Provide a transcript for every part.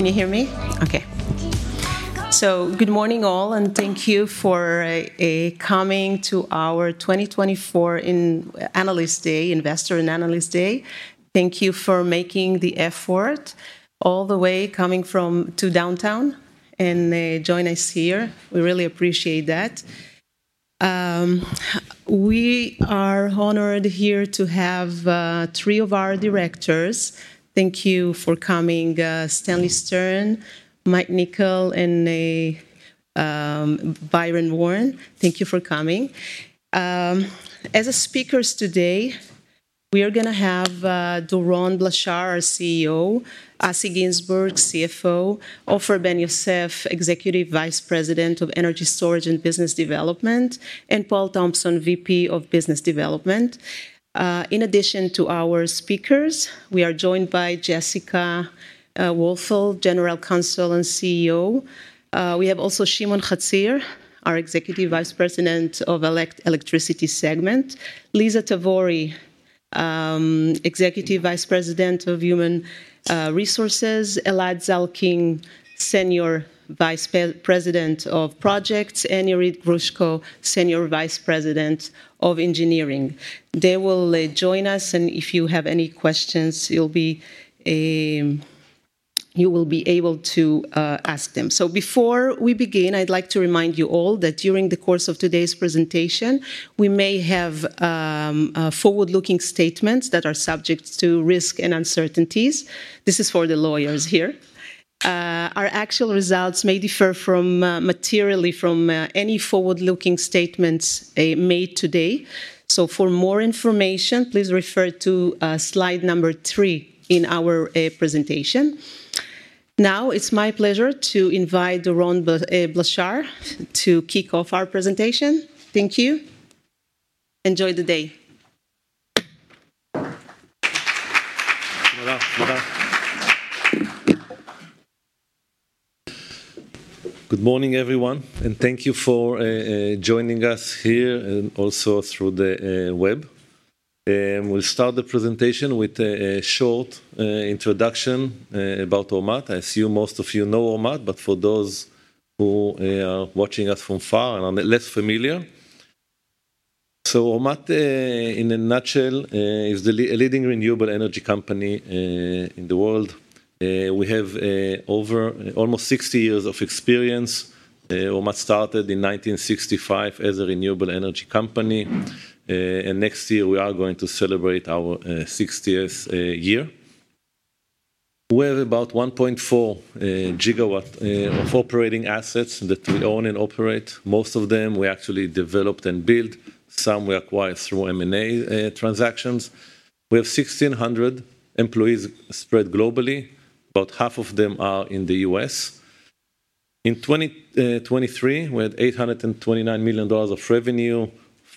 Can you hear me? Okay. Good morning all, and thank you for coming to our 2024 Investor and Analyst Day. Thank you for making the effort all the way coming to downtown and join us here. We really appreciate that. We are honored here to have three of our directors. Thank you for coming, Stanley Stern, Mike Niggli, and Byron Warren. Thank you for coming. As speakers today, we are going to have Doron Blachar, our CEO, Asi Ginzburg, CFO, Ofer Ben-Yosef, Executive Vice President of Energy Storage and Business Development, and Paul Thomsen, VP of Business Development. In addition to our speakers, we are joined by Jessica Woelfel, General Counsel and Corporate Secretary. We have also Shimon Hatzir, our Executive Vice President, Electricity Segment, Liza Tavori, Executive Vice President, Human Resources, Elad Zalkin, Senior Vice President, Projects, and Irit Brashko, Senior Vice President, Engineering. They will join us, and if you have any questions, you'll be able to ask them. So before we begin, I'd like to remind you all that during the course of today's presentation, we may have forward-looking statements that are subject to risk and uncertainties. This is for the lawyers here. Our actual results may differ materially from any forward-looking statements made today. So for more information, please refer to slide number three in our presentation. Now, it's my pleasure to invite Doron Blachar to kick off our presentation. Thank you. Enjoy the day. Good morning, everyone, and thank you for joining us here and also through the web. We'll start the presentation with a short introduction about Ormat. I assume most of you know Ormat, but for those who are watching us from far and are less familiar. So Ormat, in a nutshell, is a leading renewable energy company in the world. We have over almost 60 years of experience. Ormat started in 1965 as a renewable energy company, and next year, we are going to celebrate our 60th year. We have about 1.4 gigawatt of operating assets that we own and operate. Most of them we actually developed and built. Some were acquired through M&A transactions. We have 1,600 employees spread globally. About half of them are in the US. In 2023, we had $829 million of revenue,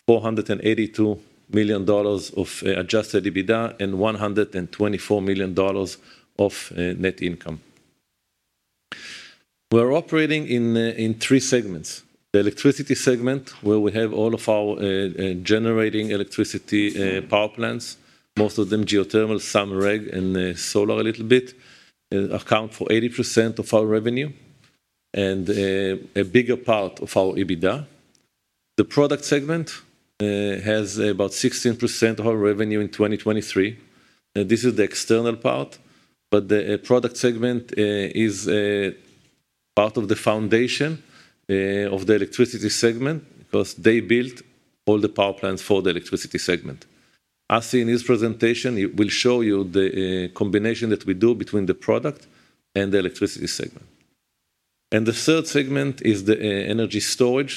$482 million of adjusted EBITDA, and $124 million of net income. We're operating in three segments: the Electricity segment, where we have all of our generating electricity power plants, most of them geothermal, some REG, and solar a little bit account for 80% of our revenue and a bigger part of our EBITDA. The Product segment has about 16% of our revenue in 2023. This is the external part, but the Product segment is part of the foundation of the Electricity segment because they built all the power plants for the Electricity segment. Asi, in his presentation, he will show you the combination that we do between the Product and the Electricity segment. The third segment is the Energy Storage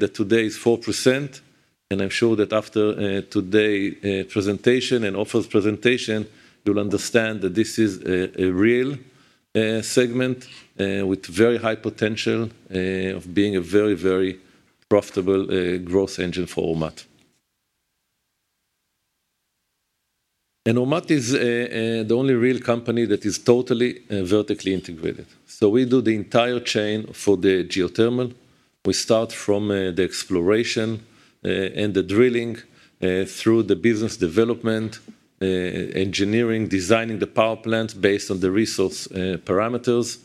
that today is 4%, and I'm sure that after today presentation and Ofer's presentation, you'll understand that this is a real segment with very high potential of being a very, very profitable growth engine for Ormat. Ormat is the only real company that is totally vertically integrated. So we do the entire chain for the geothermal. We start from the exploration and the drilling through the business development, engineering, designing the power plant based on the resource parameters,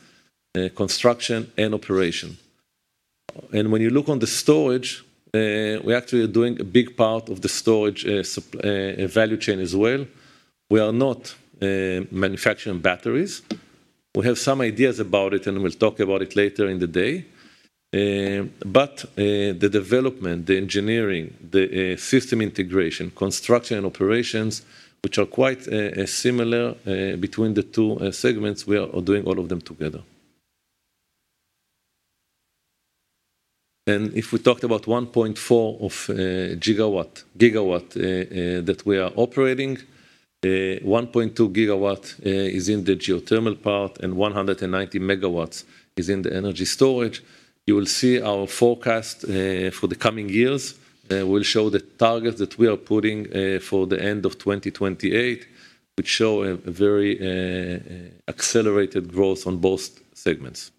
construction, and operation. When you look on the storage, we actually are doing a big part of the storage value chain as well. We are not manufacturing batteries. We have some ideas about it, and we'll talk about it later in the day. But the development, the engineering, the system integration, construction, and operations, which are quite similar between the two segments, we are doing all of them together. And if we talked about 1.4 gigawatt that we are operating, 1.2 gigawatt is in the geothermal part, and 190 MW is in the energy storage. You will see our forecast for the coming years. We'll show the targets that we are putting for the end of 2028, which show a very accelerated growth on both segments.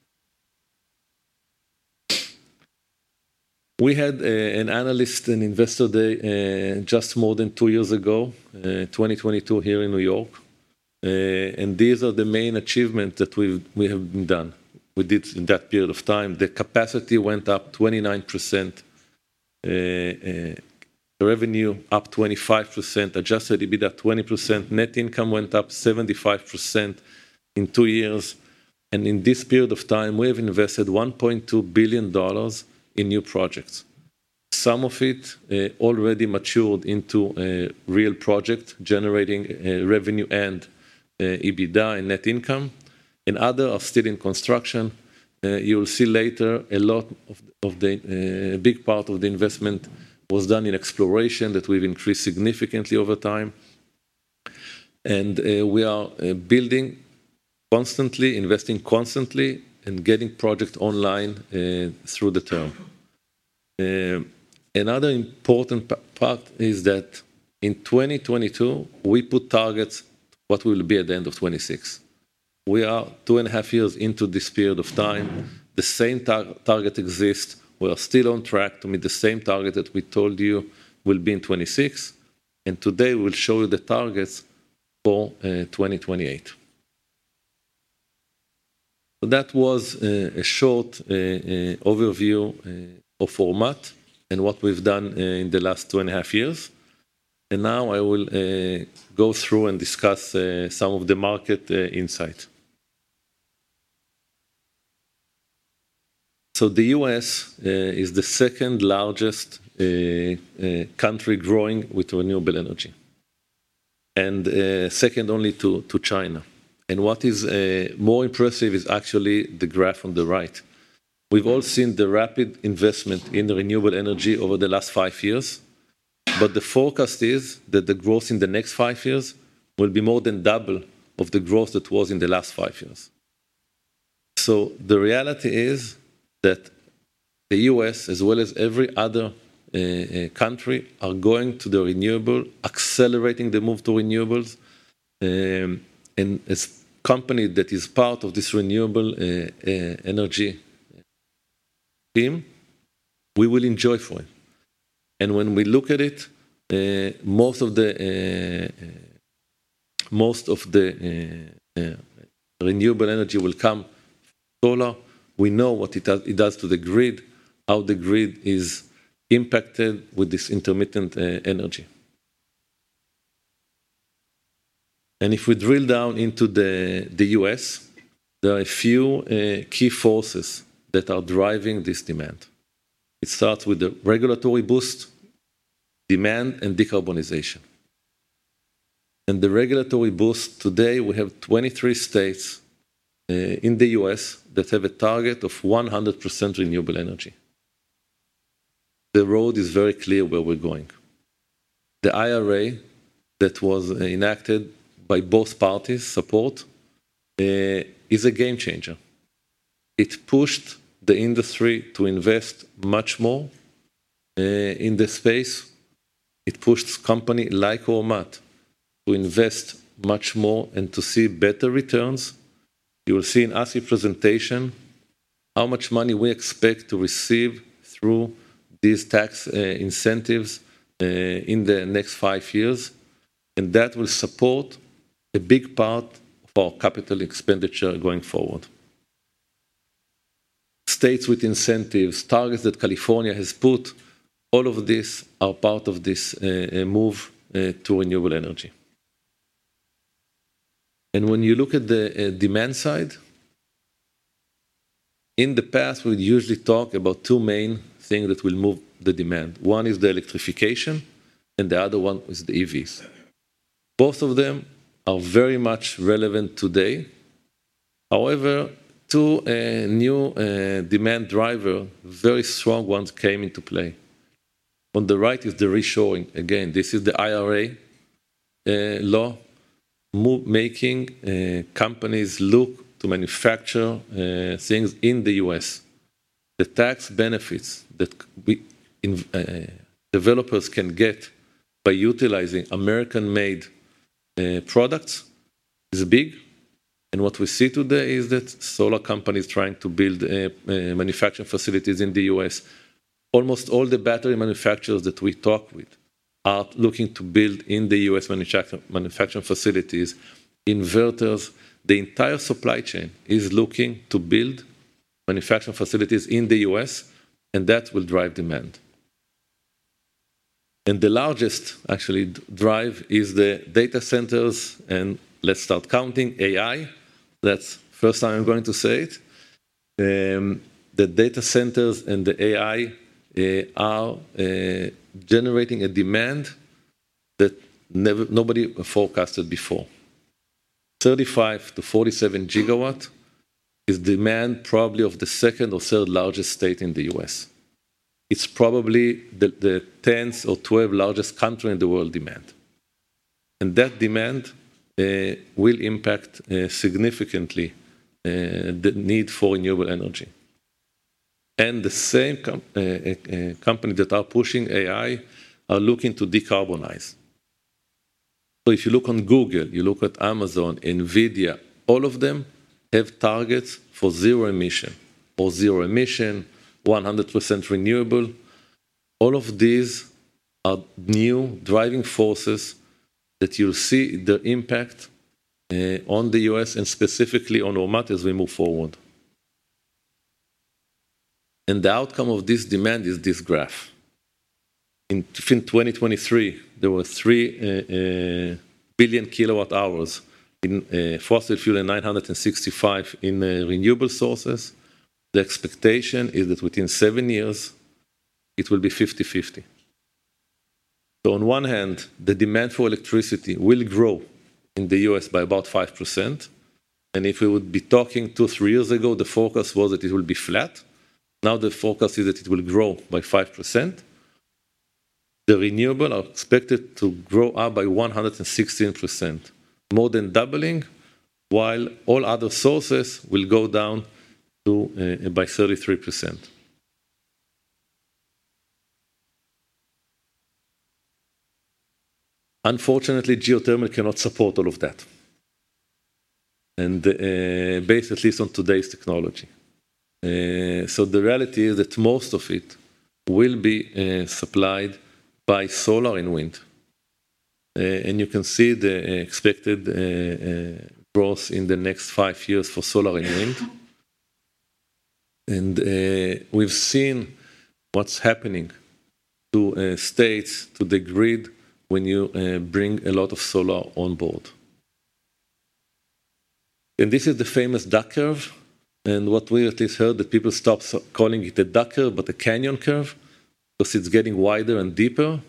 We had an analyst and investor day just more than two years ago, 2022, here in New York. And these are the main achievements that we have done. We did in that period of time, the capacity went up 29%, revenue up 25%, Adjusted EBITDA 20%, net income went up 75% in two years, and in this period of time, we have invested $1.2 billion in new projects. Some of it already matured into a real project, generating revenue and EBITDA and net income, and other are still in construction. You will see later, a lot of the... A big part of the investment was done in exploration that we've increased significantly over time. We are building constantly, investing constantly, and getting projects online through the term. Another important part is that in 2022, we put targets what will be at the end of 2026. We are two and a half years into this perod of time. The same target exists. We are still on track to meet the same target that we told you will be in 2026, and today, we'll show you the targets for 2028. That was a short overview of Ormat and what we've done in the last two and a half years, and now I will go through and discuss some of the market insight. So the U.S. is the second largest country growing with renewable energy, and second only to China. And what is more impressive is actually the graph on the right. We've all seen the rapid investment in the renewable energy over the last five years, but the forecast is that the growth in the next five years will be more than double of the growth that was in the last five years. So the reality is that the U.S., as well as every other country, are going to the renewable, accelerating the move to renewables. And as company that is part of this renewable energy team, we will enjoy fully. And when we look at it, most of the renewable energy will come solar. We know what it does, it does to the grid, how the grid is impacted with this intermittent energy. And if we drill down into the US, there are a few key forces that are driving this demand. It starts with the regulatory boost, demand, and decarbonization. And the regulatory boost, today, we have 23 states in the US that have a target of 100% renewable energy. The road is very clear where we're going. The IRA, that was enacted by both parties' support, is a game changer. It pushed the industry to invest much more in this space. It pushed company like Ormat to invest much more and to see better returns. You will see in Asi's presentation, how much money we expect to receive through these tax incentives in the next five years, and that will support a big part of our capital expenditure going forward. States with incentives, targets that California has put, all of these are part of this move to renewable energy. And when you look at the demand side, in the past, we'd usually talk about two main things that will move the demand. One is the electrification, and the other one is the EVs. Both of them are very much relevant today. However, two new demand driver, very strong ones, came into play. On the right is the reshoring. Again, this is the IRA law, making companies look to manufacture things in the U.S. The tax benefits that we, in, developers can get by utilizing American-made products is big, and what we see today is that solar companies trying to build manufacturing facilities in the US. Almost all the battery manufacturers that we talk with are looking to build in the US, manufacturing facilities. Inverters, the entire supply chain is looking to build manufacturing facilities in the US, and that will drive demand. And the largest, actually, drive is the data centers, and let's start counting, AI. That's first time I'm going to say it. The data centers and the AI are generating a demand that nobody forecasted before. 35-47 gigawatts is demand probably of the second or third largest state in the US. It's probably the tenth or twelfth largest country in the world demand, and that demand will impact significantly the need for renewable energy. And the same company that are pushing AI are looking to decarbonize. So if you look on Google, you look at Amazon, NVIDIA, all of them have targets for zero emission, or zero emission, 100% renewable. All of these are new driving forces that you'll see their impact on the U.S. and specifically on Ormat as we move forward. And the outcome of this demand is this graph. In 2023, there were 3 billion kWh in fossil fuel and 965 in renewable sources. The expectation is that within 7 years, it will be 50/50. So on one hand, the demand for electricity will grow in the U.S. by about 5%, and if we would be talking two, three years ago, the forecast was that it will be flat. Now, the forecast is that it will grow by 5%. Renewables are expected to grow by 116%, more than doubling, while all other sources will go down by 33%. Unfortunately, geothermal cannot support all of that, based at least on today's technology. So the reality is that most of it will be supplied by solar and wind. And you can see the expected growth in the next 5 years for solar and wind. And we've seen what's happening to states, to the grid, when you bring a lot of solar on board. This is the famous duck curve, and what we at least heard, that people stopped calling it the duck curve, but the canyon curve, because it's getting wider and deeper,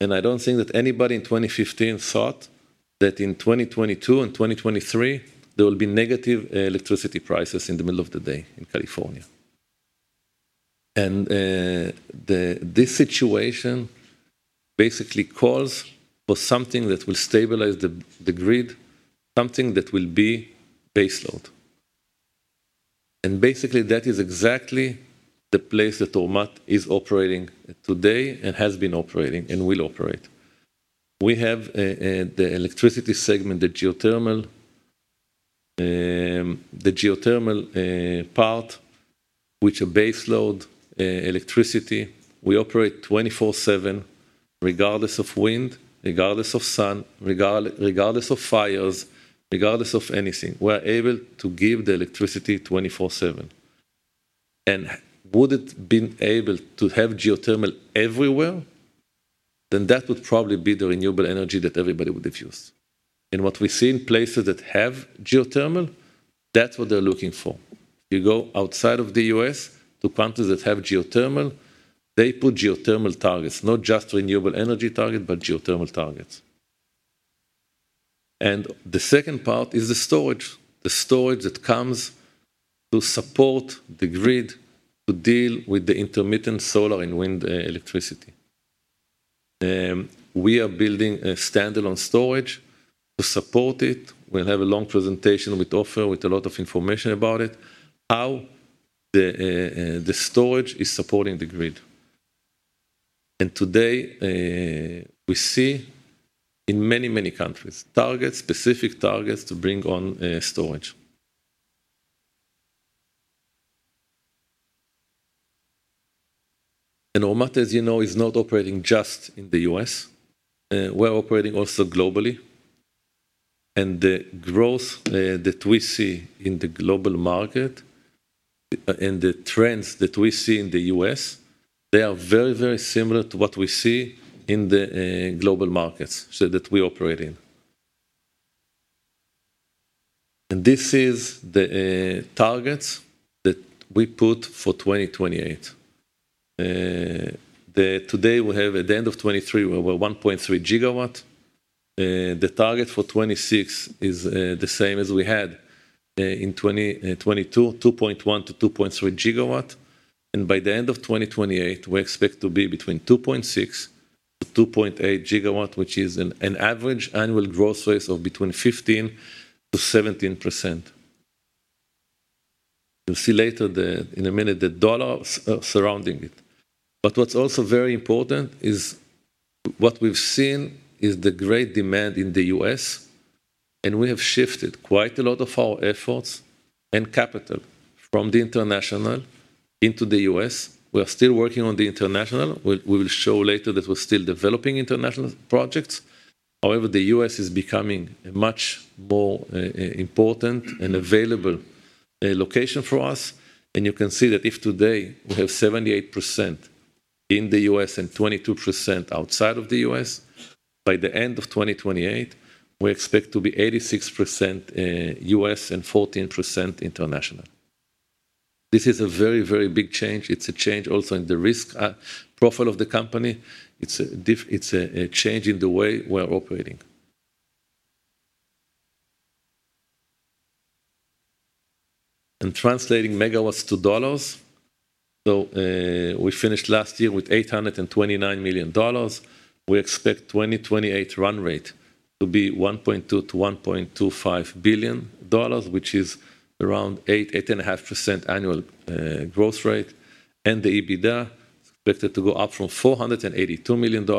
and I don't think that anybody in 2015 thought that in 2022 and 2023, there will be negative electricity prices in the middle of the day in California. This situation basically calls for something that will stabilize the grid, something that will be baseload. Basically, that is exactly the place that Ormat is operating today, and has been operating, and will operate. We have the electricity segment, the geothermal part, which are baseload electricity. We operate 24/7, regardless of wind, regardless of sun, regardless of fires, regardless of anything. We're able to give the electricity 24/7. And would it have been able to have geothermal everywhere? Then that would probably be the renewable energy that everybody would have used. And what we see in places that have geothermal, that's what they're looking for. You go outside of the U.S. to countries that have geothermal, they put geothermal targets, not just renewable energy target, but geothermal targets. And the second part is the storage, the storage that comes to support the grid to deal with the intermittent solar and wind, electricity. We are building a standalone storage to support it. We'll have a long presentation with Ofer, with a lot of information about it, how the storage is supporting the grid. And today, we see in many, many countries, targets, specific targets to bring on, storage. And Ormat, as you know, is not operating just in the U.S. We're operating also globally, and the growth that we see in the global market, and the trends that we see in the U.S., they are very, very similar to what we see in the global markets, so that we operate in. And this is the targets that we put for 2028. Today, we have at the end of 2023, we're over 1.3 gigawatt. The target for 2026 is the same as we had in 2022, 2.1-2.3 gigawatt, and by the end of 2028, we expect to be between 2.6-2.8 gigawatt, which is an average annual growth rate of between 15%-17%. You'll see later, in a minute, the dollars surrounding it. But what's also very important is what we've seen is the great demand in the US, and we have shifted quite a lot of our efforts and capital from the international into the US. We are still working on the international. We will show later that we're still developing international projects. However, the US is becoming a much more important and available location for us, and you can see that if today we have 78% in the US and 22% outside of the US, by the end of 2028, we expect to be 86% US, and 14% international. This is a very, very big change. It's a change also in the risk profile of the company. It's a change in the way we're operating. Translating megawatts to dollars, so we finished last year with $829 million. We expect 2028 run rate to be $1.2 billion-$1.25 billion, which is around 8-8.5% annual growth rate, and the EBITDA expected to go up from $482 million to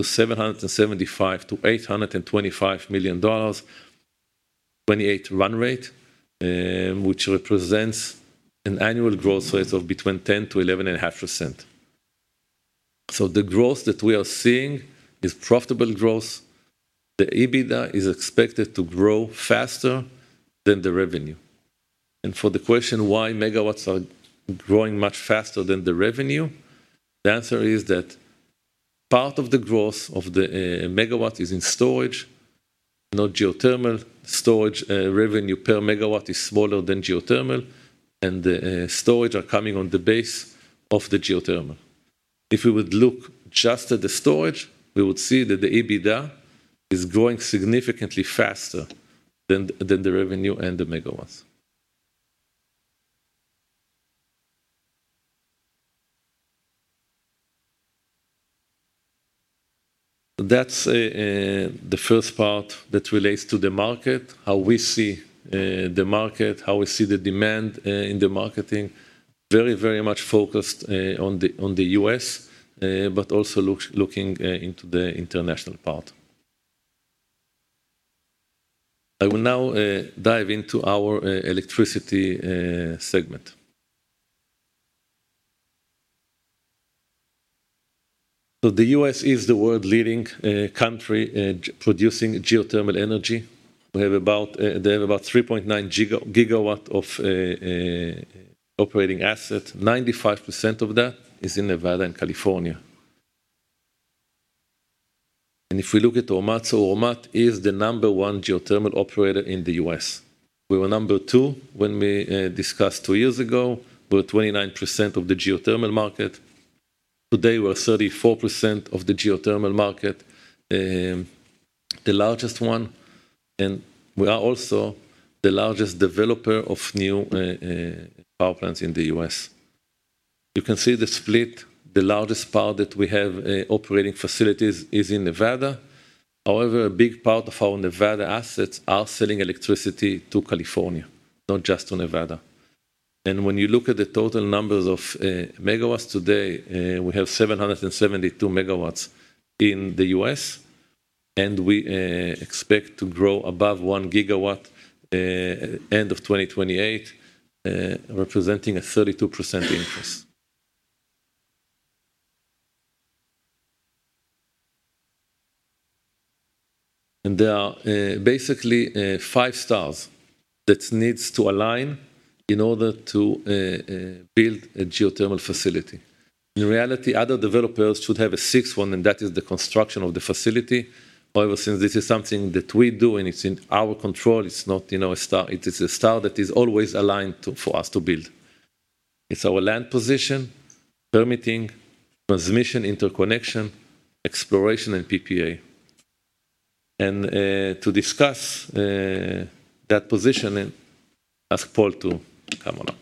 $775 million-$825 million, 2028 run rate, which represents an annual growth rate of between 10%-11.5%. So the growth that we are seeing is profitable growth. The EBITDA is expected to grow faster than the revenue. And for the question, why megawatts are growing much faster than the revenue? The answer is that part of the growth of the megawatt is in storage, not geothermal. Storage, revenue per megawatt is smaller than geothermal, and the storage are coming on the base of the geothermal. If we would look just at the storage, we would see that the EBITDA is growing significantly faster than the revenue and the megawatts. That's the first part that relates to the market, how we see the market, how we see the demand in the marketing. Very, very much focused on the on the U.S., but also looking into the international part. I will now dive into our electricity segment. So the U.S. is the world-leading country producing geothermal energy. They have about 3.9 gigawatts of operating assets. 95% of that is in Nevada and California. If we look at Ormat, so Ormat is the number one geothermal operator in the U.S. We were number two when we discussed two years ago. We were 29% of the geothermal market. Today, we're 34% of the geothermal market, the largest one, and we are also the largest developer of new power plants in the U.S. You can see the split. The largest part that we have operating facilities is in Nevada. However, a big part of our Nevada assets are selling electricity to California, not just to Nevada. When you look at the total numbers of megawatts today, we have 772 MW in the U.S., and we expect to grow above one gigawatt end of 2028, representing a 32% increase. There are, basically, five stars that needs to align in order to build a geothermal facility. In reality, other developers should have a sixth one, and that is the construction of the facility. However, since this is something that we do, and it's in our control, it's not, you know, a star. It is a star that is always aligned to for us to build. It's our land position, permitting, transmission, interconnection, exploration, and PPA. And, to discuss that position, I ask Paul to come on up.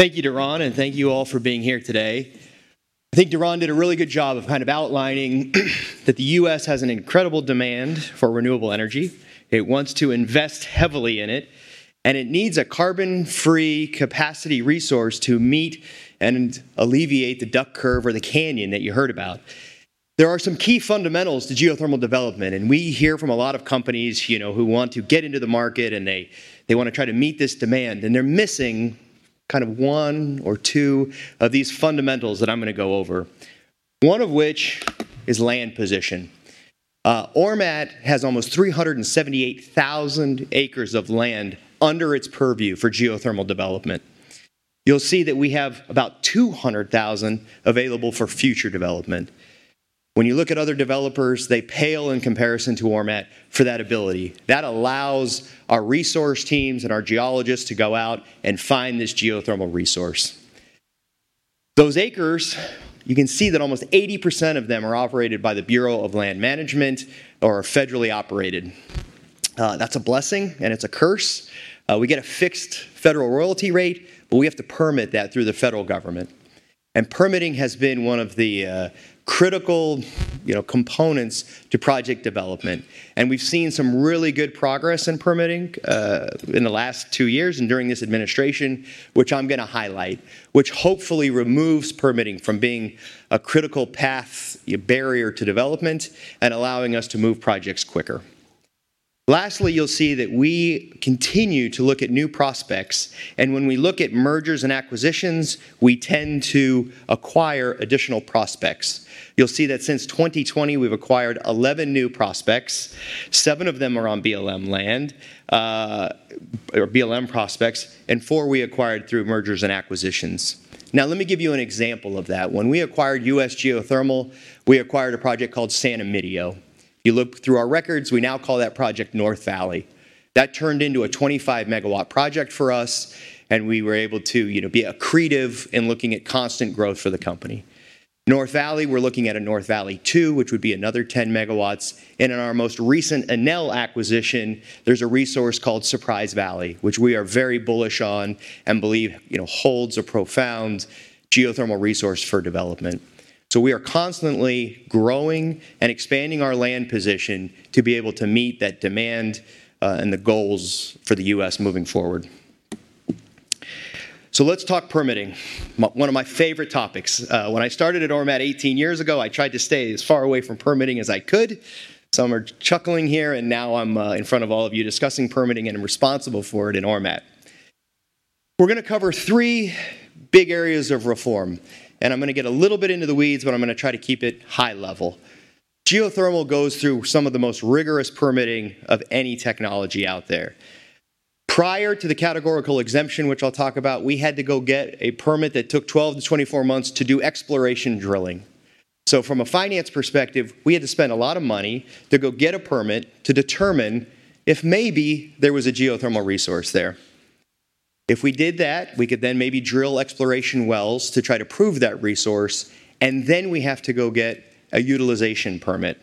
Thank you, Doron, and thank you all for being here today. I think Doron did a really good job of kind of outlining that the U.S. has an incredible demand for renewable energy. It wants to invest heavily in it, and it needs a carbon-free capacity resource to meet and alleviate the duck curve or the canyon that you heard about. There are some key fundamentals to geothermal development, and we hear from a lot of companies, you know, who want to get into the market, and they, they want to try to meet this demand, and they're missing kind of one or two of these fundamentals that I'm going to go over. One of which is land position. Ormat has almost 378,000 acres of land under its purview for geothermal development. You'll see that we have about 200,000 available for future development. When you look at other developers, they pale in comparison to Ormat for that ability. That allows our resource teams and our geologists to go out and find this geothermal resource. Those acres, you can see that almost 80% of them are operated by the Bureau of Land Management or are federally operated. That's a blessing, and it's a curse. We get a fixed federal royalty rate, but we have to permit that through the federal government, and permitting has been one of the, critical, you know, components to project development. And we've seen some really good progress in permitting, in the last two years and during this administration, which I'm going to highlight, which hopefully removes permitting from being a critical path, a barrier to development, and allowing us to move projects quicker. Lastly, you'll see that we continue to look at new prospects, and when we look at mergers and acquisitions, we tend to acquire additional prospects. You'll see that since 2020, we've acquired 11 new prospects. Seven of them are on BLM land or BLM prospects, and four we acquired through mergers and acquisitions. Now, let me give you an example of that. When we acquired U.S. Geothermal, we acquired a project called Santa Maria. You look through our records, we now call that project North Valley. That turned into a 25 MW project for us, and we were able to, you know, be accretive in looking at constant growth for the company. North Valley, we're looking at a North Valley Two, which would be another 10 MW, and in our most recent Enel acquisition, there's a resource called Surprise Valley, which we are very bullish on and believe, you know, holds a profound geothermal resource for development. So we are constantly growing and expanding our land position to be able to meet that demand, and the goals for the U.S. moving forward. So let's talk permitting, one of my favorite topics. When I started at Ormat 18 years ago, I tried to stay as far away from permitting as I could. Some are chuckling here, and now I'm in front of all of you discussing permitting, and I'm responsible for it in Ormat. We're gonna cover three big areas of reform, and I'm gonna get a little bit into the weeds, but I'm gonna try to keep it high level. Geothermal goes through some of the most rigorous permitting of any technology out there. Prior to the categorical exemption, which I'll talk about, we had to go get a permit that took 12-24 months to do exploration drilling. So from a finance perspective, we had to spend a lot of money to go get a permit to determine if maybe there was a geothermal resource there. If we did that, we could then maybe drill exploration wells to try to prove that resource, and then we have to go get a utilization permit.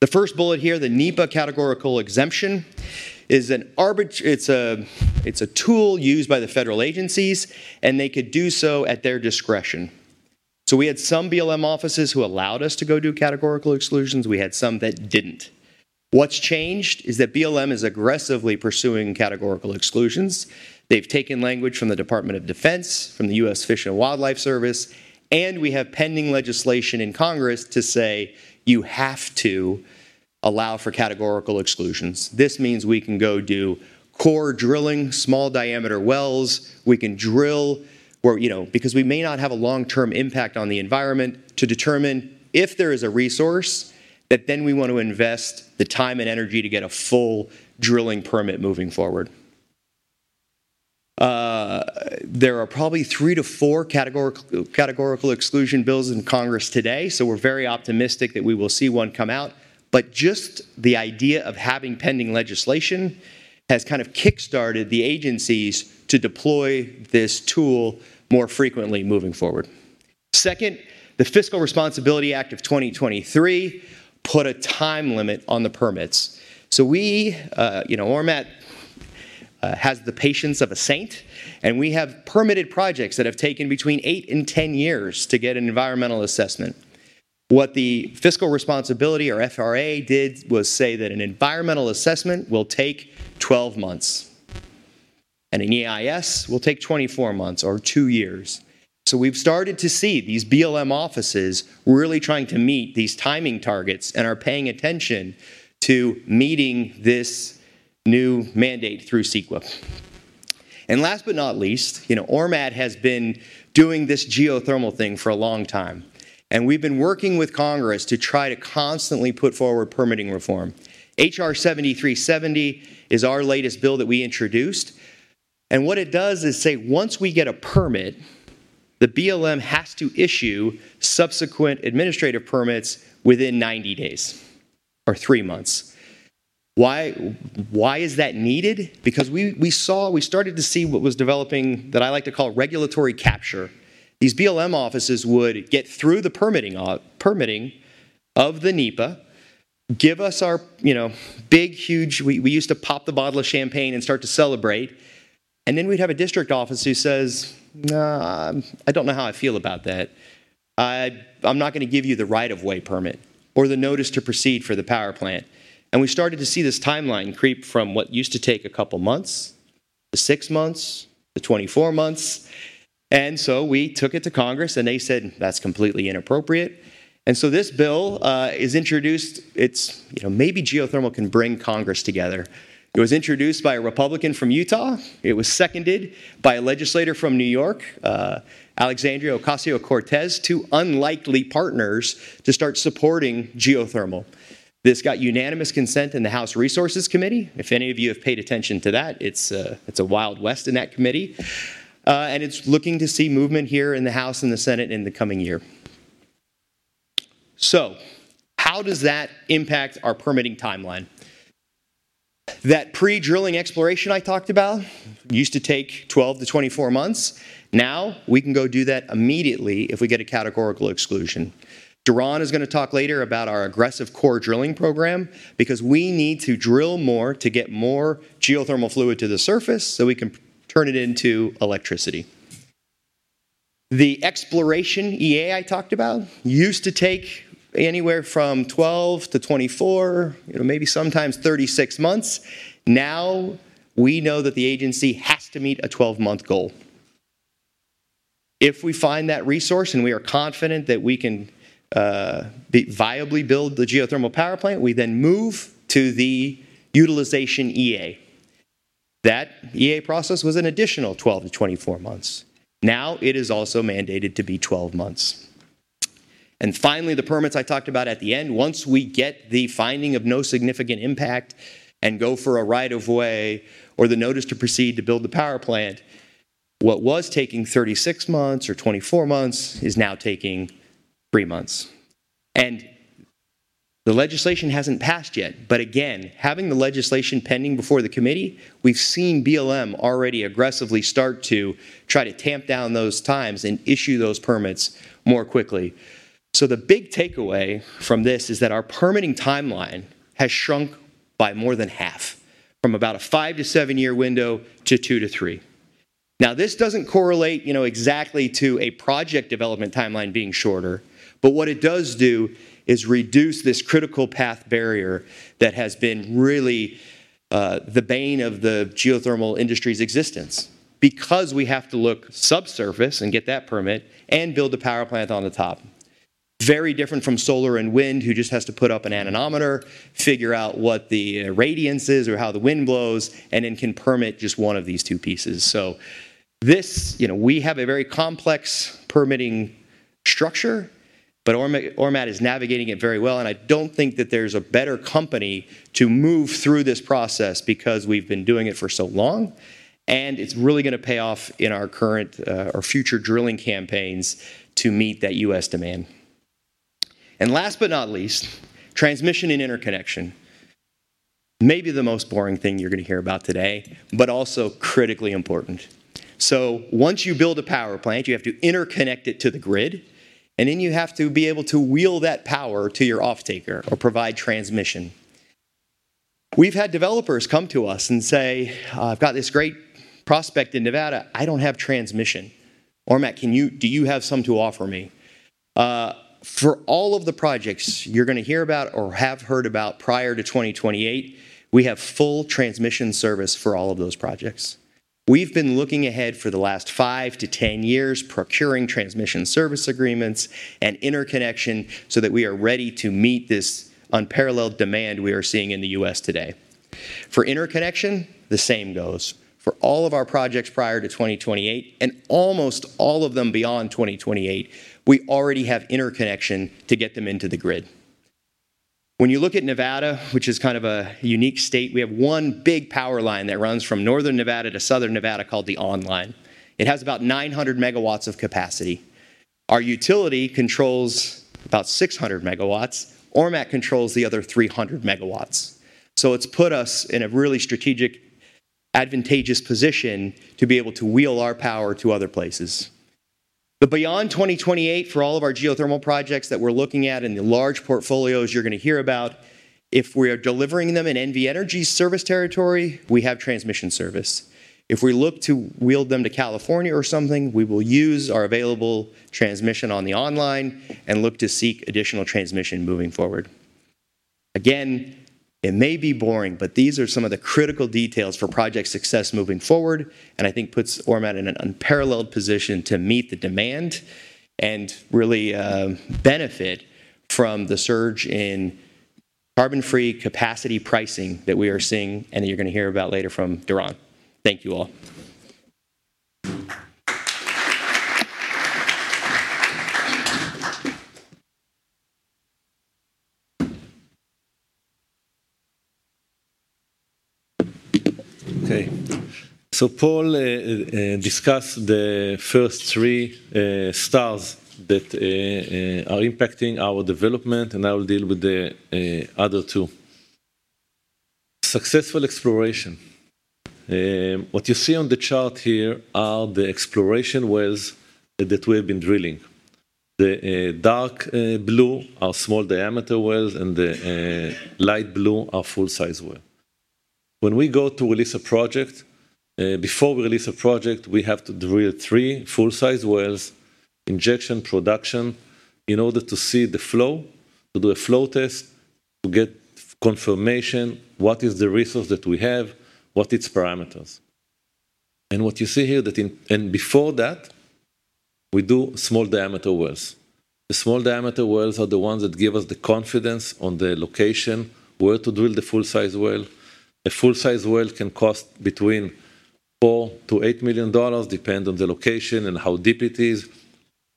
The first bullet here, the NEPA categorical exemption, is an arbit... It's a tool used by the federal agencies, and they could do so at their discretion. So we had some BLM offices who allowed us to go do categorical exclusions. We had some that didn't. What's changed is that BLM is aggressively pursuing categorical exclusions. They've taken language from the Department of Defense, from the U.S. Fish and Wildlife Service, and we have pending legislation in Congress to say, "You have to allow for categorical exclusions." This means we can go do core drilling, small diameter wells. We can drill where, you know, because we may not have a long-term impact on the environment, to determine if there is a resource, that then we want to invest the time and energy to get a full drilling permit moving forward. There are probably 3-4 categorical exclusion bills in Congress today, so we're very optimistic that we will see one come out. But just the idea of having pending legislation has kind of kickstarted the agencies to deploy this tool more frequently moving forward. Second, the Fiscal Responsibility Act of 2023 put a time limit on the permits. So we, you know, Ormat, has the patience of a saint, and we have permitted projects that have taken between 8 and 10 years to get an environmental assessment. What the Fiscal Responsibility, or FRA, did was say that an environmental assessment will take 12 months, and an EIS will take 24 months, or 2 years. So we've started to see these BLM offices really trying to meet these timing targets and are paying attention to meeting this new mandate through CEQA. And last but not least, you know, Ormat has been doing this geothermal thing for a long time, and we've been working with Congress to try to constantly put forward permitting reform. H.R. 7370 is our latest bill that we introduced, and what it does is say, once we get a permit, the BLM has to issue subsequent administrative permits within 90 days or three months. Why, why is that needed? Because we saw—we started to see what was developing, that I like to call regulatory capture. These BLM offices would get through the permitting of the NEPA, give us our, you know, big, huge... We used to pop the bottle of champagne and start to celebrate, and then we'd have a district office who says, "I don't know how I feel about that. I, I'm not gonna give you the right of way permit or the notice to proceed for the power plant." And we started to see this timeline creep from what used to take a couple months, to 6 months, to 24 months, and so we took it to Congress, and they said, "That's completely inappropriate." And so this bill is introduced. It's. You know, maybe geothermal can bring Congress together. It was introduced by a Republican from Utah. It was seconded by a legislator from New York, Alexandria Ocasio-Cortez, two unlikely partners to start supporting geothermal. This got unanimous consent in the House Resources Committee. If any of you have paid attention to that, it's a Wild West in that committee. And it's looking to see movement here in the House and the Senate in the coming year. So how does that impact our permitting timeline? That pre-drilling exploration I talked about used to take 12-24 months. Now, we can go do that immediately if we get a categorical exclusion. Doron is gonna talk later about our aggressive core drilling program because we need to drill more to get more geothermal fluid to the surface, so we can turn it into electricity. The exploration EA I talked about used to take anywhere from 12-24, you know, maybe sometimes 36 months. Now, we know that the agency has to meet a 12-month goal. If we find that resource, and we are confident that we can, viably build the geothermal power plant, we then move to the utilization EA. That EA process was an additional 12-24 months. Now, it is also mandated to be 12 months. Finally, the permits I talked about at the end, once we get the finding of no significant impact and go for a right of way or the notice to proceed to build the power plant, what was taking 36 months or 24 months is now taking 3 months. The legislation hasn't passed yet, but again, having the legislation pending before the committee, we've seen BLM already aggressively start to try to tamp down those times and issue those permits more quickly. The big takeaway from this is that our permitting timeline has shrunk by more than half, from about a 5-7-year window to 2-3. Now, this doesn't correlate, you know, exactly to a project development timeline being shorter, but what it does do is reduce this critical path barrier that has been really, the bane of the geothermal industry's existence. Because we have to look subsurface and get that permit, and build a power plant on the top. Very different from solar and wind, who just has to put up an anemometer, figure out what the irradiance is or how the wind blows, and then can permit just one of these two pieces. So this, you know, we have a very complex permitting structure, but Ormat is navigating it very well, and I don't think that there's a better company to move through this process, because we've been doing it for so long, and it's really gonna pay off in our current or future drilling campaigns to meet that U.S. demand. And last but not least, transmission and interconnection. Maybe the most boring thing you're gonna hear about today, but also critically important. So once you build a power plant, you have to interconnect it to the grid, and then you have to be able to wheel that power to your offtaker or provide transmission. We've had developers come to us and say, "I've got this great prospect in Nevada. I don't have transmission. Ormat, do you have some to offer me?" For all of the projects you're gonna hear about or have heard about prior to 2028, we have full transmission service for all of those projects. We've been looking ahead for the last five to 10 years, procuring transmission service agreements and interconnection, so that we are ready to meet this unparalleled demand we are seeing in the U.S. today. For interconnection, the same goes. For all of our projects prior to 2028, and almost all of them beyond 2028, we already have interconnection to get them into the grid. When you look at Nevada, which is kind of a unique state, we have one big power line that runs from northern Nevada to southern Nevada, called the ON Line. It has about 900 MW of capacity. Our utility controls about 600 MW. Ormat controls the other 300 MW. So it's put us in a really strategic, advantageous position to be able to wheel our power to other places. But beyond 2028, for all of our geothermal projects that we're looking at in the large portfolios you're gonna hear about, if we are delivering them in NV Energy service territory, we have transmission service. If we look to wheel them to California or something, we will use our available transmission on the ON Line, and look to seek additional transmission moving forward. Again, it may be boring, but these are some of the critical details for project success moving forward, and I think puts Ormat in an unparalleled position to meet the demand and really, benefit from the surge in carbon-free capacity pricing that we are seeing, and that you're gonna hear about later from Doron. Thank you, all. Okay. So Paul discussed the first three stars that are impacting our development, and I will deal with the other two. Successful exploration. What you see on the chart here are the exploration wells that we have been drilling. The dark blue are small-diameter wells, and the light blue are full-size well. When we go to release a project, before we release a project, we have to drill three full-size wells, injection, production, in order to see the flow, to do a flow test, to get confirmation, what is the resource that we have, what its parameters. And what you see here, before that, we do small-diameter wells. The small-diameter wells are the ones that give us the confidence on the location, where to drill the full-size well. A full-size well can cost between $4million -$8 million, depend on the location and how deep it is.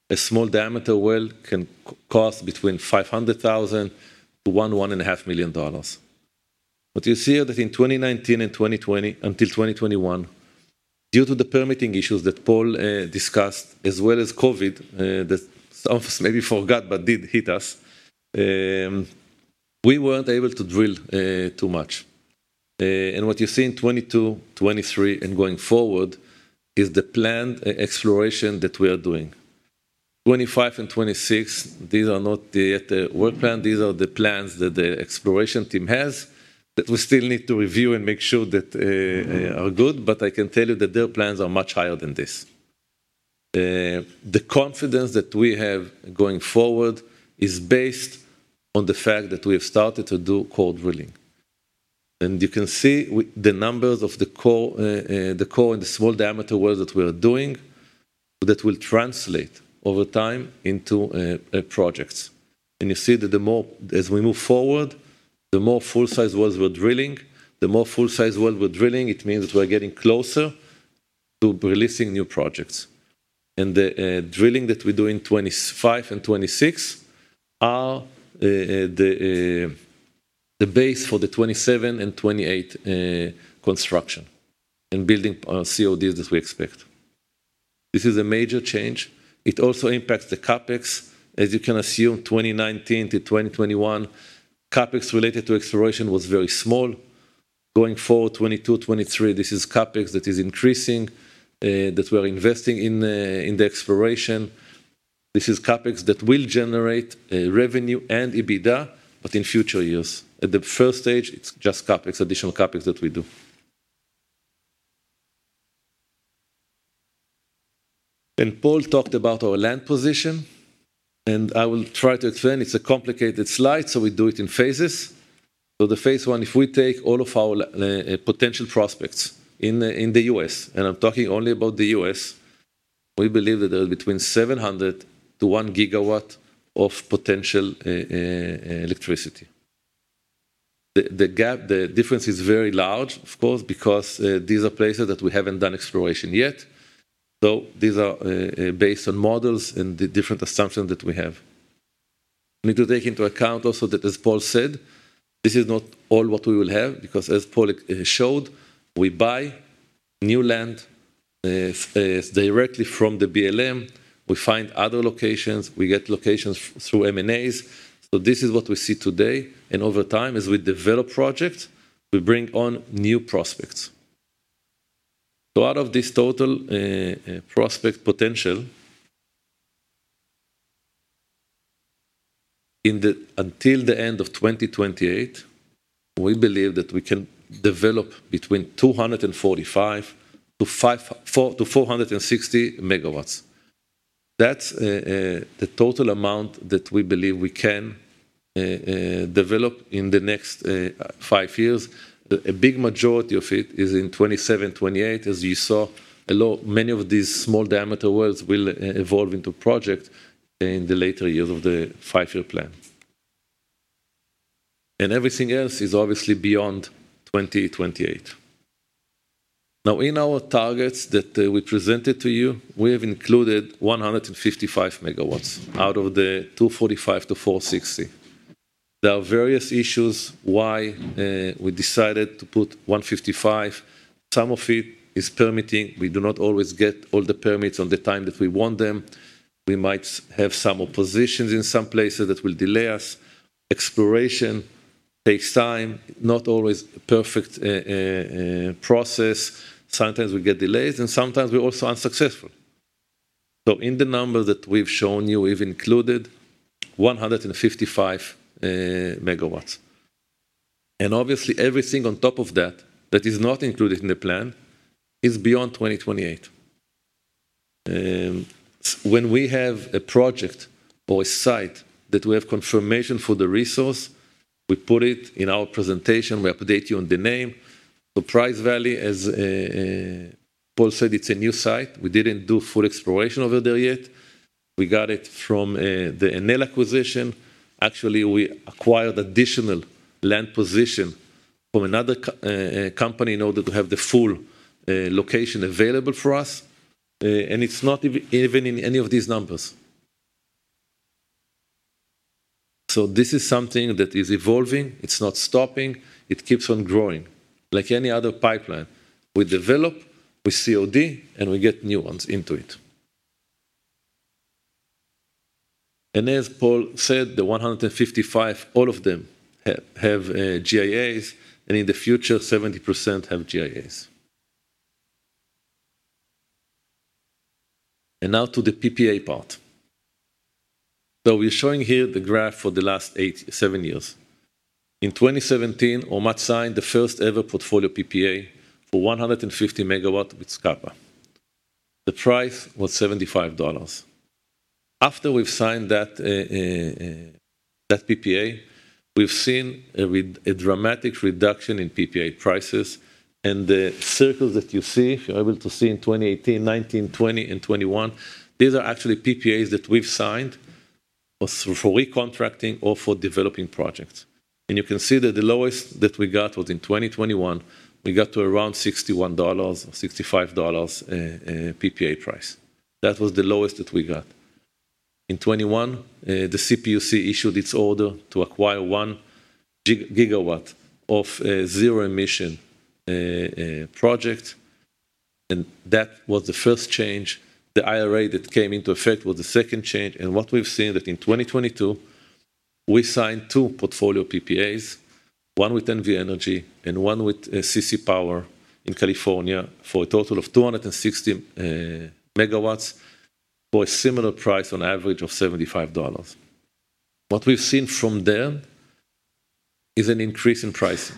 A small-diameter well can cost between $500,000-$1.5 million. What you see here, that in 2019 and 2020 until 2021, due to the permitting issues that Paul discussed, as well as COVID, that some of us maybe forgot, but did hit us, we weren't able to drill too much. And what you see in 2022, 2023, and going forward, is the planned exploration that we are doing. 2025 and 2026, these are not the, the work plan. These are the plans that the exploration team has, that we still need to review and make sure that are good, but I can tell you that their plans are much higher than this. The confidence that we have going forward is based on the fact that we have started to do cold drilling. And you can see the numbers of the cold, the cold and the small-diameter wells that we are doing, that will translate over time into projects. And you see that the more as we move forward, the more full-size wells we're drilling. The more full-size well we're drilling, it means we're getting closer to releasing new projects. And the drilling that we do in 2025 and 2026 are the base for the 2027 and 2028 construction, and building on CODs that we expect. This is a major change. It also impacts the CapEx. As you can assume, 2019 to 2021, CapEx related to exploration was very small.... going forward, 2022, 2023, this is CapEx that is increasing, that we're investing in in the exploration. This is CapEx that will generate revenue and EBITDA, but in future years. At the first stage, it's just CapEx, additional CapEx that we do. And Paul talked about our land position, and I will try to explain. It's a complicated slide, so we do it in phases. So the phase, if we take all of our potential prospects in the, in the U.S., and I'm talking only about the U.S., we believe that there is between 700 to 1 gigawatt of potential electricity. The gap, the difference is very large, of course, because these are places that we haven't done exploration yet. So these are based on models and the different assumptions that we have. We need to take into account also that, as Paul said, this is not all what we will have, because as Paul showed, we buy new land directly from the BLM. We find other locations, we get locations through M&As. So this is what we see today, and over time, as we develop projects, we bring on new prospects. So out of this total prospect potential, in the until the end of 2028, we believe that we can develop between 245-460 MW. That's the total amount that we believe we can develop in the next five years. A big majority of it is in 2027, 2028. As you saw, a lot, many of these small diameter wells will evolve into projects in the later years of the five-year plan. And everything else is obviously beyond 2028. Now, in our targets that we presented to you, we have included 155 MW out of the 245-460. There are various issues why we decided to put 155. Some of it is permitting. We do not always get all the permits on time that we want them. We might have some oppositions in some places that will delay us. Exploration takes time, not always a perfect process. Sometimes we get delays, and sometimes we're also unsuccessful. So in the numbers that we've shown you, we've included 155 MW and obviously, everything on top of that that is not included in the plan is beyond 2028. When we have a project or a site that we have confirmation for the resource, we put it in our presentation, we update you on the name. So Price Valley, as Paul said, it's a new site. We didn't do full exploration over there yet. We got it from the Enel acquisition. Actually, we acquired additional land position from another company in order to have the full location available for us, and it's not even in any of these numbers. So this is something that is evolving. It's not stopping. It keeps on growing, like any other pipeline. We develop, we COD, and we get new ones into it. And as Paul said, the 155, all of them have GIAs, and in the future, 70% have GIAs. And now to the PPA part. So we're showing here the graph for the last 8, 7 years. In 2017, Ormat signed the first-ever portfolio PPA for 150 MW with SCPPA. The price was $75. After we've signed that PPA, we've seen a dramatic reduction in PPA prices and the circles that you see, if you're able to see in 2018, 2019, 2020, and 2021, these are actually PPAs that we've signed for recontracting or for developing projects. You can see that the lowest that we got was in 2021. We got to around $61-$65 PPA price. That was the lowest that we got. In 2021, the CPUC issued its order to acquire one gigawatt of zero emission project, and that was the first change. The IRA that came into effect was the second change, and what we've seen that in 2022, we signed two portfolio PPAs, one with NV Energy and one with CC Power in California, for a total of 260 MW for a similar price on average of $75. What we've seen from there is an increase in pricing.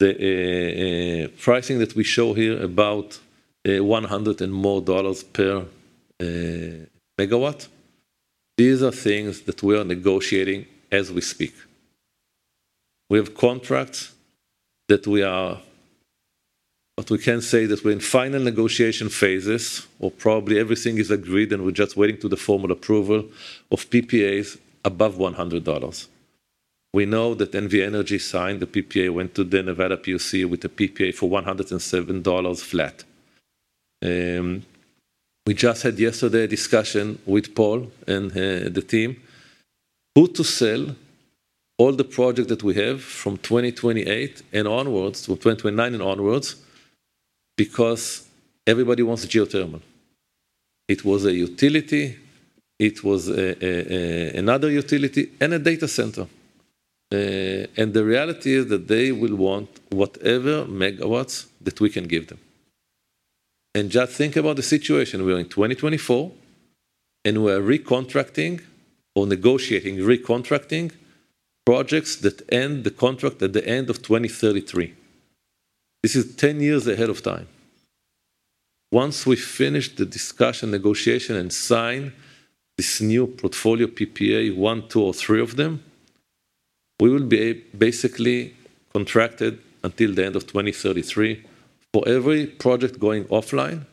The pricing that we show here, about one hundred and more dollars per megawatt, these are things that we are negotiating as we speak. We have contracts that we are... But we can say that we're in final negotiation phases, or probably everything is agreed, and we're just waiting to the formal approval of PPAs above $100. We know that NV Energy signed a PPA, went to the Nevada PUC with a PPA for $107 flat. We just had yesterday a discussion with Paul and the team who to sell all the project that we have from 2028 and onwards, to 2029 and onwards, because everybody wants the geothermal. It was a utility, it was a another utility, and a data center. And the reality is that they will want whatever megawatts that we can give them. And just think about the situation, we are in 2024, and we are recontracting or negotiating recontracting projects that end the contract at the end of 2033. This is 10 years ahead of time. Once we finish the discussion, negotiation, and sign this new portfolio PPA, one, two, or three of them, we will be basically contracted until the end of 2033 for every project going offline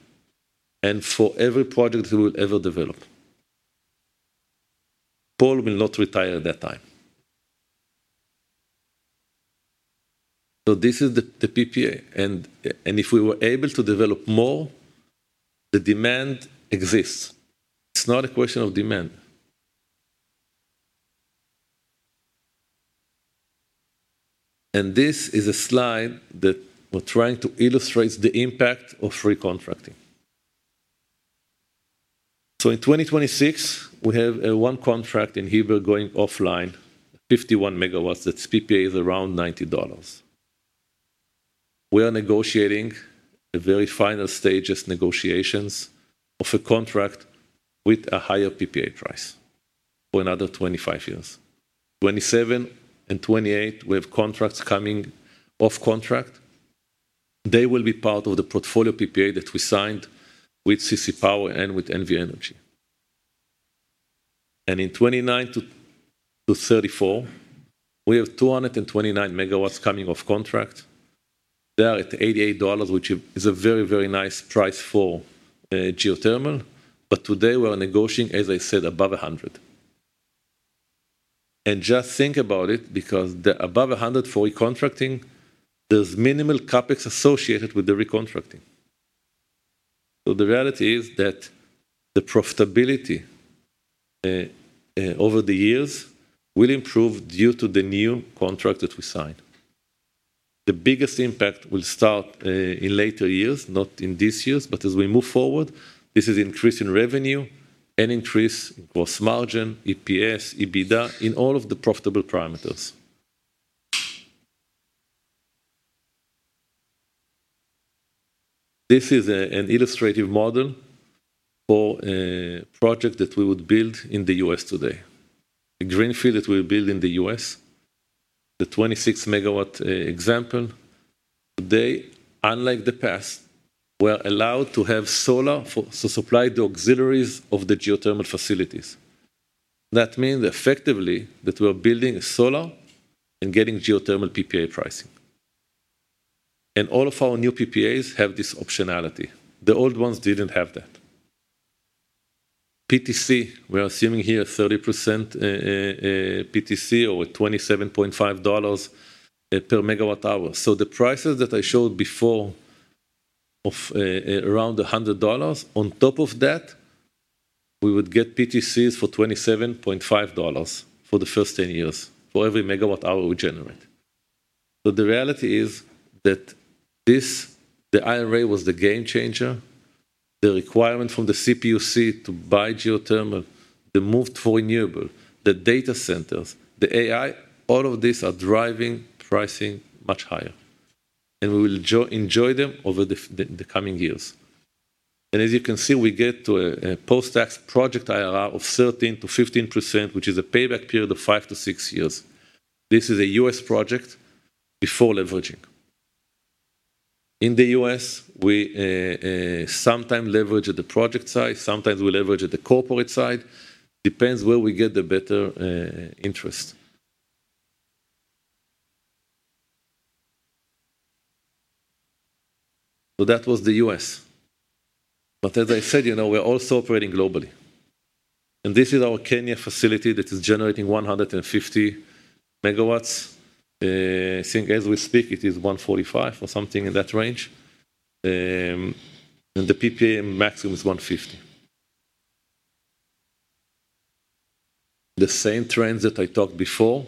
and for every project we will ever develop. Paul will not retire at that time. So this is the, the PPA, and, and if we were able to develop more, the demand exists. It's not a question of demand. And this is a slide that we're trying to illustrate the impact of recontracting. So in 2026, we have one contract in Heber going offline, 51 megawatts, that's PPA is around $90. We are negotiating the very final stages negotiations of a contract with a higher PPA price for another 25 years. 2027 and 2028, we have contracts coming off contract. They will be part of the portfolio PPA that we signed with CC Power and with NV Energy. And in 2029 to 2034, we have 229 MW coming off contract. They are at $88, which is a very, very nice price for geothermal. But today, we are negotiating, as I said, above 100. Just think about it, because the above 100 for recontracting, there's minimal CapEx associated with the recontracting. So the reality is that the profitability over the years will improve due to the new contract that we signed. The biggest impact will start in later years, not in this years, but as we move forward, this is increase in revenue and increase in gross margin, EPS, EBITDA, in all of the profitable parameters. This is an illustrative model for a project that we would build in the U.S. today. A greenfield that we build in the U.S., the 26 MW example. Today, unlike the past, we are allowed to have solar to supply the auxiliaries of the geothermal facilities. That means effectively, that we are building solar and getting geothermal PPA pricing. All of our new PPAs have this optionality. The old ones didn't have that. PTC, we are assuming here 30%, PTC or $27.5 per MWh. So the prices that I showed before of around $100, on top of that, we would get PTCs for $27.5 for the first 10 years for every megawatt hour we generate. So the reality is that this, the IRA, was the game changer. The requirement from the CPUC to buy geothermal, the move to renewable, the data centers, the AI, all of these are driving pricing much higher, and we will enjoy them over the the coming years. And as you can see, we get to a post-tax project IRR of 13%-15%, which is a payback period of 5-6 years. This is a U.S. project before leveraging. In the U.S., we sometime leverage at the project side, sometime we leverage at the corporate side, depends where we get the better interest. So that was the U.S. But as I said, you know, we're also operating globally, and this is our Kenya facility that is generating 150 MW. I think as we speak, it is 145 or something in that range, and the PPA maximum is 150. The same trends that I talked before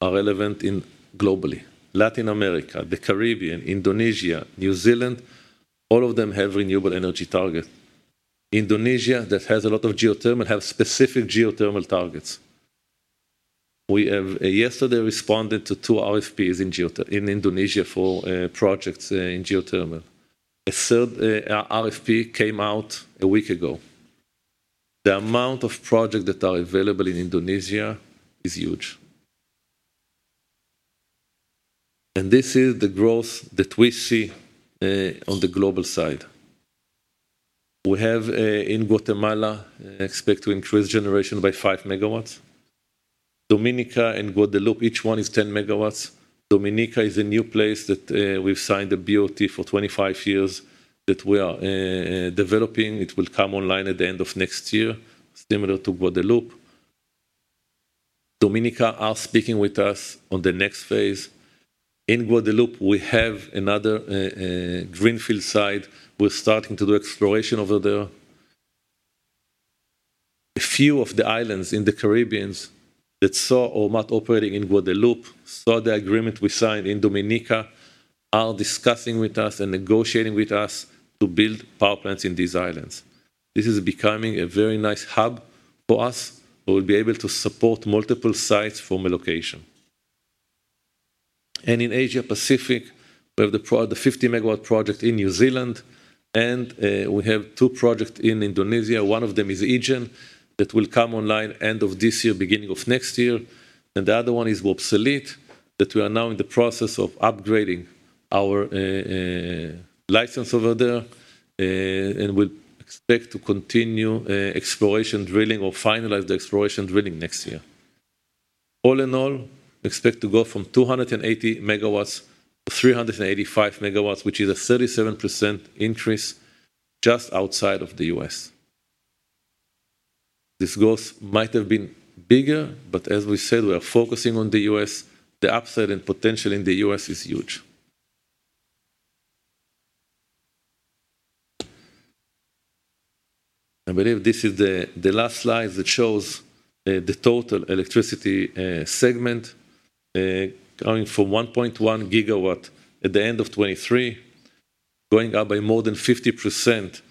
are relevant in globally. Latin America, the Caribbean, Indonesia, New Zealand, all of them have renewable energy target. Indonesia, that has a lot of geothermal, have specific geothermal targets. We have yesterday responded to 2 RFPs in geothermal in Indonesia for projects in geothermal. A third RFP came out a week ago The amount of projects that are available in Indonesia is huge. This is the growth that we see on the global side. We have in Guatemala expect to increase generation by 5 MW. Dominica and Guadeloupe, each one is 10 MW. Dominica is a new place that we've signed a BOT for 25 years that we are developing. It will come online at the end of next year, similar to Guadeloupe. Dominica are speaki with us on the next phase. In Guadeloupe, we have another greenfield site. We're starting to do exploration over there... Few of the islands in the Caribbean that saw Ormat operating in Guadeloupe, saw the agreement we signed in Dominica, are discussing with us and negotiating with us to build power plants in these islands. This is becoming a very nice hub for us, where we'll be able to support multiple sites from a location. In Asia Pacific, we have the 50 MW project in New Zealand, and we have two projects in Indonesia. One of them is Ijen, that will come online end of this year, beginning of next year, and the other one is Wapsalit, that we are now in the process of upgrading our license over there, and we expect to continue exploration drilling or finalize the exploration drilling next year. All in all, we expect to go from 280 MW to 385 MW, which is a 37% increase just outside of the US. This growth might have been bigger, but as we said, we are focusing on the US. The upside and potential in the U.S. is huge. I believe this is the last slide that shows the total electricity segment going from 1.1 gigawatts at the end of 2023, going up by more than 50%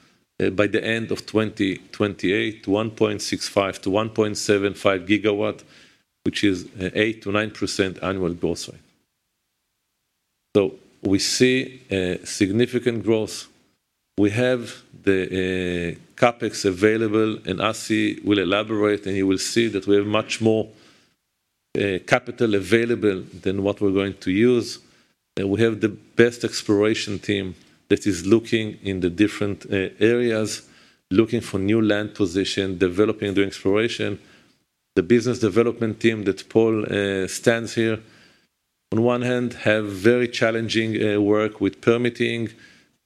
by the end of 2028, to 1.65-1.75 gigawatt, which is 8%-9% annual growth rate. So we see a significant growth. We have the CapEx available, and Asi will elaborate, and he will see that we have much more capital available than what we're going to use. And we have the best exploration team that is looking in the different areas, looking for new land position, developing the exploration. The business development team that Paul stands here, on one hand, have very challenging work with permitting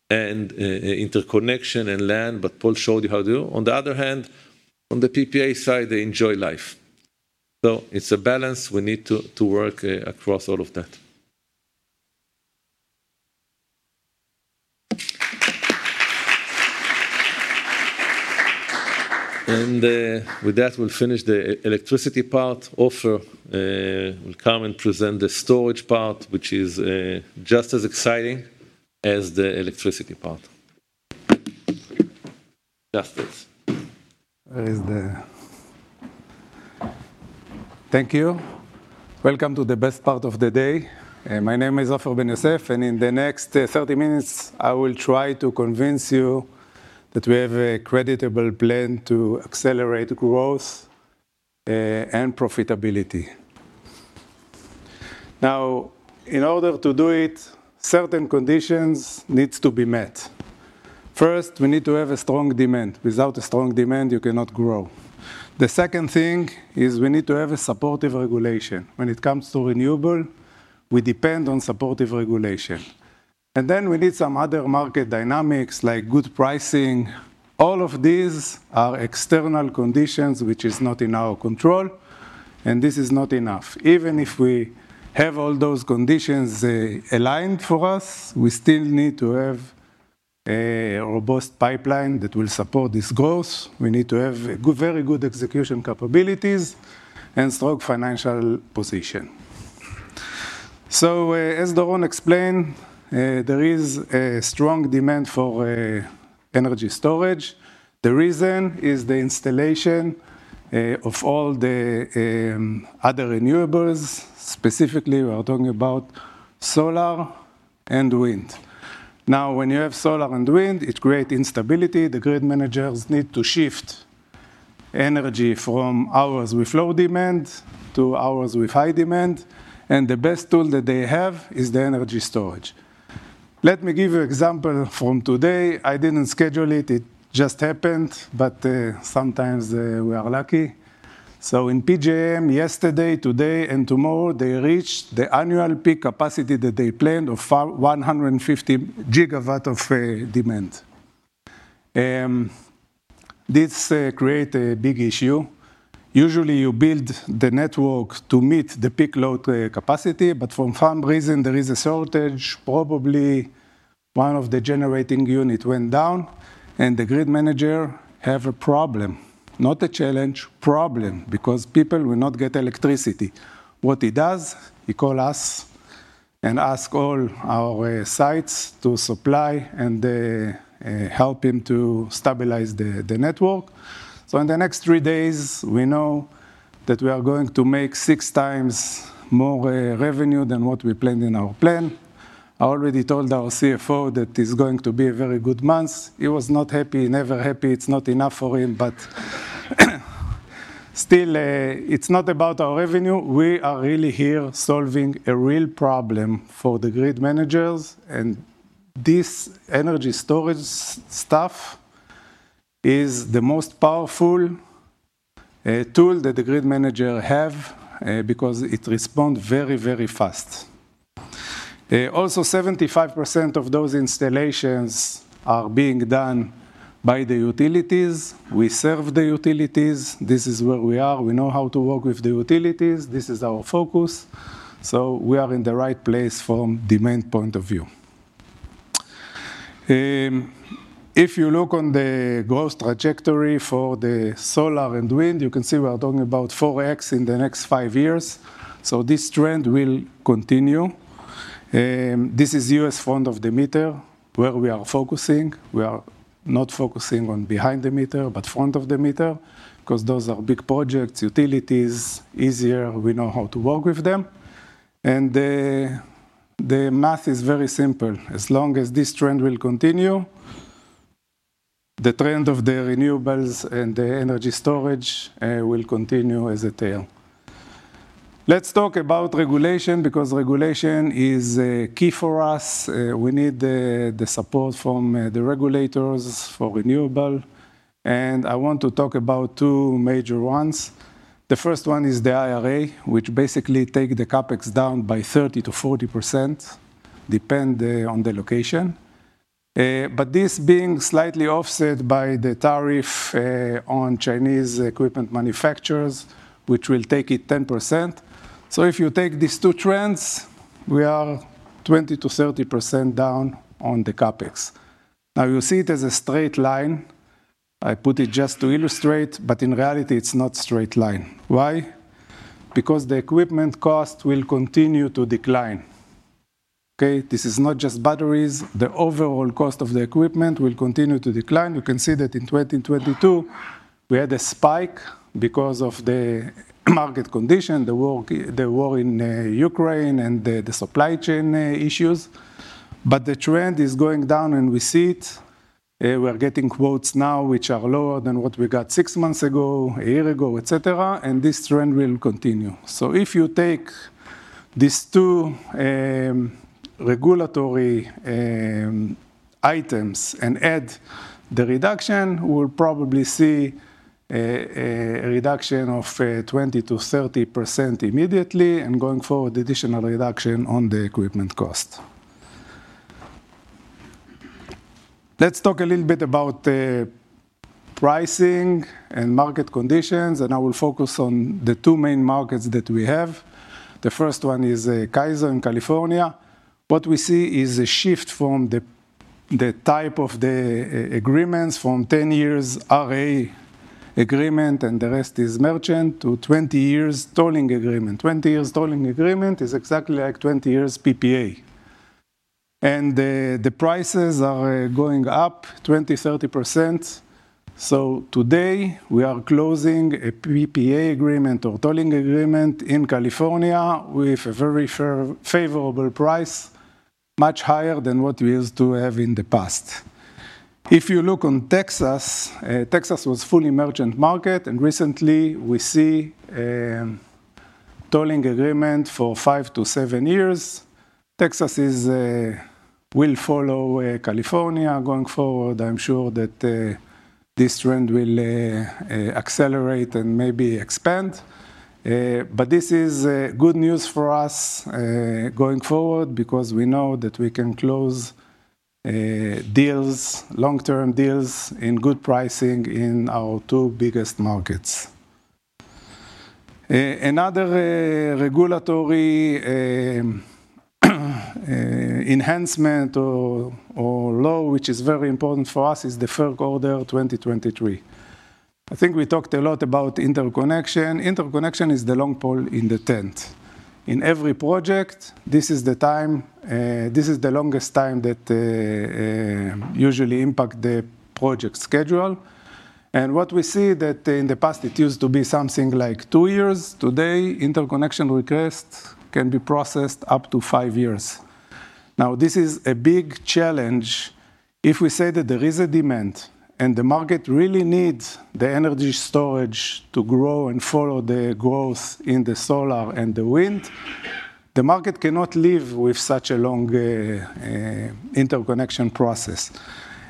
and interconnection and land, but Paul showed you how to do. On the other hand, on the PPA side, they enjoy life. So it's a balance. We need to work across all of that. And with that, we'll finish the electricity part. Ofer will come and present the storage part, which is just as exciting as the electricity part. Just this. Where is the... Thank you. Welcome to the best part of the day. My name is Ofer Ben-Yosef, and in the next 30 minutes, I will try to convince you that we have a credible plan to accelerate growth and profitability. Now, in order to do it, certain conditions needs to be met. First, we need to have a strong demand. Without a strong demand, you cannot grow. The second thing is we need to have a supportive regulation. When it comes to renewable, we depend on supportive regulation. And then we need some other market dynamics, like good pricing. All of these are external conditions, which is not in our control, and this is not enough. Even if we have all those conditions aligned for us, we still need to have a robust pipeline that will support this growth. We need to have very good execution capabilities and strong financial position. So, as Doron explained, there is a strong demand for energy storage. The reason is the installation of all the other renewables. Specifically, we are talking about solar and wind. Now, when you have solar and wind, it create instability. The grid managers need to shift energy from hours with low demand to hours with high demand, and the best tool that they have is the energy storage. Let me give you example from today. I didn't schedule it, it just happened, but sometimes we are lucky. So in PJM, yesterday, today, and tomorrow, they reached the annual peak capacity that they planned for 150 gigawatts of demand. This create a big issue. Usually, you build the network to meet the peak load, capacity, but for some reason, there is a shortage. Probably, one of the generating unit went down and the grid manager have a problem. Not a challenge, problem, because people will not get electricity. What he does, he call us and ask all our sites to supply and, help him to stabilize the, the network. So in the next three days, we know that we are going to make six times more, revenue than what we planned in our plan. I already told our CFO that it's going to be a very good month. He was not happy. Never happy. It's not enough for him, but still, it's not about our revenue. We are really here solving a real problem for the grid managers, and this energy storage stuff is the most powerful tool that the grid manager have because it respond very, very fast. Also, 75% of those installations are being done by the utilities. We serve the utilities. This is where we are. We know how to work with the utilities. This is our focus, so we are in the right place from demand point of view. If you look on the growth trajectory for the solar and wind, you can see we are talking about 4x in the next five years, so this trend will continue. This is US front-of-the-meter, where we are focusing. We are not focusing on behind-the-meter, but front-of-the-meter, 'cause those are big projects, utilities, easier, we know how to work with them. The math is very simple: as long as this trend will continue, the trend of the renewables and the energy storage will continue as a tail. Let's talk about regulation, because regulation is key for us. We need the support from the regulators for renewable, and I want to talk about two major ones. The first one is the IRA, which basically take the CapEx down by 30%-40%, depend on the location. But this being slightly offset by the tariff on Chinese equipment manufacturers, which will take it 10%. So if you take these two trends, we are 20%-30% down on the CapEx. Now, you see it as a straight line. I put it just to illustrate, but in reality, it's not straight line. Why? Because the equipment cost will continue to decline. Okay, this is not just batteries. The overall cost of the equipment will continue to decline. You can see that in 2022, we had a spike because of the market condition, the war in Ukraine, and the supply chain issues. But the trend is going down, and we see it. We're getting quotes now which are lower than what we got six months ago, a year ago, et cetera, and this trend will continue. So if you take these two regulatory items and add the reduction, we'll probably see a reduction of 20%-30% immediately, and going forward, additional reduction on the equipment cost. Let's talk a little bit about the pricing and market conditions, and I will focus on the two main markets that we have. The first one is CAISO in California. What we see is a shift from the type of agreements from 10 years RA agreement, and the rest is merchant, to 20 years tolling agreement. 20 years tolling agreement is exactly like 20 years PPA, and the prices are going up 20%-30%. So today, we are closing a PPA agreement or tolling agreement in California with a very fair, favorable price, much higher than what we used to have in the past. If you look on Texas, Texas was fully merchant market, and recently we see tolling agreement for 5-7 years. Texas will follow California going forward. I'm sure that this trend will accelerate and maybe expand. But this is good news for us going forward, because we know that we can close deals, long-term deals in good pricing in our two biggest markets. Another regulatory enhancement or law, which is very important for us, is the FERC Order 2023. I think we talked a lot about interconnection. Interconnection is the long pole in the tent. In every project, this is the time, this is the longest time that usually impact the project schedule. And what we see that in the past it used to be something like two years. Today, interconnection request can be processed up to five years. Now, this is a big challenge. If we say that there is a demand, and the market really needs the energy storage to grow and follow the growth in the solar and the wind, the market cannot live with such a long interconnection process,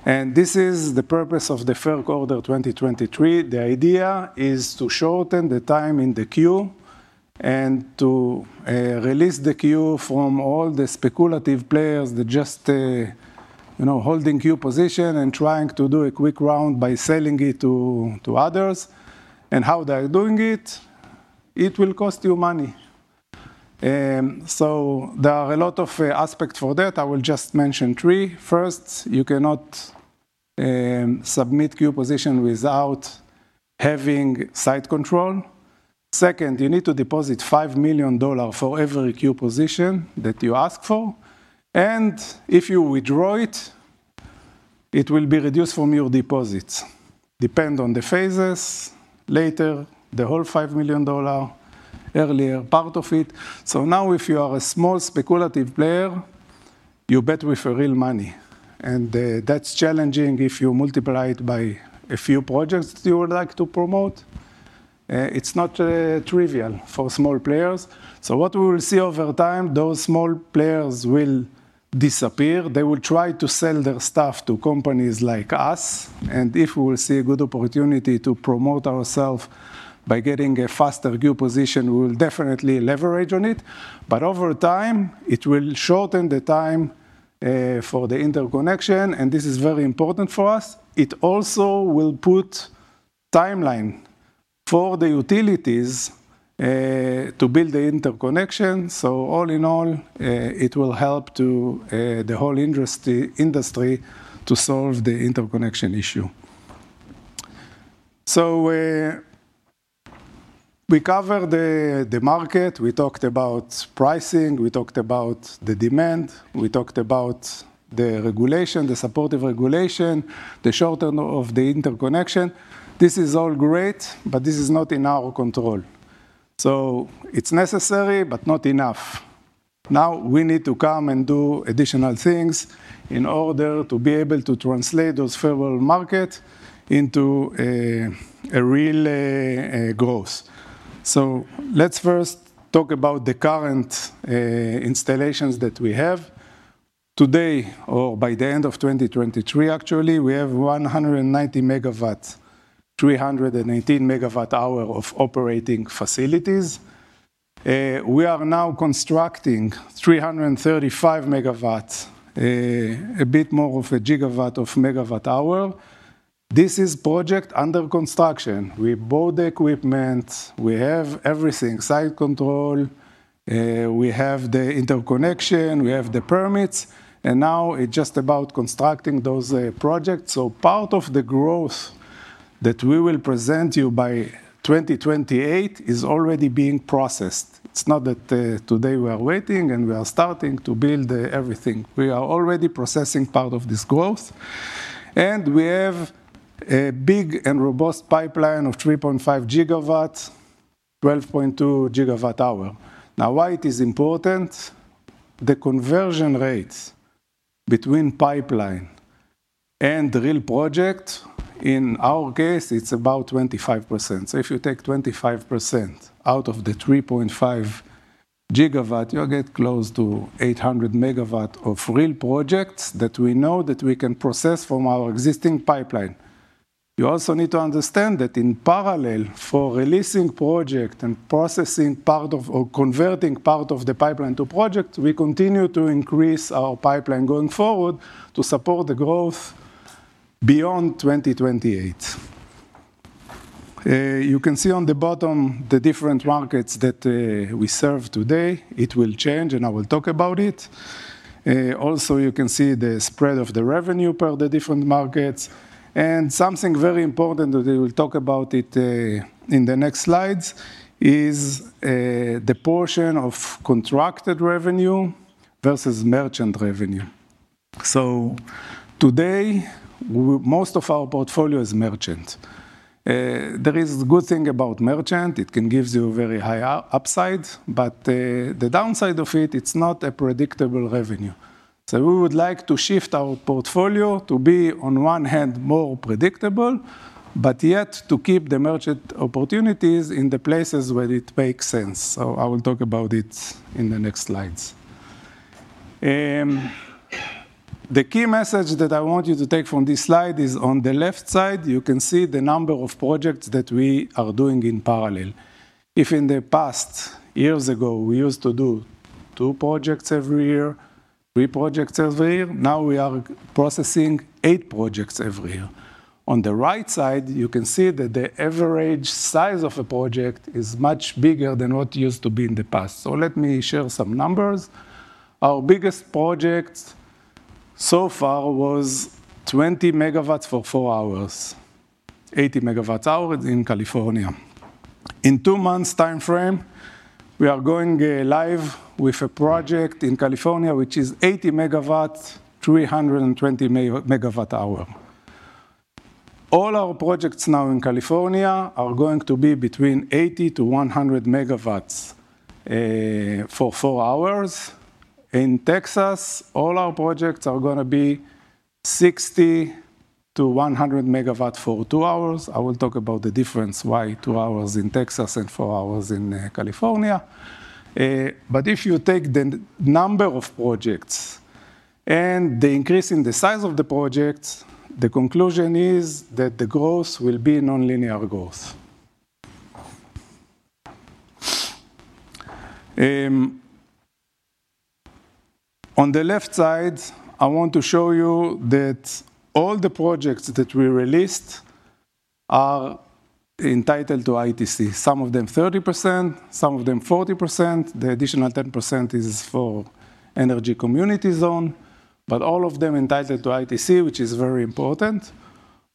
and this is the purpose of the FERC Order 2023. The idea is to shorten the time in the queue and to release the queue from all the speculative players that just, you know, holding queue position and trying to do a quick round by selling it to others. And how they are doing it? It will cost you money. So there are a lot of aspects for that. I will just mention three. First, you cannot submit queue position without having site control. Second, you need to deposit $5 million for every queue position that you ask for, and if you withdraw it, it will be reduced from your deposits, depend on the phases. Later, the whole $5 million, earlier part of it. So now, if you are a small speculative player, you bet with your real money, and that's challenging if you multiply it by a few projects you would like to promote. It's not trivial for small players. So what we will see over time, those small players will disappear. They will try to sell their stuff to companies like us, and if we will see a good opportunity to promote ourself by getting a faster queue position, we will definitely leverage on it. But over time, it will shorten the time for the interconnection, and this is very important for us. It also will put timelines for the utilities to build the interconnection. So all in all, it will help the whole industry to solve the interconnection issue. So, we covered the market, we talked about pricing, we talked about the demand, we talked about the regulation, the supportive regulation, the shortening of the interconnection. This is all great, but this is not in our control. So it's necessary, but not enough. Now, we need to come and do additional things in order to be able to translate those favorable market into a real growth. So let's first talk about the current installations that we have. Today, or by the end of 2023, actually, we have 190 MW, 318 MWh of operating facilities. We are now constructing 335 MW, a bit more than 1 gigawatt of MWh. This is project under construction. We bought the equipment, we have everything, site control, we have the interconnection, we have the permits, and now it's just about constructing those projects. So part of the growth that we will present you by 2028 is already being processed. It's not that today we are waiting, and we are starting to build everything. We are already processing part of this growth, and we have a big and robust pipeline of 3.5 gigawatt, 12.2 gigawatt per hour. Now, why it is important? The conversion rates between pipeline and real project, in our case, it's about 25%. So if you take 25% out of the 3.5 gigawatt, you'll get close to 800 MW of real projects that we know that we can process from our existing pipeline. You also need to understand that in parallel, for releasing project and processing part of or converting part of the pipeline to project, we continue to increase our pipeline going forward to support the growth beyond 2028. You can see o the bottom the different markets that we serve today. It will change, and I will talk about it. Also, you can see the spread of the revenue per the different markets. And something very important, that we will talk about it, in the next slides, is the portion of contracted revenue versus merchant revenue. So today, most of our portfolio is merchant. There is a good thing about merchant, it can gives you very high upside, but, the downside of it, it's not a predictable revenue. So we would like to shift our portfolio to be, on one hand, more predictable, but yet to keep the merchant opportunities in the places where it makes sense. So I will talk about it in the next slides. The key message that I want you to take from this slide is on the left side, you can see the number of projects that we are doing in parallel. If in the past years ago, we used to do two projects every year, three projects every year, now we are processingeight projects every year. On the right side, you can see that the average size of a project is much bigger than what used to be in the past. So let me share some numbers. Our biggest project so far was 20 MW for 4 hours, 80 MWh in California. In two months time frame, we are going live with a project in California, which is 80 MW, 320 MWh. All our projects now in California are going to be between 80-100 MW for four hours. In Texas, all our projects are gonna be 60-100 MW for two hours. I will talk about the difference, why two hours in Texas and four hours in California. But if you take the number of projects and the increase in the size of the projects, the conclusion is that the growth will be non-linear growth. On the left side, I want to show you that all the projects that we released are entitled to ITC. Some of them 30%, some of them 40%. The additional 10% is for energy community zone, but all of them entitled to ITC, which is very important.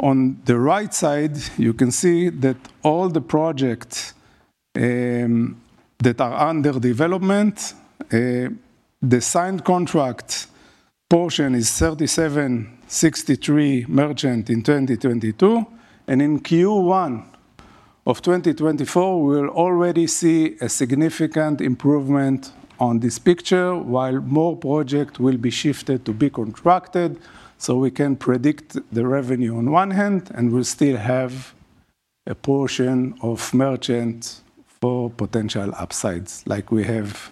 On the right side, you can see that all the projects that are under development, the signed contract portion is 37-63 merchant in 2022, and in Q1 of 2024, we'll already see a significant improvement on this picture, while more project will be shifted to be contracted, so we can predict the revenue on one hand, and we'll still have a portion of merchant for potential upsides, like we have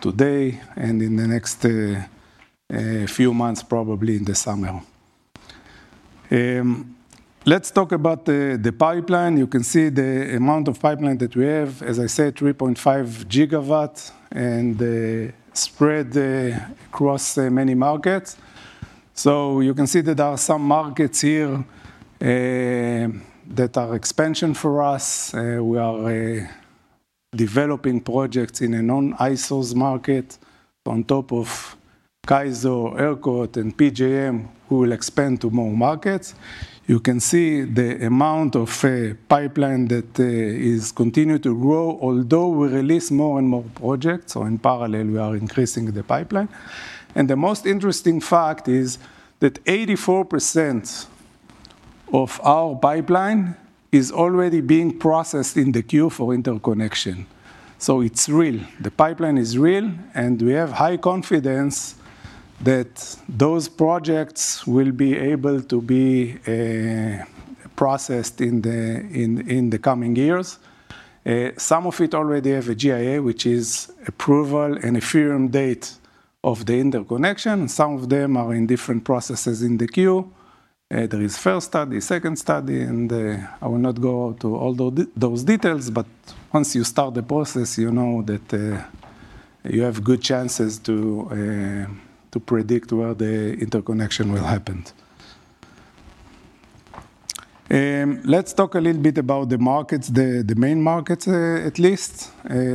today and in the next few months, probably in the summer. Let's talk about the pipeline. You can see the amount of pipeline that we have, as I said, 3.5 gigawatt, and spread across many markets. So you can see that there are some markets here that are expansion for us. We are developing projects in a non-ISOs market on top of CAISO, ERCOT, and PJM, we will expand to more markets. You can see the amount of pipeline that is continue to grow, although we release more and more projects, so in parallel we are increasing the pipeline. And the most interesting fact is that 84% of our pipeline is already being processed in the queue for interconnection. So it's real. The pipeline is real, and we have high confidence that those projects will be able to be processed in the coming years. Some of it already have a GIA, which is approval and a firm date of the interconnection, and some of them are in different processes in the queue. There is first study, second study, and I will not go to all those details, but once you start the process, you know that you have good chances to predict where the interconnection will happen. Let's talk a little bit about the markets, the main markets, at least.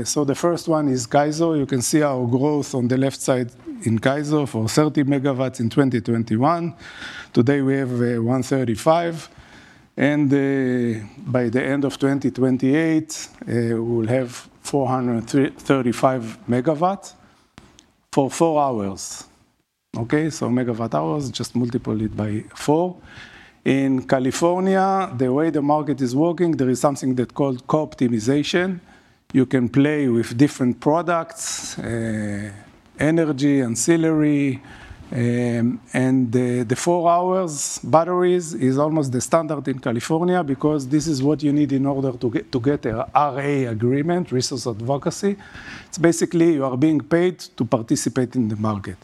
So the first one is CAISO. You can see our growth on the left side in CAISO for 30 MW in 2021. Today, we have 135, and by the end of 2028, we will have 435 MW for four hours. Okay, so megawatt hours, just multiply it by four. In California, the way the market is working, there is something that's called co-optimization. You can play with different products, energy, ancillary, and the four-hour batteries is almost the standard in California because this is what you need in order to get a RA agreement, resource adequacy. It's basically you are being paid to participate in the market.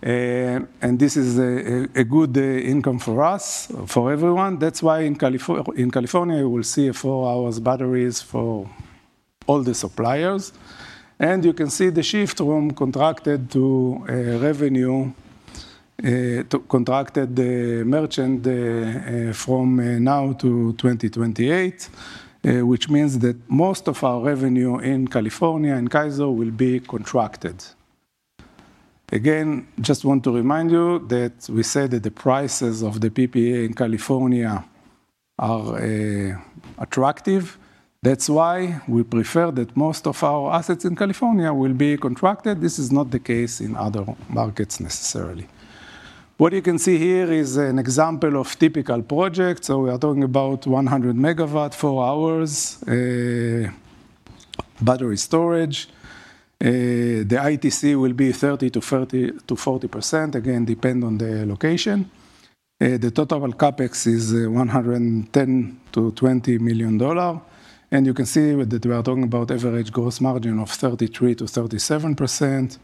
And this is a good income for us, for everyone. That's why in California, you will see four-hour batteries for all the suppliers, and you can see the shift from contracted revenue to merchant from now to 2028, which means that most of our revenue in California, in CAISO, will be contracted. Again, just want to remind you that we said that the prices of the PPA in California are attractive. That's why we prefer that most of our assets in California will be contracted. This is not the case in other markets necessarily. What you can see here is an example of typical project. So we are talking about 100 MW, 4-hour battery storage. The ITC will be 30%-40%, again, depend on the location. The total CapEx is $110 million-$120 million. And you can see that we are talking about average gross margin of 33%-37%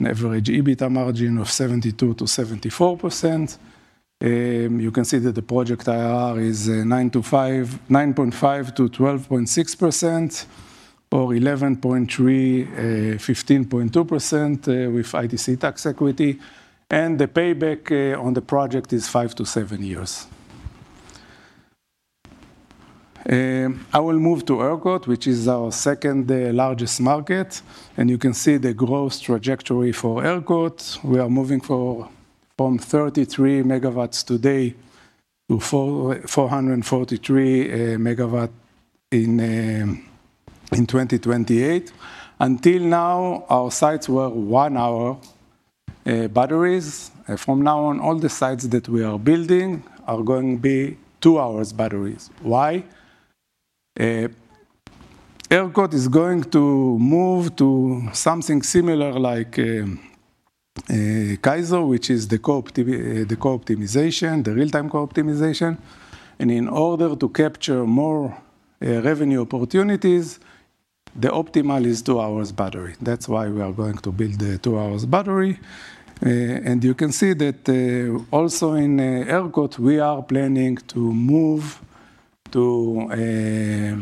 and average EBITDA margin of 72%-74%. You can see that the project IRR is 9.5%-12.6%, or 11.3%-15.2% with ITC tax equity, and the payback on the project is 5-7 years. I will move to ERCOT, which is our second largest market, and you can see the growth trajectory for ERCOT. We are moving from 33 MW today to 443 MW in 2028. Until now, our sites were 1-hour batteries. From now on, all the sites that we are building are going to be 2-hour batteries. Why? ERCOT is going to move to something similar like CAISO, which is the co-optimization, the real-time co-optimization, and in order to capture more revenue opportunities, the optimal is two-hours battery. That's why we are going to build a two-hours battery. And you can see that also in ERCOT, we are planning to move to a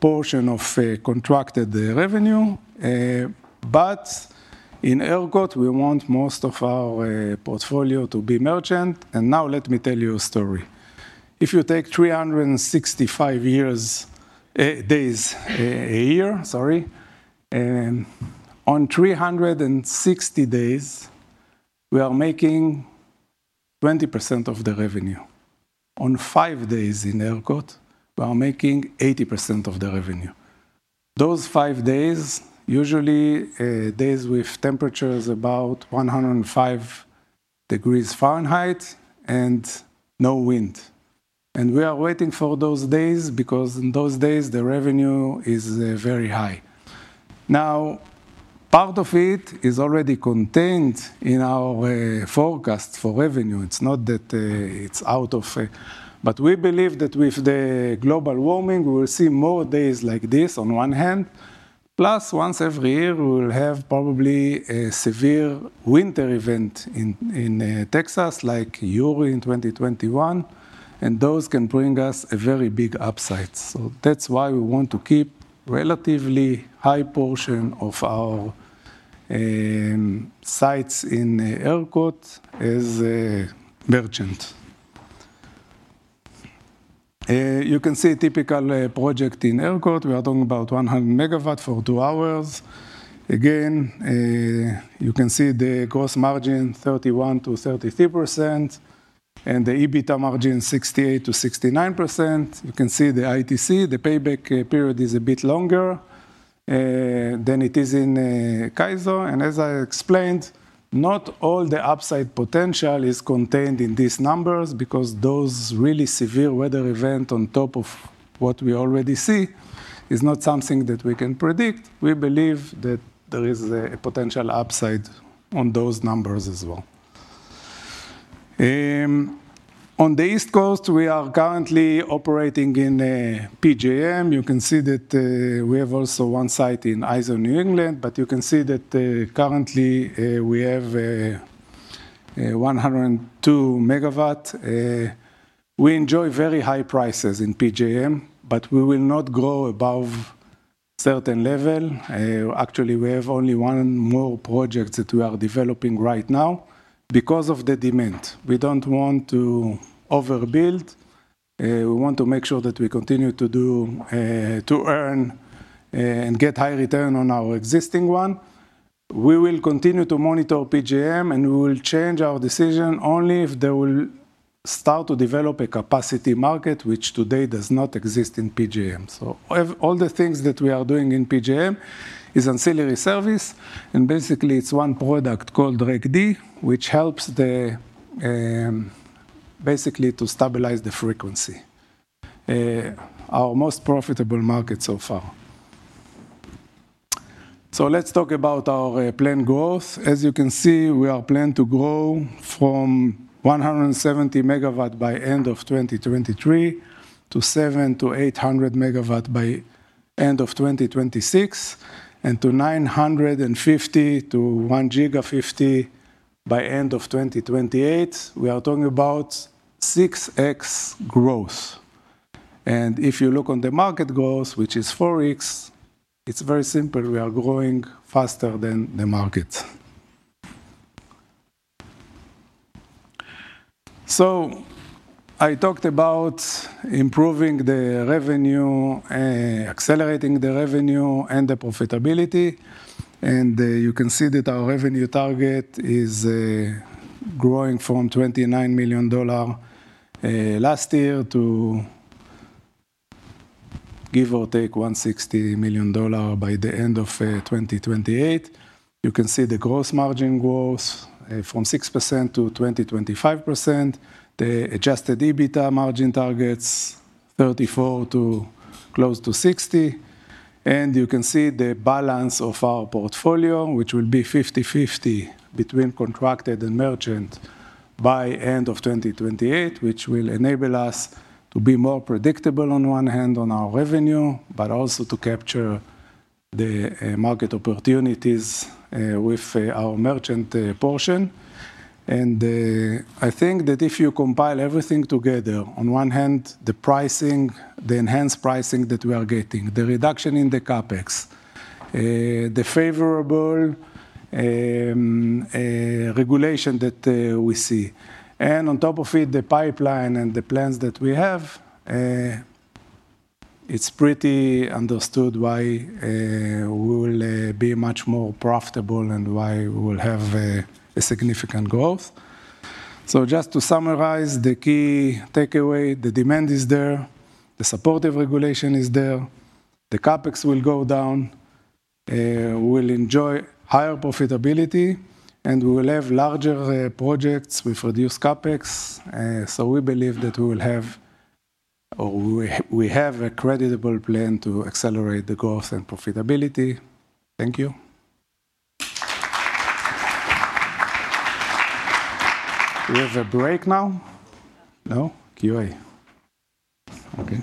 portion of contracted revenue, but in ERCOT, we want most of our portfolio to be merchant. And now let me tell you a story. If you take 365 years, days a year, sorry, on 360 days, we are making 20% of the revenue. On 5 days in ERCOT, we are making 80% of the revenue. Those 5 days, usually, days with temperatures about 105 degrees Fahrenheit and no wind, and we are waiting for those days because on those days, the revenue is very high. Now, part of it is already contained in our forecast for revenue. It's not that it's out of... But we believe that with the global warming, we will see more days like this on one hand, plus once every year, we will have probably a severe winter event in Texas, like Uri in 2021, and those can bring us a very big upside. So that's why we want to keep... relatively high portion of our sites in the ERCOT is merchant. You can see a typical project in ERCOT. We are talking about 100 MW for 2 hours. Again, you can see the gross margin, 31%-33%, and the EBITDA margin, 68%-69%. You can see the ITC, the payback period is a bit longer than it is in CAISO. And as I explained, not all the upside potential is contained in these numbers, because those really severe weather event on top of what we already see, is not something that we can predict. We believe that there is a potential upside on those numbers as well. On the East Coast, we are currently operating in PJM. You can see that we have also one site in ISO New England, but you can see that currently we have a 102 MW. We enjoy very high prices in PJM, but we will not grow above certain level. Actually, we have only one more project that we are developing right now because of the demand. We don't want to overbuild. We want to make sure that we continue to earn and get high return on our existing one. We will continue to monitor PJM, and we will change our decision only if they will start to develop a capacity market, which today does not exist in PJM. So all the things that we are doing in PJM is ancillary service, and basically it's one product called RegD, which helps, basically, to stabilize the frequency. Our most profitable market so far. So let's talk about our planned growth. As you can see, we are planned to grow from 170 MW by end of 2023 to 700-800 MW by end of 2026, and to 950-1,050 MW by end of 2028. We are talking about 6x growth. And if you look on the market growth, which is 4x, it's very simple, we are growing faster than the market. So I talked about improving the revenue, accelerating the revenue and the profitability, and you can see that our revenue target is growing from $29 million last year, to give or take $160 million by the end of 2028. You can see the gross margin growth from 6% to 25%. The Adjusted EBITDA margin targets 34% to close to 60%. And you can see the balance of our portfolio, which will be 50/50 between contracted and merchant by end of 2028, which will enable us to be more predictable on one hand, on our revenue, but also to capture the market opportunities with our merchant portion. And I think that if you compile everything together, on one hand, the pricing, the enhanced pricing that we are getting, the reduction in the CapEx, the favorable regulation that we see, and on top of it, the pipeline and the plans that we have, it's pretty understood why we will be much more profitable and why we will have a significant growth. So just to summarize the key takeaway, the demand is there, the supportive regulation is there, the CapEx will go down, we will enjoy higher profitability, and we will have larger projects with reduced CapEx. So we believe that we will have, or we have a credible plan to accelerate the growth and profitability. Thank you. We have a break now? No? Q&A. Okay.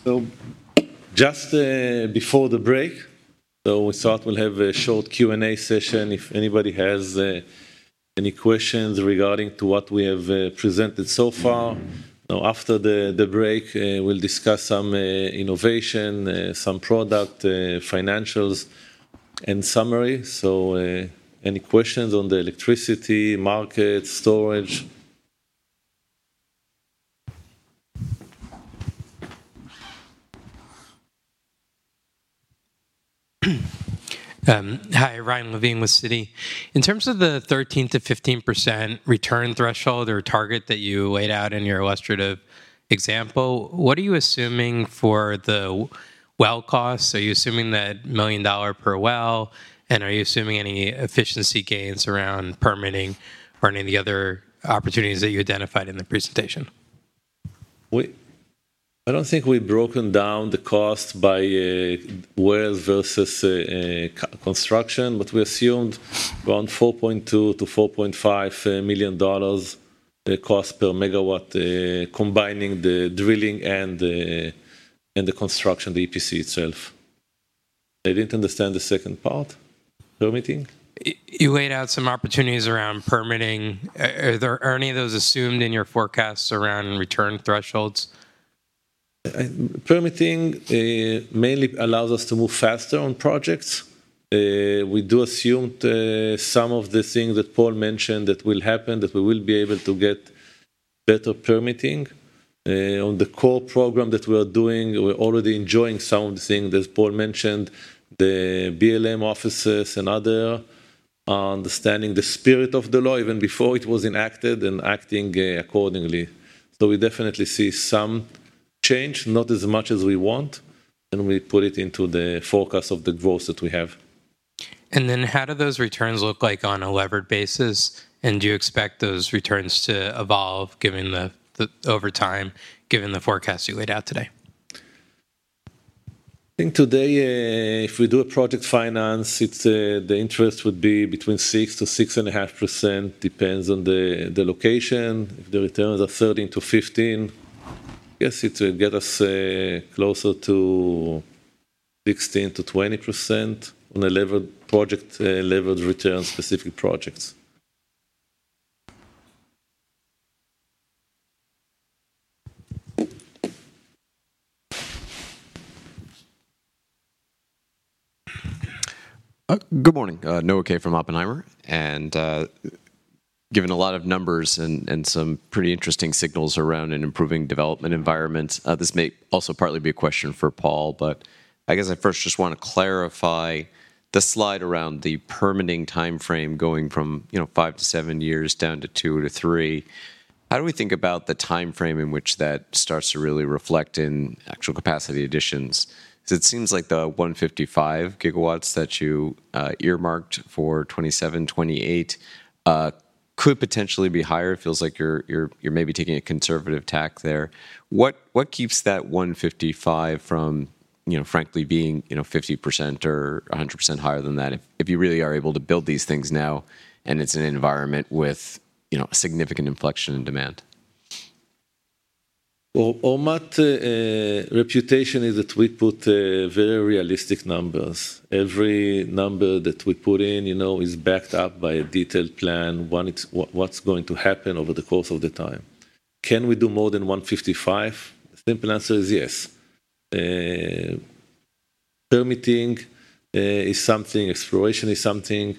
So just before the break, so we thought we'll have a short Q&A session, if anybody has any questions regarding what we have presented so far. Now, after the break, we'll discuss some innovation, some product financials and summary. So any questions on the electricity, market, storage? Hi, Ryan Levine with Citi. In terms of the 13%-15% return threshold or target that you laid out in your illustrative example, what are you assuming for the well cost? Are you assuming $1 million per well, and are you assuming any efficiency gains around permitting or any other opportunities that you identified in the presentation? We, I don't think we've broken down the cost by wells versus construction, but we assumed around $4.2 million-$4.5 million cost per megawatt, combining the drilling and the construction, the EPC itself.... I didn't understand the second part. Permitting? You laid out some opportunities around permitting. Are there, are any of those assumed in your forecasts around return thresholds? Permitting mainly allows us to move faster on projects. We do assume some of the things that Paul mentioned that will happen, that we will be able to get better permitting. On the core program that we are doing, we're already enjoying some things, as Paul mentioned, the BLM offices and other are understanding the spirit of the law even before it was enacted, and acting accordingly. So we definitely see some change, not as much as we want, and we put it into the forecast of the growth that we have. Then how do those returns look like on a levered basis? And do you expect those returns to evolve, given the over time, given the forecast you laid out today? I think today, if we do a project finance, it's the interest would be between 6-6.5%, depends on the location. If the returns are 13-15, yes, it will get us closer to 16%-20% on a levered project, levered return specific projects. Good morning. Noah Kay from Oppenheimer. Given a lot of numbers and some pretty interesting signals around an improving development environment, this may also partly be a question for Paul, but I guess I first just want to clarify the slide around the permitting timeframe going from, you know, 5-7 years down to 2-3. How do we think about the timeframe in which that starts to really reflect in actual capacity additions? Because it seems like the 155 gigawatts that you earmarked for 2027, 2028 could potentially be higher. It feels like you're maybe taking a conservative tack there. What keeps that $155 from, you know, frankly, being, you know, 50% or 100% higher than that, if you really are able to build these things now, and it's an environment with, you know, a significant inflection in demand? Well, Ormat reputation is that we put very realistic numbers. Every number that we put in, you know, is backed up by a detailed plan, one, it's-- what, what's going to happen over the course of the time. Can we do more than 155? The simple answer is yes. Permitting is something, exploration is something.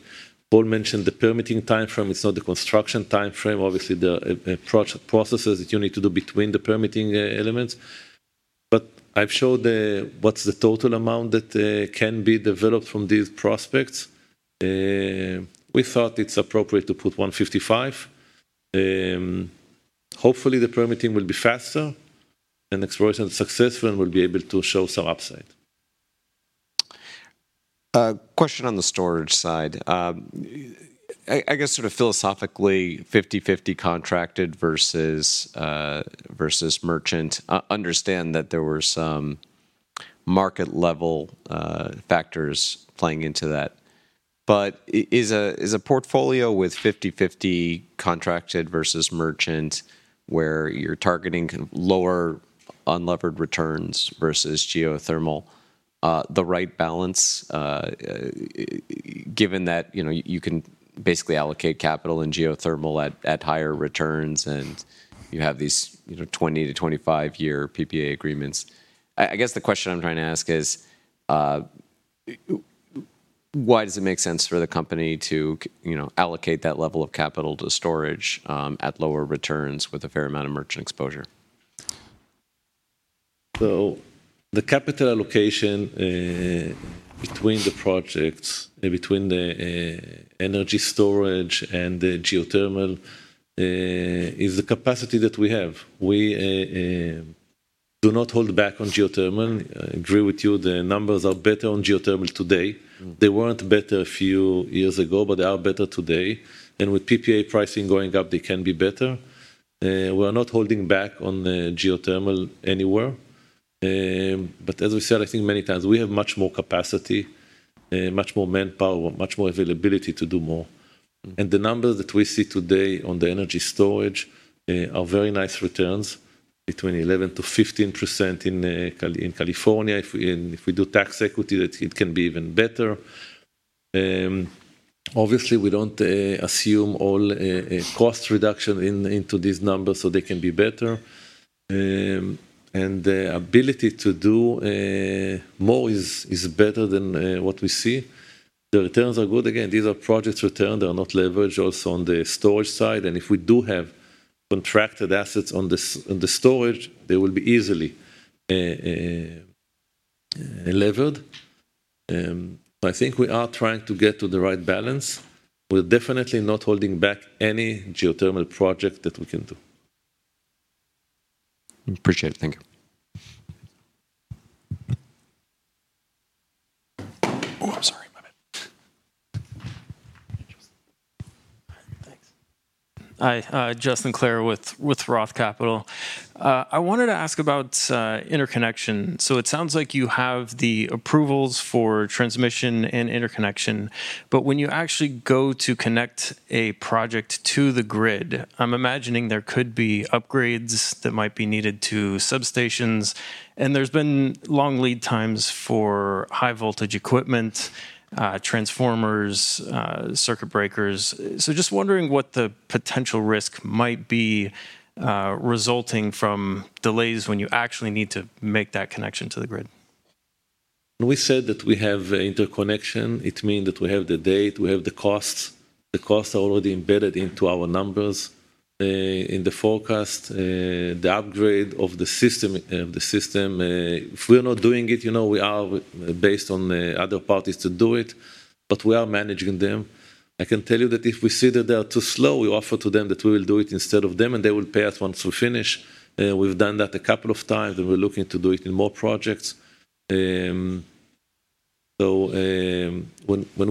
Paul mentioned the permitting timeframe, it's not the construction timeframe, obviously, the processes that you need to do between the permitting elements. But I've showed the, what's the total amount that can be developed from these prospects. We thought it's appropriate to put 155. Hopefully, the permitting will be faster and exploration successful, and we'll be able to show some upside. Question on the storage side. I guess, sort of philosophically, 50/50 contracted versus merchant. Understand that there were some market-level factors playing into that. But is a portfolio with 50/50 contracted versus merchant, where you're targeting kind of lower unlevered returns versus geothermal, the right balance? Given that, you know, you can basically allocate capital and geothermal at higher returns, and you have these, you know, 20-25 year PPA agreements. I guess the question I'm trying to ask is, why does it make sense for the company to you know, allocate that level of capital to storage, at lower returns with a fair amount of merchant exposure? So the capital allocation between the projects, between the energy storage and the geothermal is the capacity that we have. We do not hold back on geothermal. I agree with you, the numbers are better on geothermal today. Mm. They weren't better a few years ago, but they are better today. And with PPA pricing going up, they can be better. We are not holding back on the geothermal anywhere. But as we said, I think many times, we have much more capacity, much more manpower, much more availability to do more. Mm. The numbers that we see today on the energy storage are very nice returns, between 11%-15% in California. If we, and if we do tax equity, that it can be even better. Obviously, we don't assume all cost reduction into these numbers, so they can be better. And the ability to do more is better than what we see. The returns are good. Again, these are projects return, they are not leveraged also on the storage side. And if we do have contracted assets on the storage, they will be easily levered. I think we are trying to get to the right balance. We're definitely not holding back any geothermal project that we can do. Appreciate it. Thank you. Oh, I'm sorry. My bad. Thanks.... Hi, Justin Clare with, with Roth Capital. I wanted to ask about, interconnection. So it sounds like you have the approvals for transmission and interconnection, but when you actually go to connect a project to the grid, I'm imagining there could be upgrades that might be needed to substations, and there's been long lead times for high voltage equipment, transformers, circuit breakers. So just wondering what the potential risk might be, resulting from delays when you actually need to make that connection to the grid. When we said that we have interconnection, it mean that we have the date, we have the costs. The costs are already embedded into our numbers, in the forecast, the upgrade of the system, the system. If we're not doing it, you know, we are based on the other parties to do it, but we are managing them. I can tell you that if we see that they are too slow, we offer to them that we will do it instead of them, and they will pay us once we finish. We've done that a couple of times, and we're looking to do it in more projects. When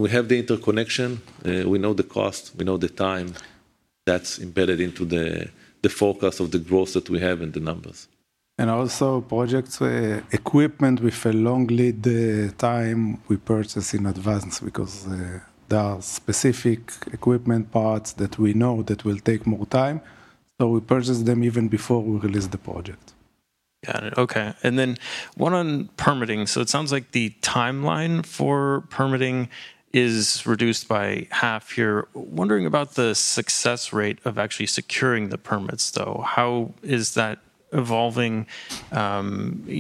we have the interconnection, we know the cost, we know the time, that's embedded into the forecast of the growth that we have in the numbers. Also, projects equipment with a long lead time, we purchase in advance because there are specific equipment parts that we know that will take more time, so we purchase them even before we release the project. Got it. Okay, and then one on permitting. So it sounds like the timeline for permitting is reduced by half here. Wondering about the success rate of actually securing the permits, though. How is that evolving?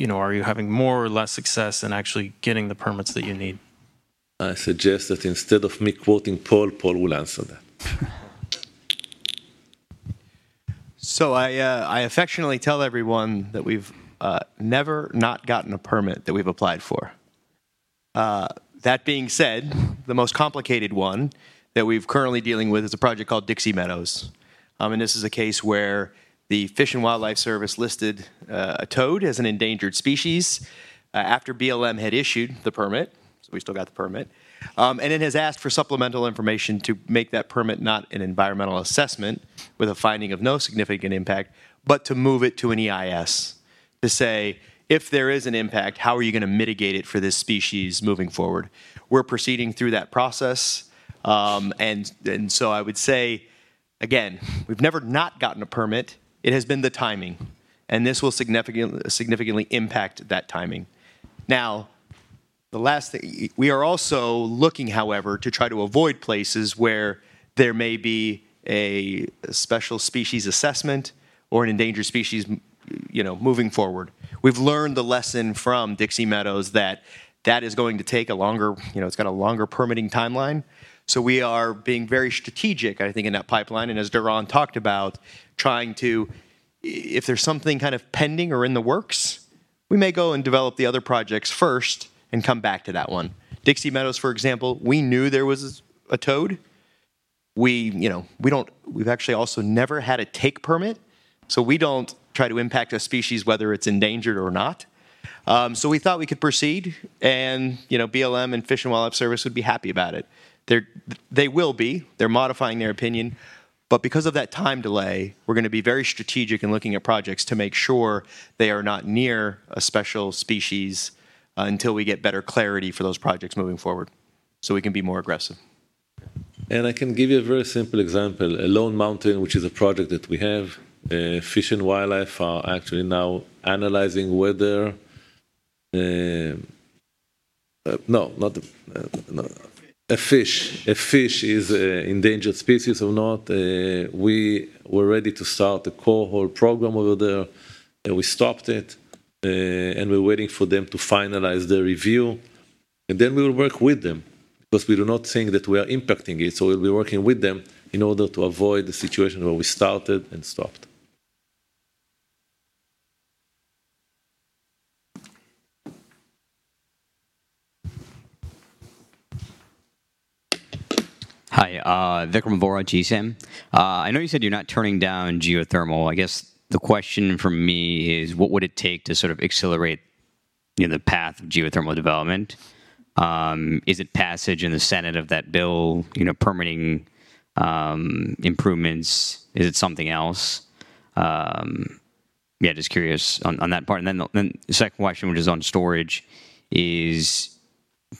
You know, are you having more or less success in actually getting the permits that you need? I suggest that instead of me quoting Paul, Paul will answer that. So I, I affectionately tell everyone that we've never not gotten a permit that we've applied for. That being said, the most complicated one that we're currently dealing with is a project called Dixie Meadows. And this is a case where the U.S. Fish and Wildlife Service listed a toad as an endangered species after BLM had issued the permit, so we still got the permit. And it has asked for supplemental information to make that permit not an environmental assessment with a finding of no significant impact, but to move it to an EIS, to say, "If there is an impact, how are you gonna mitigate it for this species moving forward?" We're proceeding through that process. And so I would say, again, we've never not gotten a permit. It has been the timing, and this will significantly impact that timing. Now, the last thing... We are also looking, however, to try to avoid places where there may be a special species assessment or an endangered species, you know, moving forward. We've learned the lesson from Dixie Meadows that that is going to take a longer, you know, it's got a longer permitting timeline. So we are being very strategic, I think, in that pipeline, and as Doron talked about, trying to... If there's something kind of pending or in the works, we may go and develop the other projects first and come back to that one. Dixie Meadows, for example, we knew there was a toad. We, you know, we don't. We've actually also never had a take permit, so we don't try to impact a species, whether it's endangered or not. So we thought we could proceed and, you know, BLM and Fish and Wildlife Service would be happy about it. They're. They will be, they're modifying their opinion, but because of that time delay, we're gonna be very strategic in looking at projects to make sure they are not near a special species, until we get better clarity for those projects moving forward, so we can be more aggressive. I can give you a very simple example. Lone Mountain, which is a project that we have, Fish and Wildlife are actually now analyzing whether, A fish. A fish. A fish is an endangered species or not. We were ready to start a core program over there, and we stopped it, and we're waiting for them to finalize their review. Then we will work with them because we do not think that we are impacting it, so we'll be working with them in order to avoid the situation where we started and stopped. Hi, Vikram Bora, GSAM. I know you said you're not turning down geothermal. I guess the question from me is: What would it take to sort of accelerate, you know, the path of geothermal development? Is it passage in the Senate of that bill, you know, permitting, improvements? Is it something else? Yeah, just curious on, on that part. And then the, then the second question, which is on storage, is: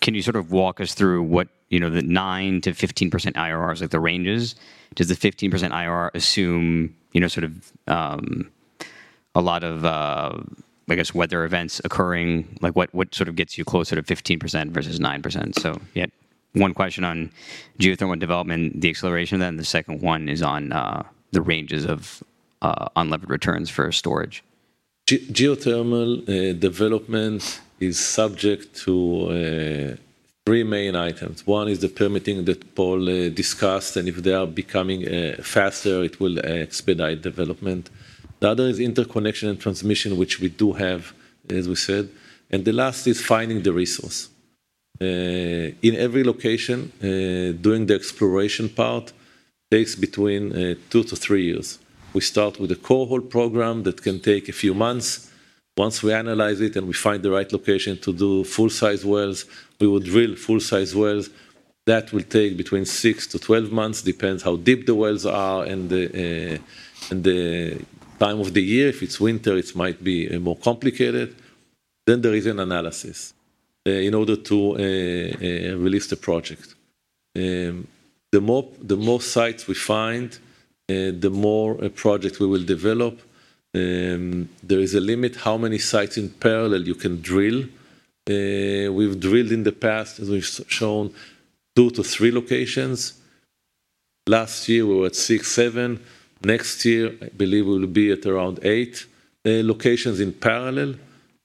Can you sort of walk us through what, you know, the 9%-15% IRRs, like the ranges? Does the 15% IRR assume, you know, sort of, a lot of, I guess, weather events occurring? Like, what, what sort of gets you closer to 15% versus 9%? So yeah, one question on geothermal development, the acceleration of that, and the second one is on the ranges of unlevered returns for storage. Geothermal development is subject to three main items. One is the permitting that Paul discussed, and if they are becoming faster, it will expedite development. The other is interconnection and transmission, which we do have, as we said. And the last is finding the resource. In every location, doing the exploration part takes between 2-3 years. We start with a core drilling program that can take a few months. Once we analyze it and we find the right location to do full-size wells, we would drill full-size wells. That will take between 6-12 months, depends how deep the wells are and the time of the year. If it's winter, it might be more complicated. Then there is an analysis in order to release the project. The more, the more sites we find, the more projects we will develop. There is a limit how many sites in parallel you can drill. We've drilled in the past, as we've shown, 2 to 3 locations. Last year, we were at 6, 7. Next year, I believe we will be at around 8 locations in parallel.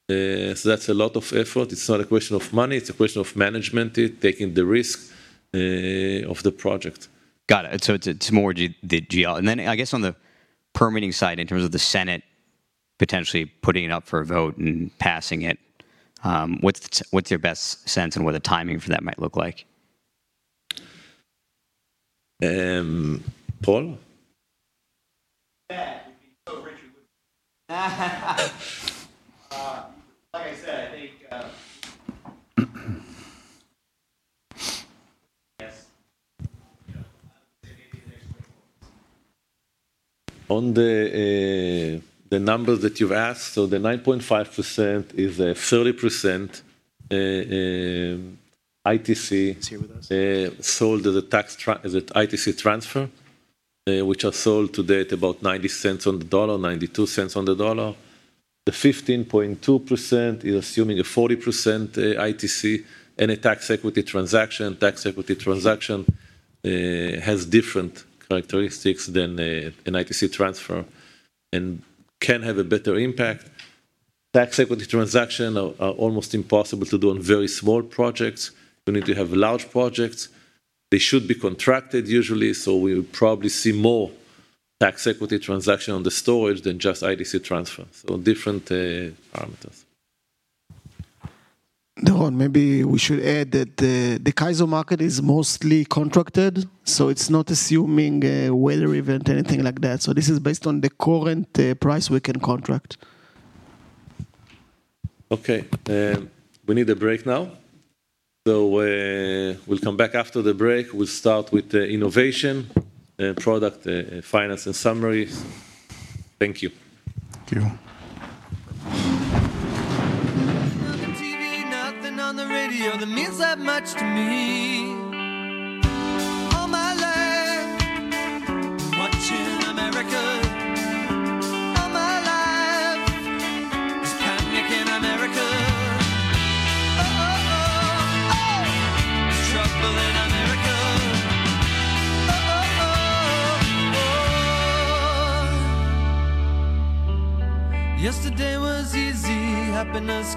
So that's a lot of effort. It's not a question of money, it's a question of management, taking the risk of the project. Got it. So it's more geothermal. And then I guess on the permitting side, in terms of the Senate potentially putting it up for a vote and passing it, what's your best sense on what the timing for that might look like? Um, Paul?... Like I said, I think, yes, you know, maybe the next 12 months. On the numbers that you've asked, so the 9.5% is a 30% ITC-... sold as an ITC transfer, which are sold today at about $0.90 on the dollar, $0.92 on the dollar. The 15.2% is assuming a 40%, ITC and a tax equity transaction. Tax equity transaction has different characteristics than a, an ITC transfer and can have a better impact. Tax equity transaction are almost impossible to do on very small projects. You need to have large projects. They should be contracted usually, so we'll probably see more tax equity transaction on the storage than just ITC transfers. So different parameters. Doron, maybe we should add that the CAISO market is mostly contracted, so it's not assuming a weather event or anything like that. So this is based on the current price we can contract. Okay, we need a break now. So, we'll come back after the break. We'll start with the innovation, product, finance, and summaries. Thank you. Thank you. Hello? Hi,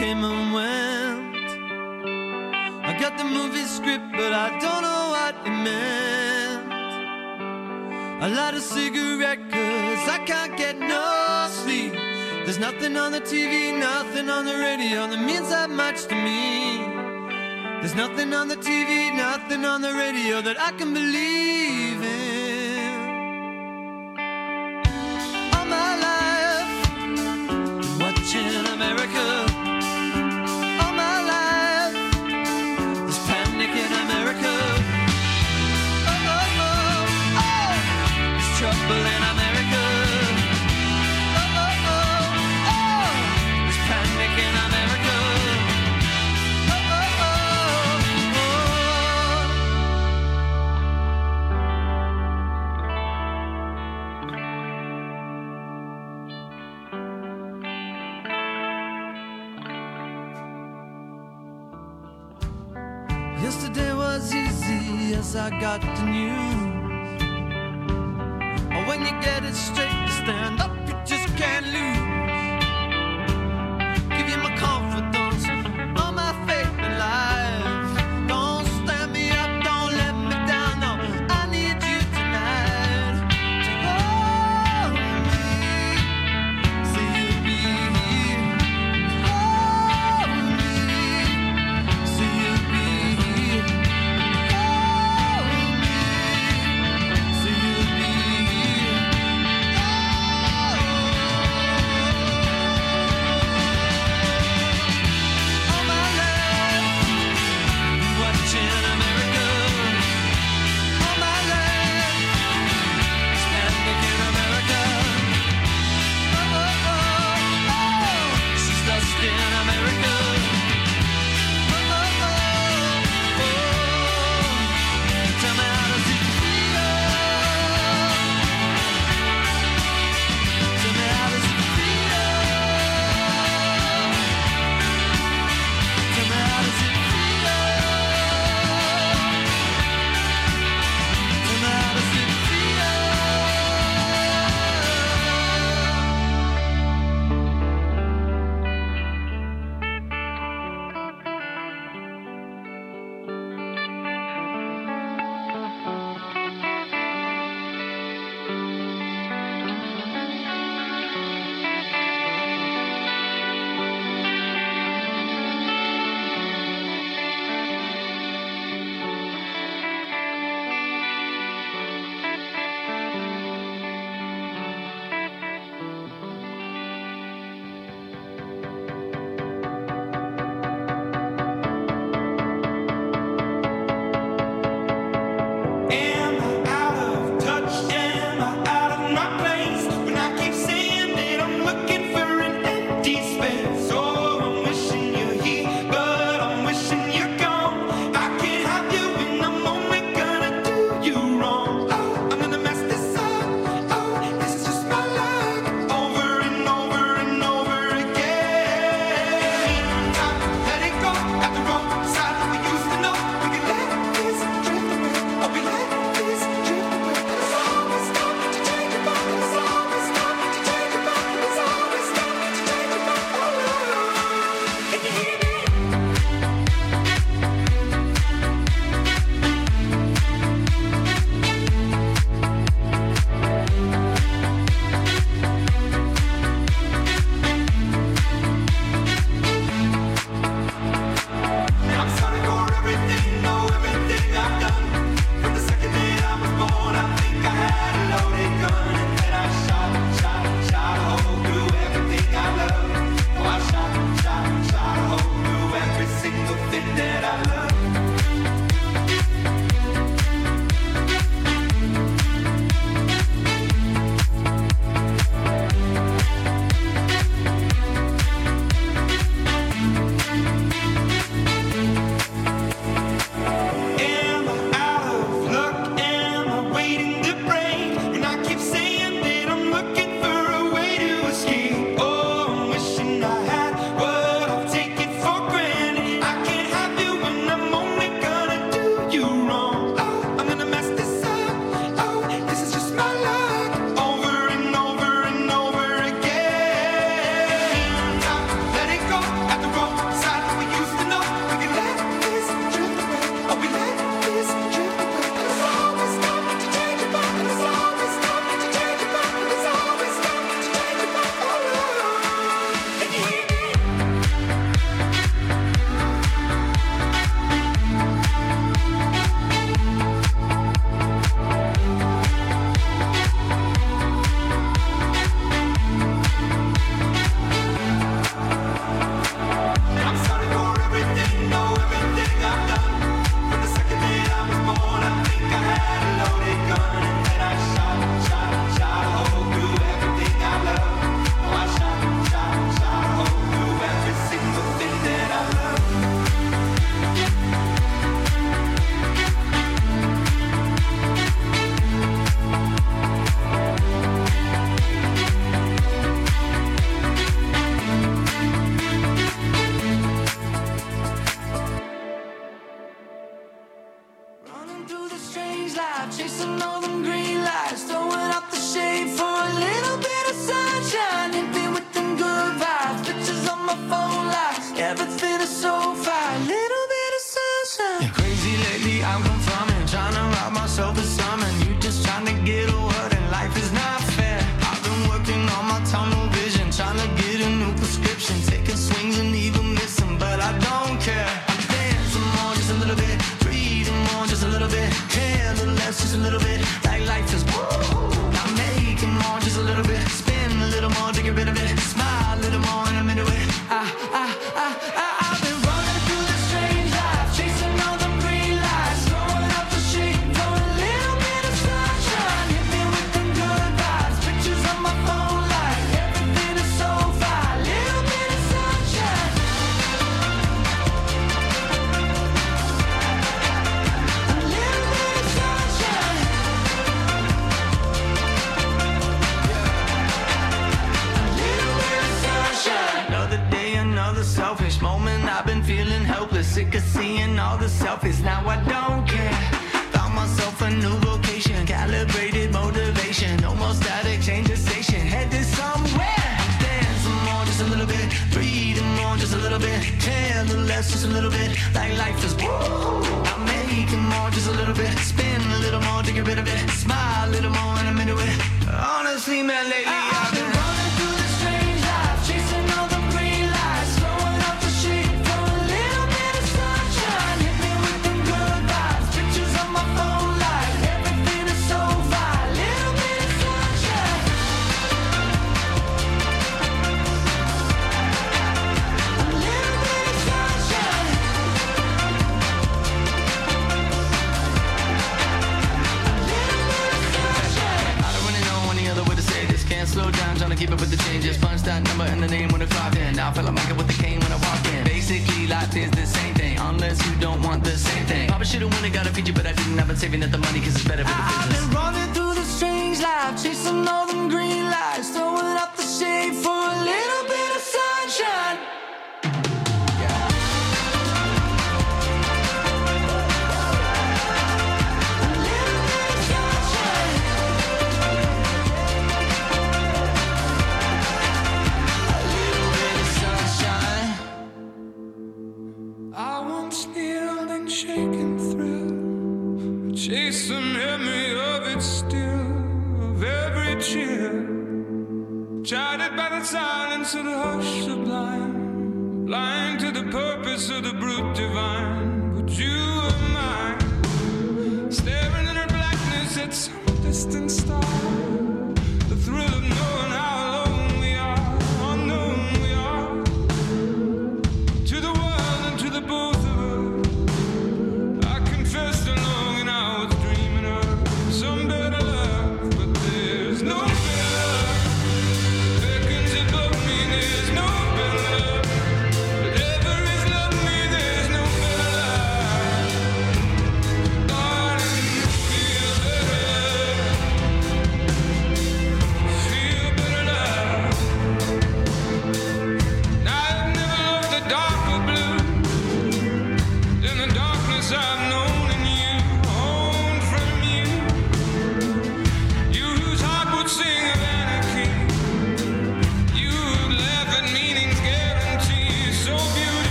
everyone. We want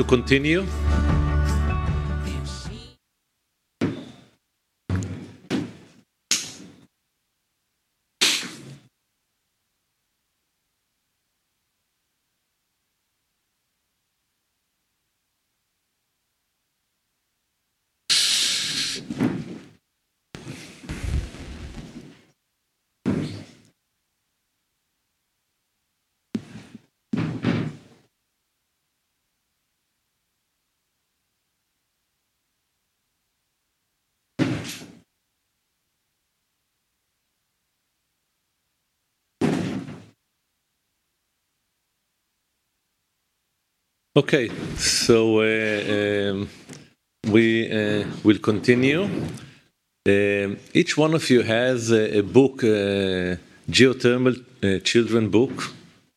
to continue. Okay, so, we will continue. Each one of you has a book, geothermal children book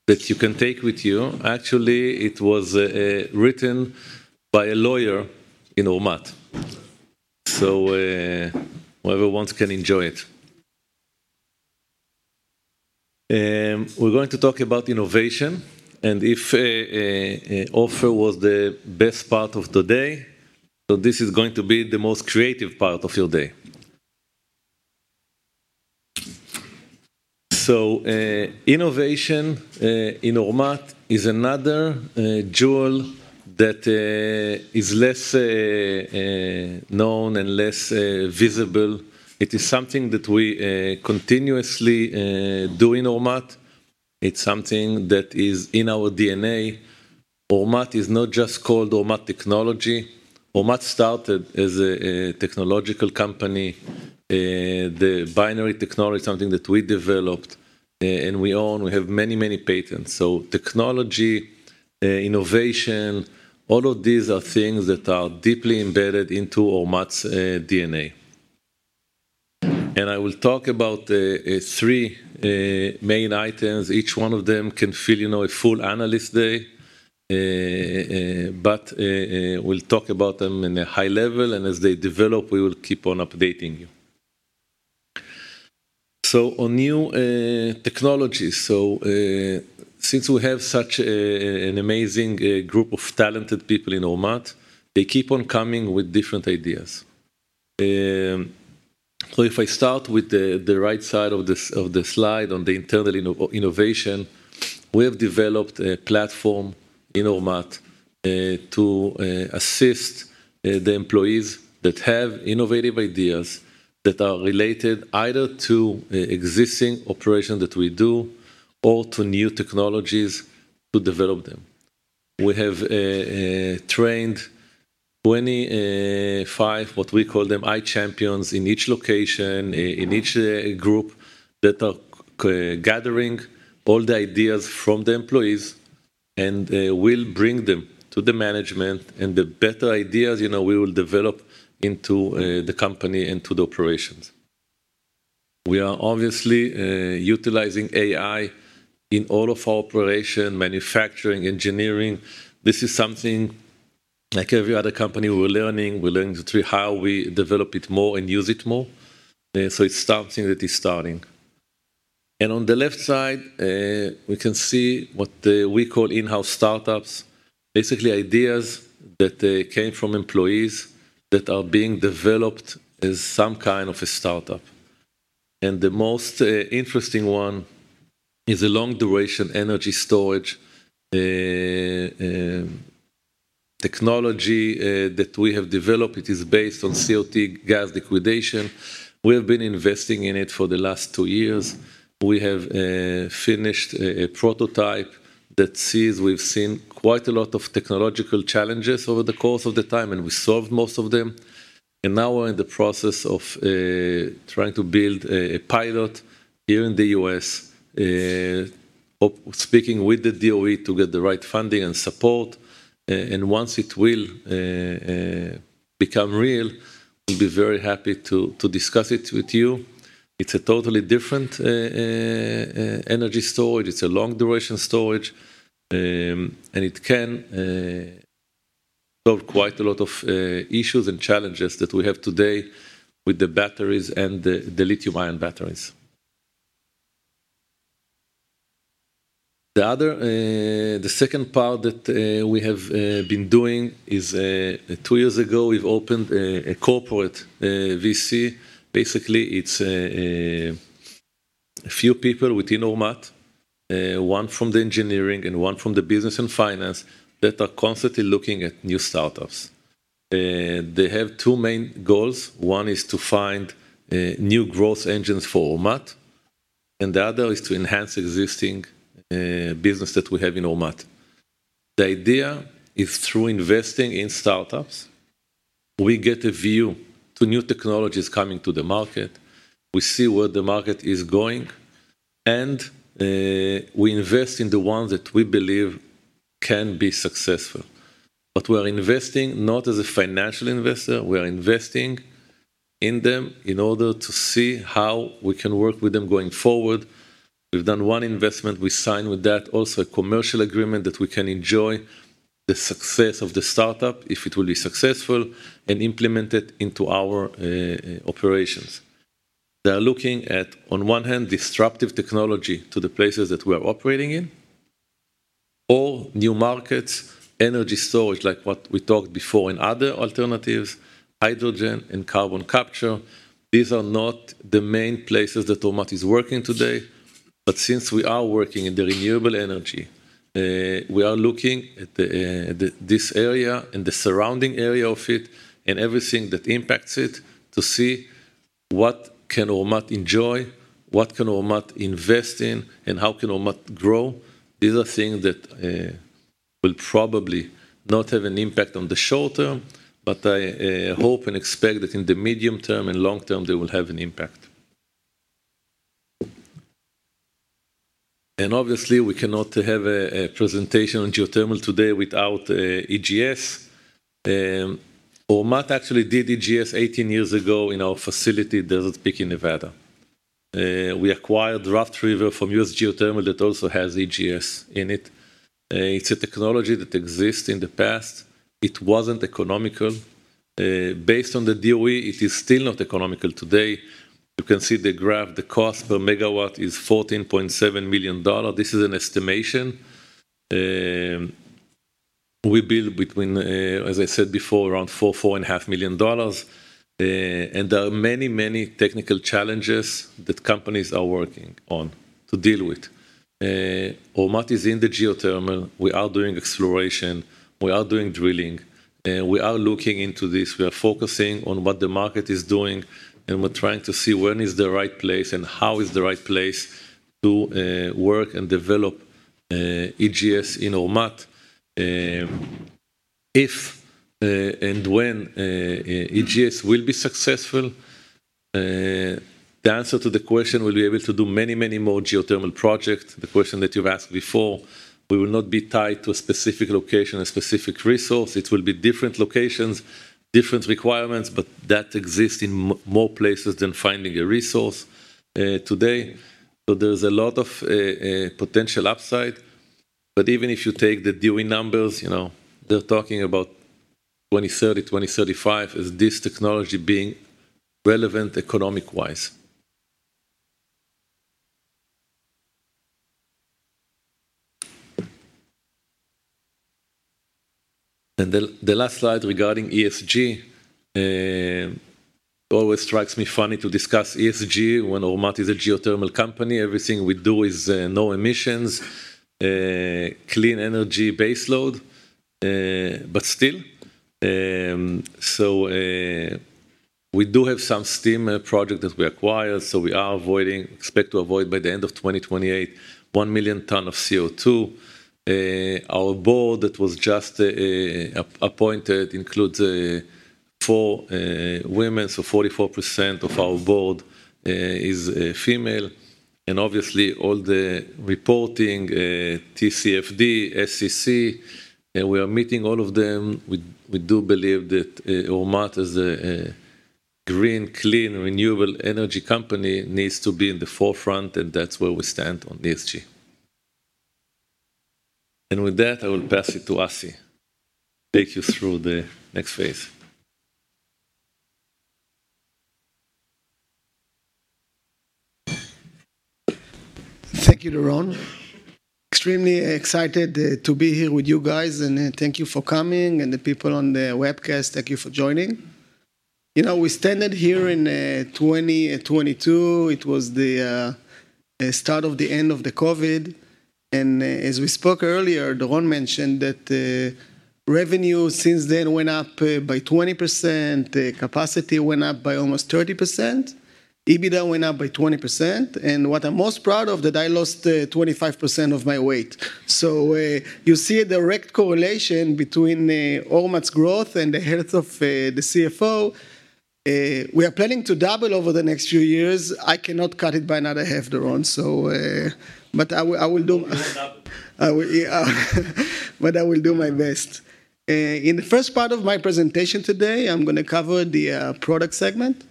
that you can take with you. Actually, it was written by a lawyer in Ormat. So, whoever wants can enjoy it. We're going to talk about innovation, and if Ofer was the best part of the day, so this is going to be the most creative part of your day. So, innovation in Ormat is another jewel that is less known and less visible. It is something that we continuously do in Ormat. It's something that is in our DNA. Ormat is not just called Ormat Technology. Ormat started as a technological company. The binary technology is something that we developed and we own. We have many, many patents. So technology innovation, all of these are things that are deeply embedded into Ormat's DNA. And I will talk about three main items. Each one of them can fill, you know, a full analyst day, but we'll talk about them in a high level, and as they develop, we will keep on updating you. So on new technologies, so, since we have such an amazing group of talented people in Ormat, they keep on coming with different ideas. So if I start with the right side of the slide on the internal innovation, we have developed a platform in Ormat to assist the employees that have innovative ideas that are related either to existing operations that we do, or to new technologies to develop them. We have trained 25, what we call them, iChampions, in each location, in each group, that are gathering all the ideas from the employees, and will bring them to the management. The better ideas, you know, we will develop into the company, into the operations. We are obviously utilizing AI in all of our operation, manufacturing, engineering. This is something like every other company, we're learning. We're learning through how we develop it more and use it more. It's something that is starting. On the left side, we can see what we call in-house startups. Basically, ideas that came from employees that are being developed as some kind of a startup. The most interesting one is a long-duration energy storage technology that we have developed. It is based on CO2 gas liquidation. We have been investing in it for the last two years. We have finished a prototype that sees... We've seen quite a lot of technological challenges over the course of the time, and we solved most of them. Now we're in the process of trying to build a pilot here in the U.S., speaking with the DOE to get the right funding and support, and once it will become real, we'll be very happy to discuss it with you. It's a totally different energy storage. It's a long-duration storage, and it can solve quite a lot of issues and challenges that we have today with the batteries and the lithium-ion batteries. The other, the second part that we have been doing is, two years ago, we've opened a corporate VC. Basically, it's a few people within Ormat, one from the engineering and one from the business and finance, that are constantly looking at new startups. They have two main goals. One is to find new growth engines for Ormat, and the other is to enhance existing business that we have in Ormat. The idea is, through investing in startups, we get a view to new technologies coming to the market, we see where the market is going, and we invest in the ones that we believe can be successful. But we're investing not as a financial investor, we are investing in them in order to see how we can work with them going forward. We've done one investment. We signed with that also a commercial agreement, that we can enjoy the success of the startup, if it will be successful, and implement it into our operations. They are looking at, on one hand, disruptive technology to the places that we are operating in or new markets, energy storage, like what we talked before, and other alternatives, hydrogen and carbon capture. These are not the main places that Ormat is working today, but since we are working in the renewable energy, we are looking at the this area and the surrounding area of it and everything that impacts it, to see what can Ormat enjoy, what can Ormat invest in, and how can Ormat grow? These are things that will probably not have an impact on the short term, but I hope and expect that in the medium term and long term, they will have an impact. And obviously, we cannot have a presentation on geothermal today without EGS. Ormat actually did EGS 18 years ago in our facility, Desert Peak, in Nevada. We acquired Raft River from U.S. Geothermal, that also has EGS in it. It's a technology that exists in the past. It wasn't economical. Based on the DOE, it is still not economical today. You can see the graph, the cost per megawatt is $14.7 million. This is an estimation. We build between, as I said before, around $4-$4.5 million. And there are many, many technical challenges that companies are working on to deal with. Ormat is in the geothermal. We are doing exploration, we are doing drilling, we are looking into this. We are focusing on what the market is doing, and we're trying to see when is the right place and how is the right place to work and develop EGS in Ormat. If and when EGS will be successful, the answer to the question, we'll be able to do many, many more geothermal projects. The question that you've asked before, we will not be tied to a specific location, a specific resource. It will be different locations, different requirements, but that exists in more places than finding a resource today. So there's a lot of potential upside. But even if you take the DOE numbers, you know, they're talking about 2030, 2035, is this technology being relevant economic-wise? The last slide regarding ESG, it always strikes me funny to discuss ESG when Ormat is a geothermal company. Everything we do is no emissions, clean energy baseload, but still. We do have some steam project that we acquired, so we expect to avoid by the end of 2028, 1 million tons of CO2. Our board that was just appointed includes four women, so 44% of our board is female. And obviously, all the reporting, TCFD, SEC, and we are meeting all of them. We do believe that Ormat as a green, clean, renewable energy company needs to be in the forefront, and that's where we stand on ESG. With that, I will pass it to Asi to take you through the next phase. Thank you, Doron. Extremely excited to be here with you guys, and thank you for coming, and the people on the webcast, thank you for joining. You know, we started here in 2022. It was the start of the end of the COVID, and as we spoke earlier, Doron mentioned that revenue since then went up by 20%, the capacity went up by almost 30%, EBITDA went up by 20%, and what I'm most proud of, that I lost 25% of my weight. So you see a direct correlation between Ormat's growth and the health of the CFO. We are planning to double over the next few years. I cannot cut it by another half, Doron, so... But I will, I will do- We'll double. I will, yeah. But I will do my best. In the first part of my presentation today, I'm gonna cover the product segment,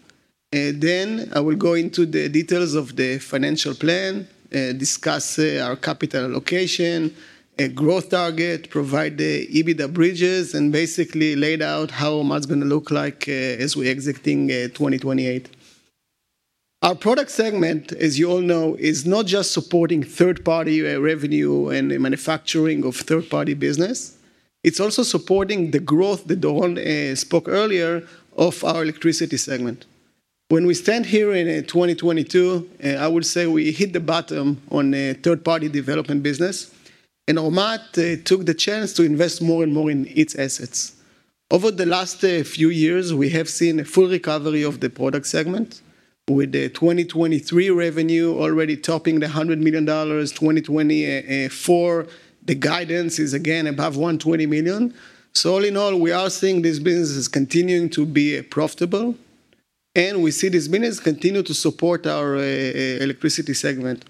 then I will go into the details of the financial plan, discuss our capital allocation, a growth target, provide the EBITDA bridges, and basically lay out how much it's gonna look like, as we're exiting 2028. Our product segment, as you all know, is not just supporting third-party revenue and the manufacturing of third-party business, it's also supporting the growth that Doron spoke earlier of our electricity segment. When we stand here in 2022, I would say we hit the bottom on third-party development business, and Ormat took the chance to invest more and more in its assets. Over the last few years, we have seen a full recovery of the product segment, with the 2023 revenue already topping $100 million. 2024, the guidance is again above $120 million. So all in all, we are seeing this business is continuing to be profitable, and we see this business continue to support our electricity segment.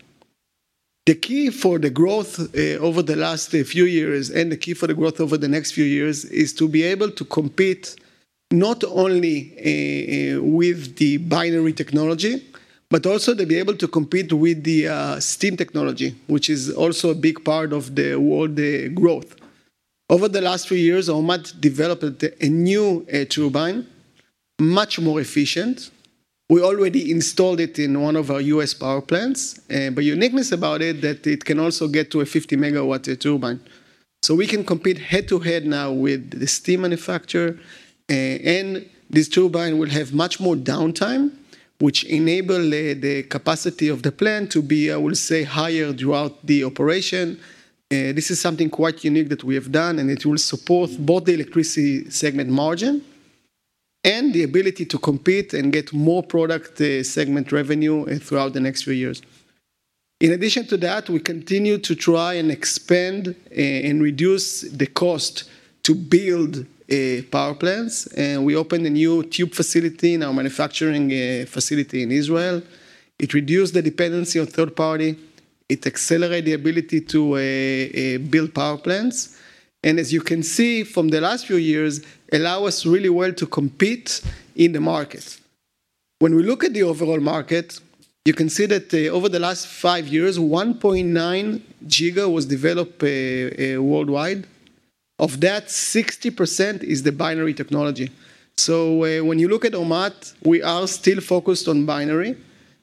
The key for the growth over the last few years, and the key for the growth over the next few years, is to be able to compete not only with the binary technology, but also to be able to compete with the steam technology, which is also a big part of the world growth. Over the last few years, Ormat developed a new turbine, much more efficient. We already installed it in one of our U.S. power plants, but uniqueness about it, that it can also get to a 50-megawatt turbine. So we can compete head-to-head now with the steam manufacturer, and this turbine will have much more downtime, which enable the capacity of the plant to be, I will say, higher throughout the operation. This is something quite unique that we have done, and it will support both the electricity segment margin and the ability to compete and get more product segment revenue throughout the next few years. In addition to that, we continue to try and expand and reduce the cost to build power plants, and we opened a new tube facility in our manufacturing facility in Israel. It reduced the dependency on third-party, it accelerate the ability to build power plants, and as you can see from the last few years, allow us really well to compete in the market. When we look at the overall market, you can see that, over the last five years, 1.9 giga was developed worldwide. Of that, 60% is the binary technology. So, when you look at Ormat, we are still focused on binary.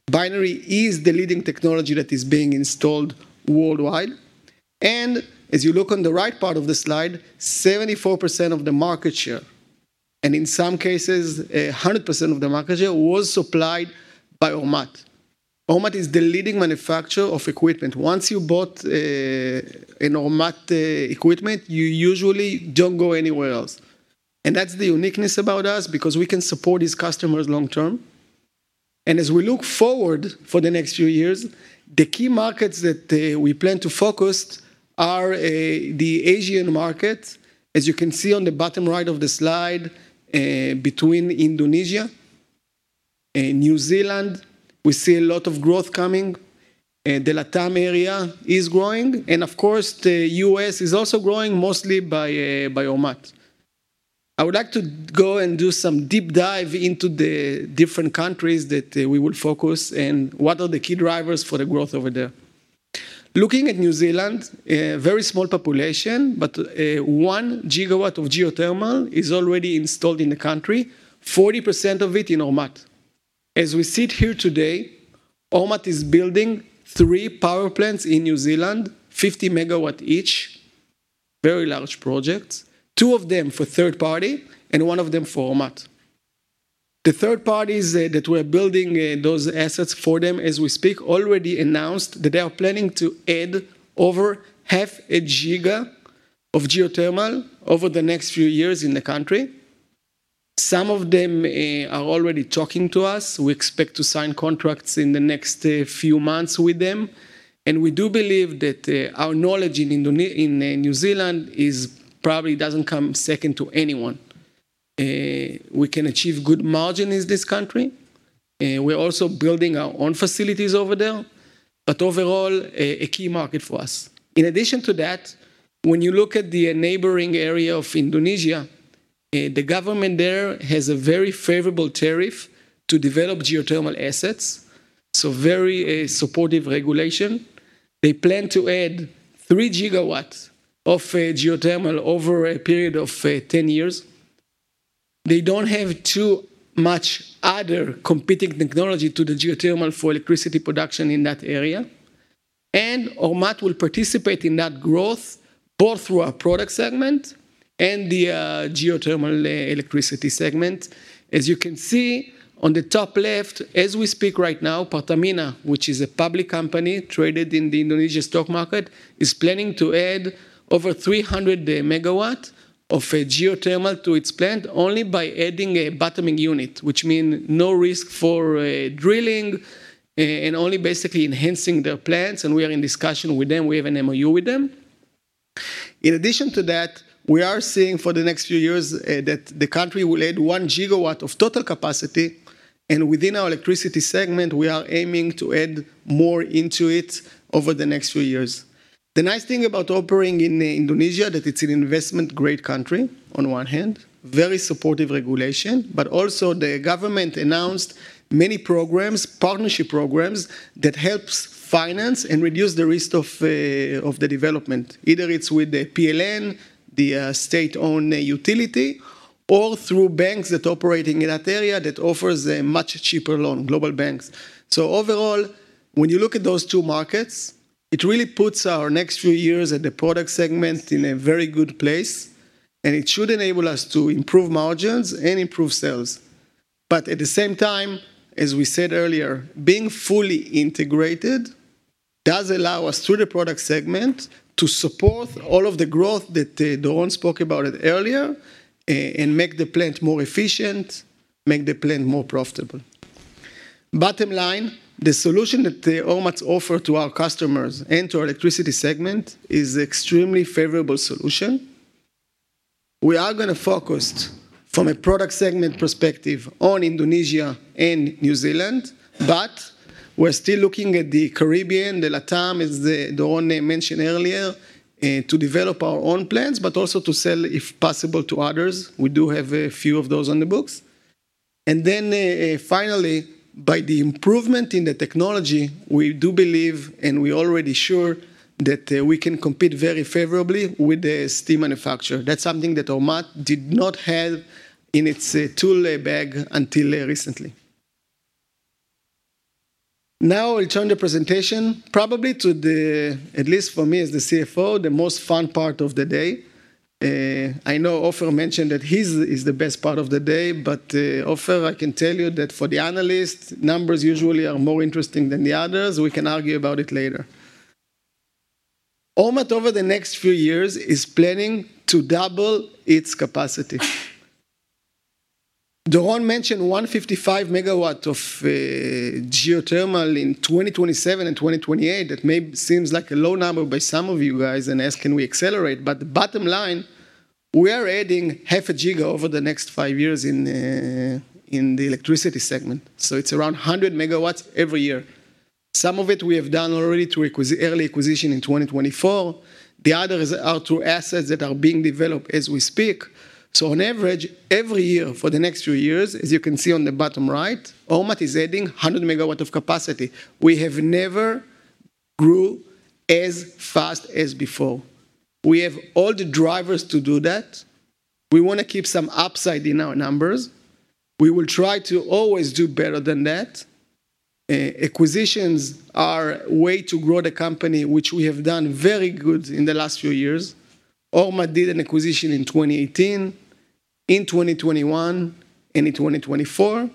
Binary is the leading technology that is being installed worldwide. And as you look on the right part of the slide, 74% of the market share, and in some cases, 100% of the market share, was supplied by Ormat. Ormat is the leading manufacturer of equipment. Once you bought an Ormat equipment, you usually don't go anywhere else. That's the uniqueness about us, because we can support these customers long term.... As we look forward for the next few years, the key markets that we plan to focus are the Asian market. As you can see on the bottom right of the slide, between Indonesia and New Zealand, we see a lot of growth coming, and the LATAM area is growing, and of course, the U.S. is also growing, mostly by Ormat. I would like to go and do some deep dive into the different countries that we will focus and what are the key drivers for the growth over there. Looking at New Zealand, a very small population, but 1 gigawatt of geothermal is already installed in the country, 40% of it in Ormat. As we sit here today, Ormat is building 3 power plants in New Zealand, 50 MW each, very large projects, 2 of them for third party and 1 of them for Ormat. The third parties that we're building those assets for them, as we speak, already announced that they are planning to add over 0.5 gigawatt of geothermal over the next few years in the country. Some of them are already talking to us. We expect to sign contracts in the next few months with them, and we do believe that our knowledge in New Zealand is probably doesn't come second to anyone. We can achieve good margin in this country, we're also building our own facilities over there, but overall, a key market for us. In addition to that, when you look at the neighboring area of Indonesia, the government there has a very favorable tariff to develop geothermal assets, so very supportive regulation. They plan to add 3 gigawatt of geothermal over a period of 10 years. They don't have too much other competing technology to the geothermal for electricity production in that area, and Ormat will participate in that growth, both through our product segment and the geothermal electricity segment. As you can see on the top left, as we speak right now, Pertamina, which is a public company, traded in the Indonesian stock market, is planning to add over 300 MW of geothermal to its plant only by adding a bottoming unit, which mean no risk for drilling, and only basically enhancing their plants, and we are in discussion with them. We have an MOU with them. In addition to that, we are seeing for the next few years, that the country will add one gigawatt of total capacity, and within our electricity segment, we are aiming to add more into it over the next few years. The nice thing about operating in Indonesia, that it's an investment-grade country on one hand, very supportive regulation, but also the government announced many programs, partnership programs, that helps finance and reduce the risk of, of the development, either it's with the PLN, the, state-owned utility, or through banks that operating in that area that offers a much cheaper loan, global banks. So overall, when you look at those two markets, it really puts our next few years at the product segment in a very good place, and it should enable us to improve margins and improve sales. But at the same time, as we said earlier, being fully integrated does allow us, through the product segment, to support all of the growth that, Doron spoke about it earlier, and make the plant more efficient, make the plant more profitable. Bottom line, the solution that Ormat offer to our customers and to our electricity segment is extremely favorable solution. We are gonna focus from a product segment perspective on Indonesia and New Zealand, but we're still looking at the Caribbean, the LATAM, as the Doron mentioned earlier, to develop our own plans, but also to sell, if possible, to others. We do have a few of those on the books. And then, finally, by the improvement in the technology, we do believe, and we already sure, that, we can compete very favorably with the steam manufacturer. That's something that Ormat did not have in its tool bag until recently. Now, I turn the presentation probably to the at least for me, as the CFO, the most fun part of the day. I know Ofer mentioned that his is the best part of the day, but Ofer, I can tell you that for the analysts, numbers usually are more interesting than the others. We can argue about it later. Ormat, over the next few years, is planning to double its capacity. Doron mentioned 155 MW of geothermal in 2027 and 2028. That may seem like a low number by some of you guys and ask, "Can we accelerate?" But bottom line, we are adding 0.5 GW over the next five years in the electricity segment, so it's around 100 MW every year. Some of it we have done already through acquisition, early acquisition in 2024. The others are through assets that are being developed as we speak. So on average, every year for the next few years, as you can see on the bottom right, Ormat is adding 100 MW of capacity. We have never grew as fast as before. We have all the drivers to do that. We want to keep some upside in our numbers. We will try to always do better than that. Acquisitions are way to grow the company, which we have done very good in the last few years. Ormat did an acquisition in 2018, in 2021, and in 2024.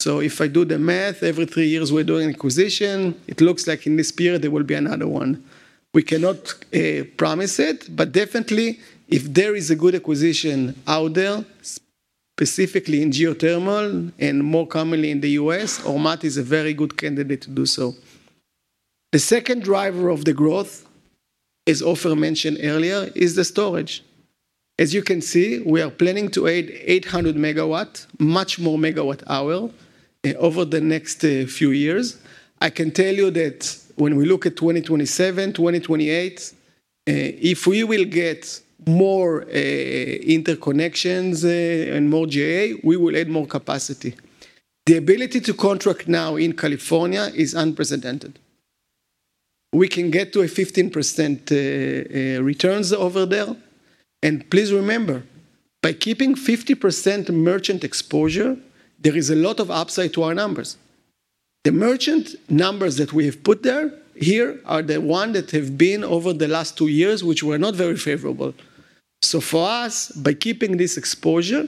So if I do the math, every three years, we're doing acquisition. It looks like in this period, there will be another one. We cannot promise it, but definitely, if there is a good acquisition out there, specifically in geothermal and more commonly in the U.S., Ormat is a very good candidate to do so. The second driver of the growth, as Ofer mentioned earlier, is the storage. As you can see, we are planning to add 800 MW, much more MWh, over the next few years. I can tell you that when we look at 2027, 2028, if we will get more interconnections and more GA, we will add more capacity. The ability to contract now in California is unprecedented. We can get to a 15% returns over there. And please remember, by keeping 50% merchant exposure, there is a lot of upside to our numbers. The merchant numbers that we have put there, here are the ones that have been over the last two years, which were not very favorable. So for us, by keeping this exposure,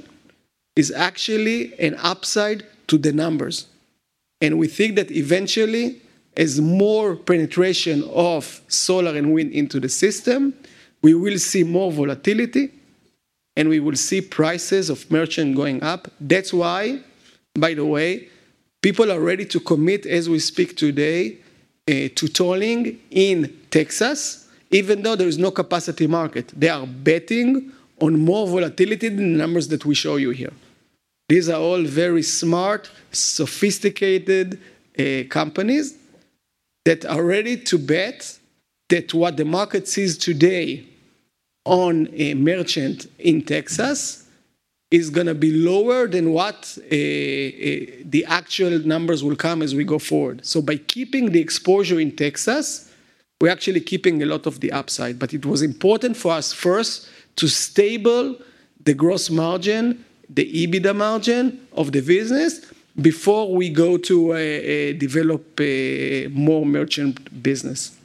is actually an upside to the numbers, and we think that eventually, as more penetration of solar and wind into the system, we will see more volatility, and we will see prices of merchant going up. That's why, by the way, people are ready to commit as we speak today, to tolling in Texas, even though there is no capacity market. They are betting on more volatility than the numbers that we show you here. These are all very smart, sophisticated, companies that are ready to bet that what the market sees today on a merchant in Texas is gonna be lower than what the actual numbers will come as we go forward. So by keeping the exposure in Texas, we're actually keeping a lot of the upside. But it was important for us first to stable the gross margin, the EBITDA margin of the business before we go to, develop a more merchant business.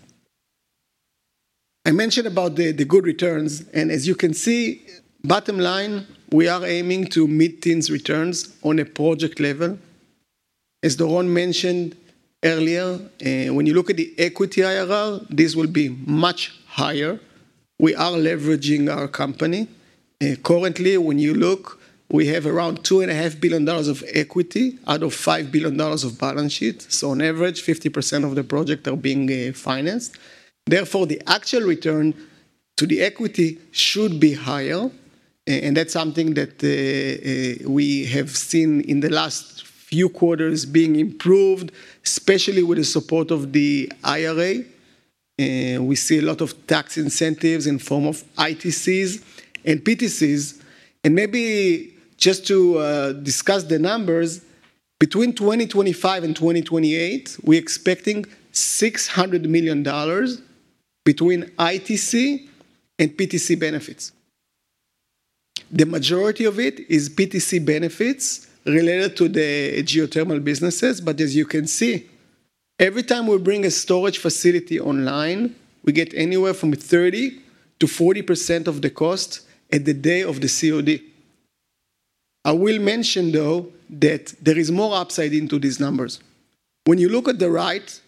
I mentioned about the, the good returns, and as you can see, bottom line, we are aiming to meet teens' returns on a project level. As Doron mentioned earlier, when you look at the equity IRR, this will be much higher. We are leveraging our company. Currently, when you look, we have around $2.5 billion of equity out of $5 billion of balance sheet, so on average, 50% of the project are being, financed. Therefore, the actual return to the equity should be higher, and that's something that we have seen in the last few quarters being improved, especially with the support of the IRA. We see a lot of tax incentives in form of ITCs and PTCs. And maybe just to discuss the numbers, between 2025 and 2028, we're expecting $600 million between ITC and PTC benefits. The majority of it is PTC benefits related to the geothermal businesses, but as you can see, every time we bring a storage facility online, we get anywhere from 30%-40% of the cost at the day of the COD. I will mention, though, that there is more upside into these numbers. When you look at the right,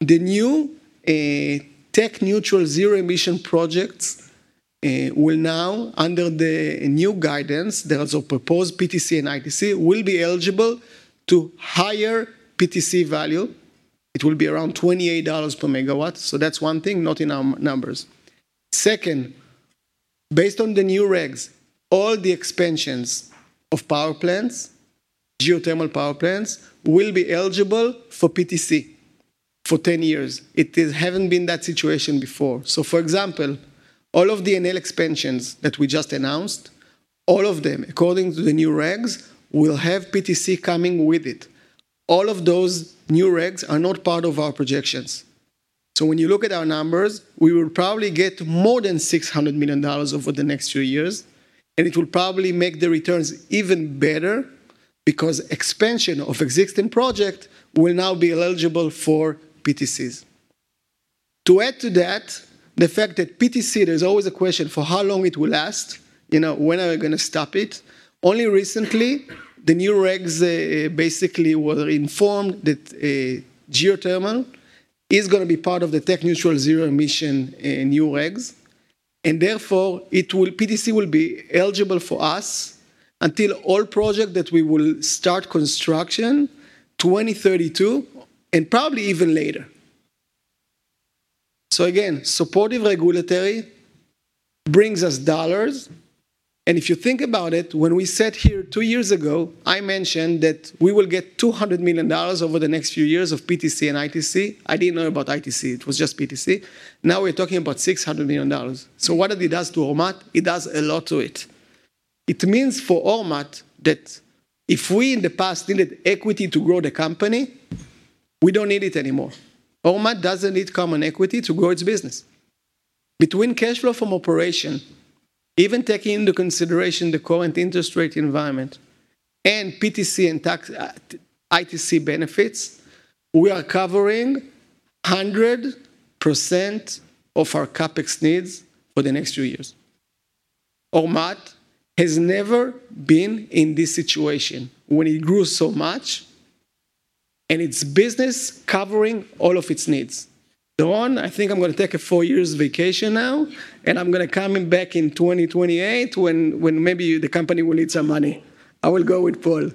the new, tech neutral zero emission projects, will now, under the new guidance, the also proposed PTC and ITC, will be eligible to higher PTC value. It will be around $28 per megawatt. So that's one thing not in our numbers. Second, based on the new regs, all the expansions of power plants, geothermal power plants, will be eligible for PTC for 10 years. It is haven't been that situation before. So for example, all of the NL expansions that we just announced, all of them, according to the new regs, will have PTC coming with it. All of those new regs are not part of our projections. So when you look at our numbers, we will probably get more than $600 million over the next few years, and it will probably make the returns even better because expansion of existing project will now be eligible for PTCs. To add to that, the fact that PTC, there's always a question for how long it will last, you know, when are we gonna stop it? Only recently, the new regs basically were informed that geothermal is gonna be part of the tech neutral zero emission new regs, and therefore, it will PTC will be eligible for us until all project that we will start construction 2032, and probably even later. So again, supportive regulatory brings us dollars, and if you think about it, when we sat here two years ago, I mentioned that we will get $200 million over the next few years of PTC and ITC. I didn't know about ITC. It was just PTC. Now, we're talking about $600 million. So what it does to Ormat? It does a lot to it. It means for Ormat, that if we, in the past, needed equity to grow the company, we don't need it anymore. Ormat doesn't need common equity to grow its business. Between cash flow from operation, even taking into consideration the current interest rate environment and PTC and tax, ITC benefits, we are covering 100% of our CapEx needs for the next few years. Ormat has never been in this situation when it grew so much, and its business covering all of its needs. Doron, I think I'm gonna take a four years vacation now, and I'm gonna coming back in 2028 when, when maybe you, the company will need some money... I will go with Paul.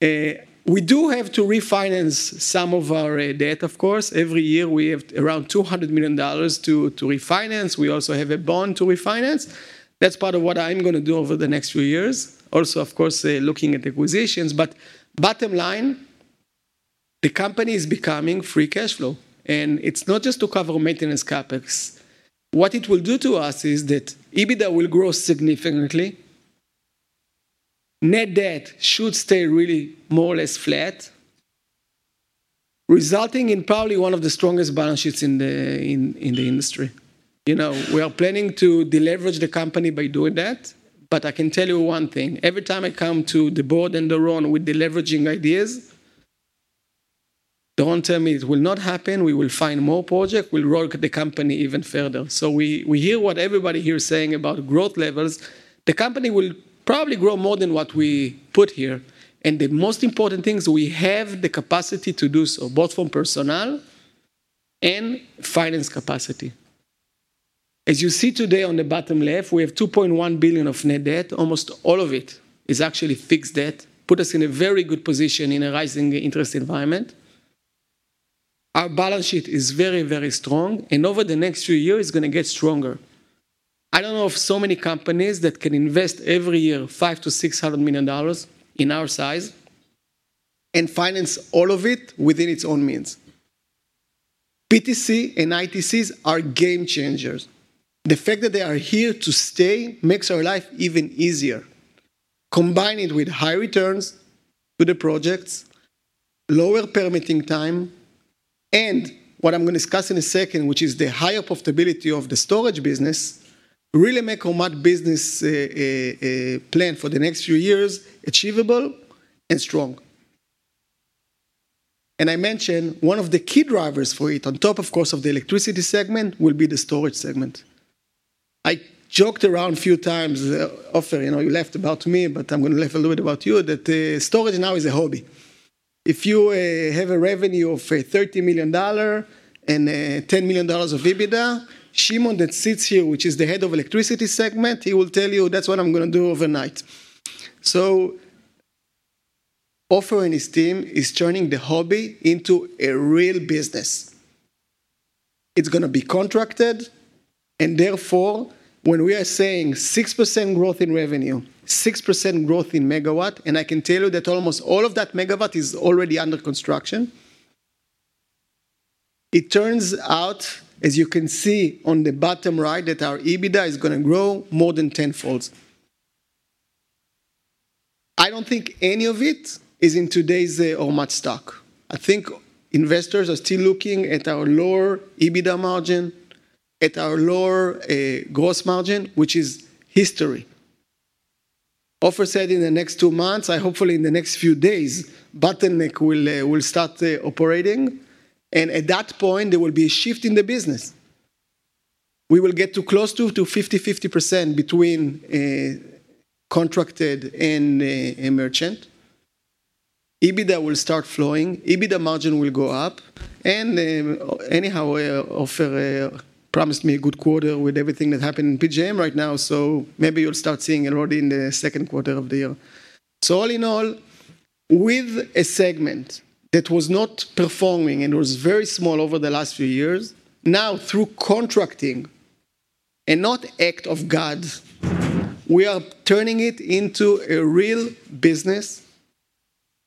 We do have to refinance some of our debt, of course. Every year, we have around $200 million to refinance. We also have a bond to refinance. That's part of what I'm going to do over the next few years. Also, of course, looking at acquisitions, but bottom line, the company is becoming free cash flow, and it's not just to cover maintenance CapEx. What it will do to us is that EBITDA will grow significantly. Net debt should stay really more or less flat, resulting in probably one of the strongest balance sheets in the industry. You know, we are planning to deleverage the company by doing that, but I can tell you one thing: every time I come to the board and Doron with deleveraging ideas, Doron tell me it will not happen, we will find more project, we'll grow the company even further. So we hear what everybody here is saying about growth levels. The company will probably grow more than what we put here, and the most important thing is we have the capacity to do so, both from personnel and finance capacity. As you see today on the bottom left, we have $2.1 billion of net debt. Almost all of it is actually fixed debt, put us in a very good position in a rising interest environment. Our balance sheet is very, very strong, and over the next few years, it's going to get stronger. I don't know of so many companies that can invest every year, $500-$600 million in our size and finance all of it within its own means. PTC and ITCs are game changers. The fact that they are here to stay makes our life even easier. Combine it with high returns to the projects, lower permitting time, and what I'm going to discuss in a second, which is the higher profitability of the storage business, really make how much business, plan for the next few years achievable and strong. And I mentioned one of the key drivers for it, on top, of course, of the electricity segment, will be the storage segment. I joked around a few times, Ofer, you know, you laughed about me, but I'm going to laugh a little about you, that storage now is a hobby. If you have a revenue of $30 million and $10 million of EBITDA, Shimon, that sits here, which is the head of electricity segment, he will tell you, "That's what I'm going to do overnight." So Ofer and his team is turning the hobby into a real business. It's going to be contracted, and therefore, when we are saying 6% growth in revenue, 6% growth in megawatt, and I can tell you that almost all of that megawatt is already under construction. It turns out, as you can see on the bottom right, that our EBITDA is going to grow more than 10 folds. I don't think any of it is in today's Ormat stock. I think investors are still looking at our lower EBITDA margin, at our lower, gross margin, which is history. Ofer said in the next two months, and hopefully in the next few days, Bottleneck will, will start, operating, and at that point, there will be a shift in the business. We will get to close to 50/50 between contracted and a merchant. EBITDA will start flowing, EBITDA margin will go up, and, anyhow, Ofer promised me a good quarter with everything that happened in PJM right now, so maybe you'll start seeing it already in the second quarter of the year. So all in all, with a segment that was not performing and was very small over the last few years, now, through contracting and not act of God, we are turning it into a real business,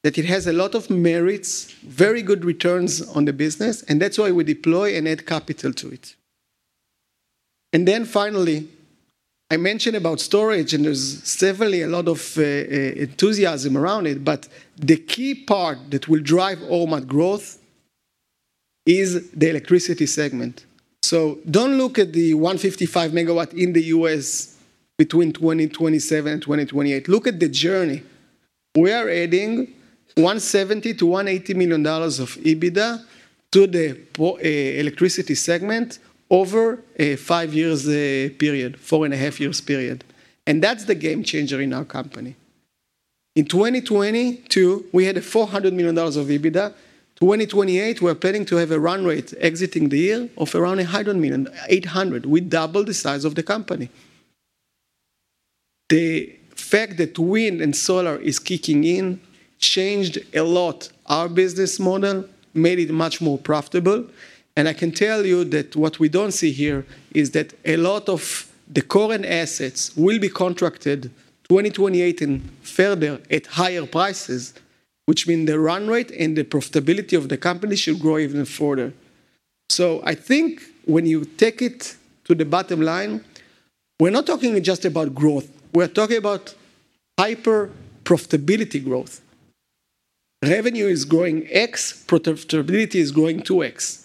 that it has a lot of merits, very good returns on the business, and that's why we deploy and add capital to it. And then finally, I mentioned about storage, and there's certainly a lot of enthusiasm around it, but the key part that will drive Ormat growth is the electricity segment. So don't look at the 155 MW in the US between 2027 and 2028. Look at the journey. We are adding $170 million-$180 million of EBITDA to the electricity segment over a 5-year period, 4.5-year period, and that's the game changer in our company. In 2022, we had $400 million of EBITDA. 2028, we are planning to have a run rate exiting the year of around $800 million, eight hundred. We double the size of the company. The fact that wind and solar is kicking in changed a lot. Our business model made it much more profitable, and I can tell you that what we don't see here is that a lot of the current assets will be contracted 2028 and further at higher prices, which mean the run rate and the profitability of the company should grow even further. So I think when you take it to the bottom line, we're not talking just about growth, we're talking about hyper-profitability growth. Revenue is growing x, profitability is growing 2x,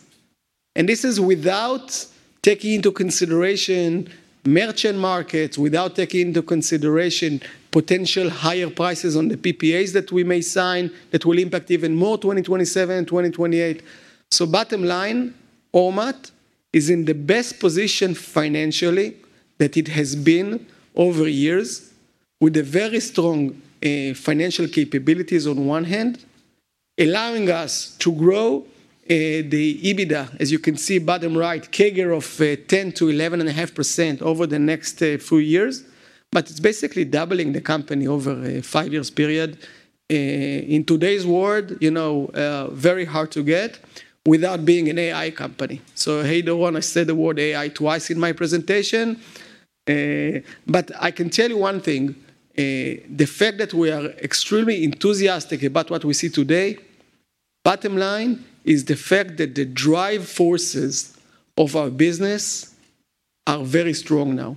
and this is without taking into consideration merchant markets, without taking into consideration potential higher prices on the PPAs that we may sign that will impact even more 2027 and 2028. So bottom line, Ormat is in the best position financially that it has been over years, with a very strong, financial capabilities on one hand, allowing us to grow the EBITDA, as you can see, bottom right, CAGR of 10%-11.5% over the next few years, but it's basically doubling the company over a 5-year period. In today's world, you know, very hard to get without being an AI company. So hey, don't want to say the word AI twice in my presentation, but I can tell you one thing, the fact that we are extremely enthusiastic about what we see today, bottom line, is the fact that the drive forces of our business are very strong now.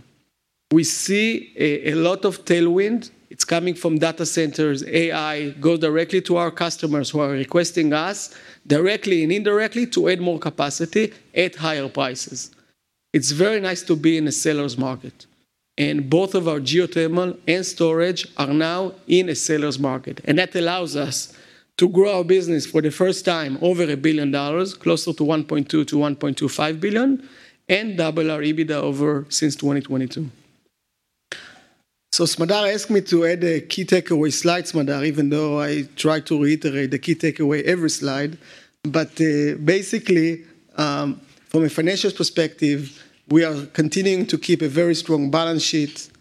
We see a lot of tailwind. It's coming from data centers, AI, go directly to our customers, who are requesting us directly and indirectly to add more capacity at higher prices. It's very nice to be in a seller's market, and both of our geothermal and storage are now in a seller's market, and that allows us to grow our business for the first time over $1 billion, closer to $1.2-$1.25 billion, and double our EBITDA over since 2022. So Smadar asked me to add a key takeaway slide, Smadar, even though I tried to reiterate the key takeaway every slide. But, basically, from a financial perspective, we are continuing to keep a very strong balance sheet,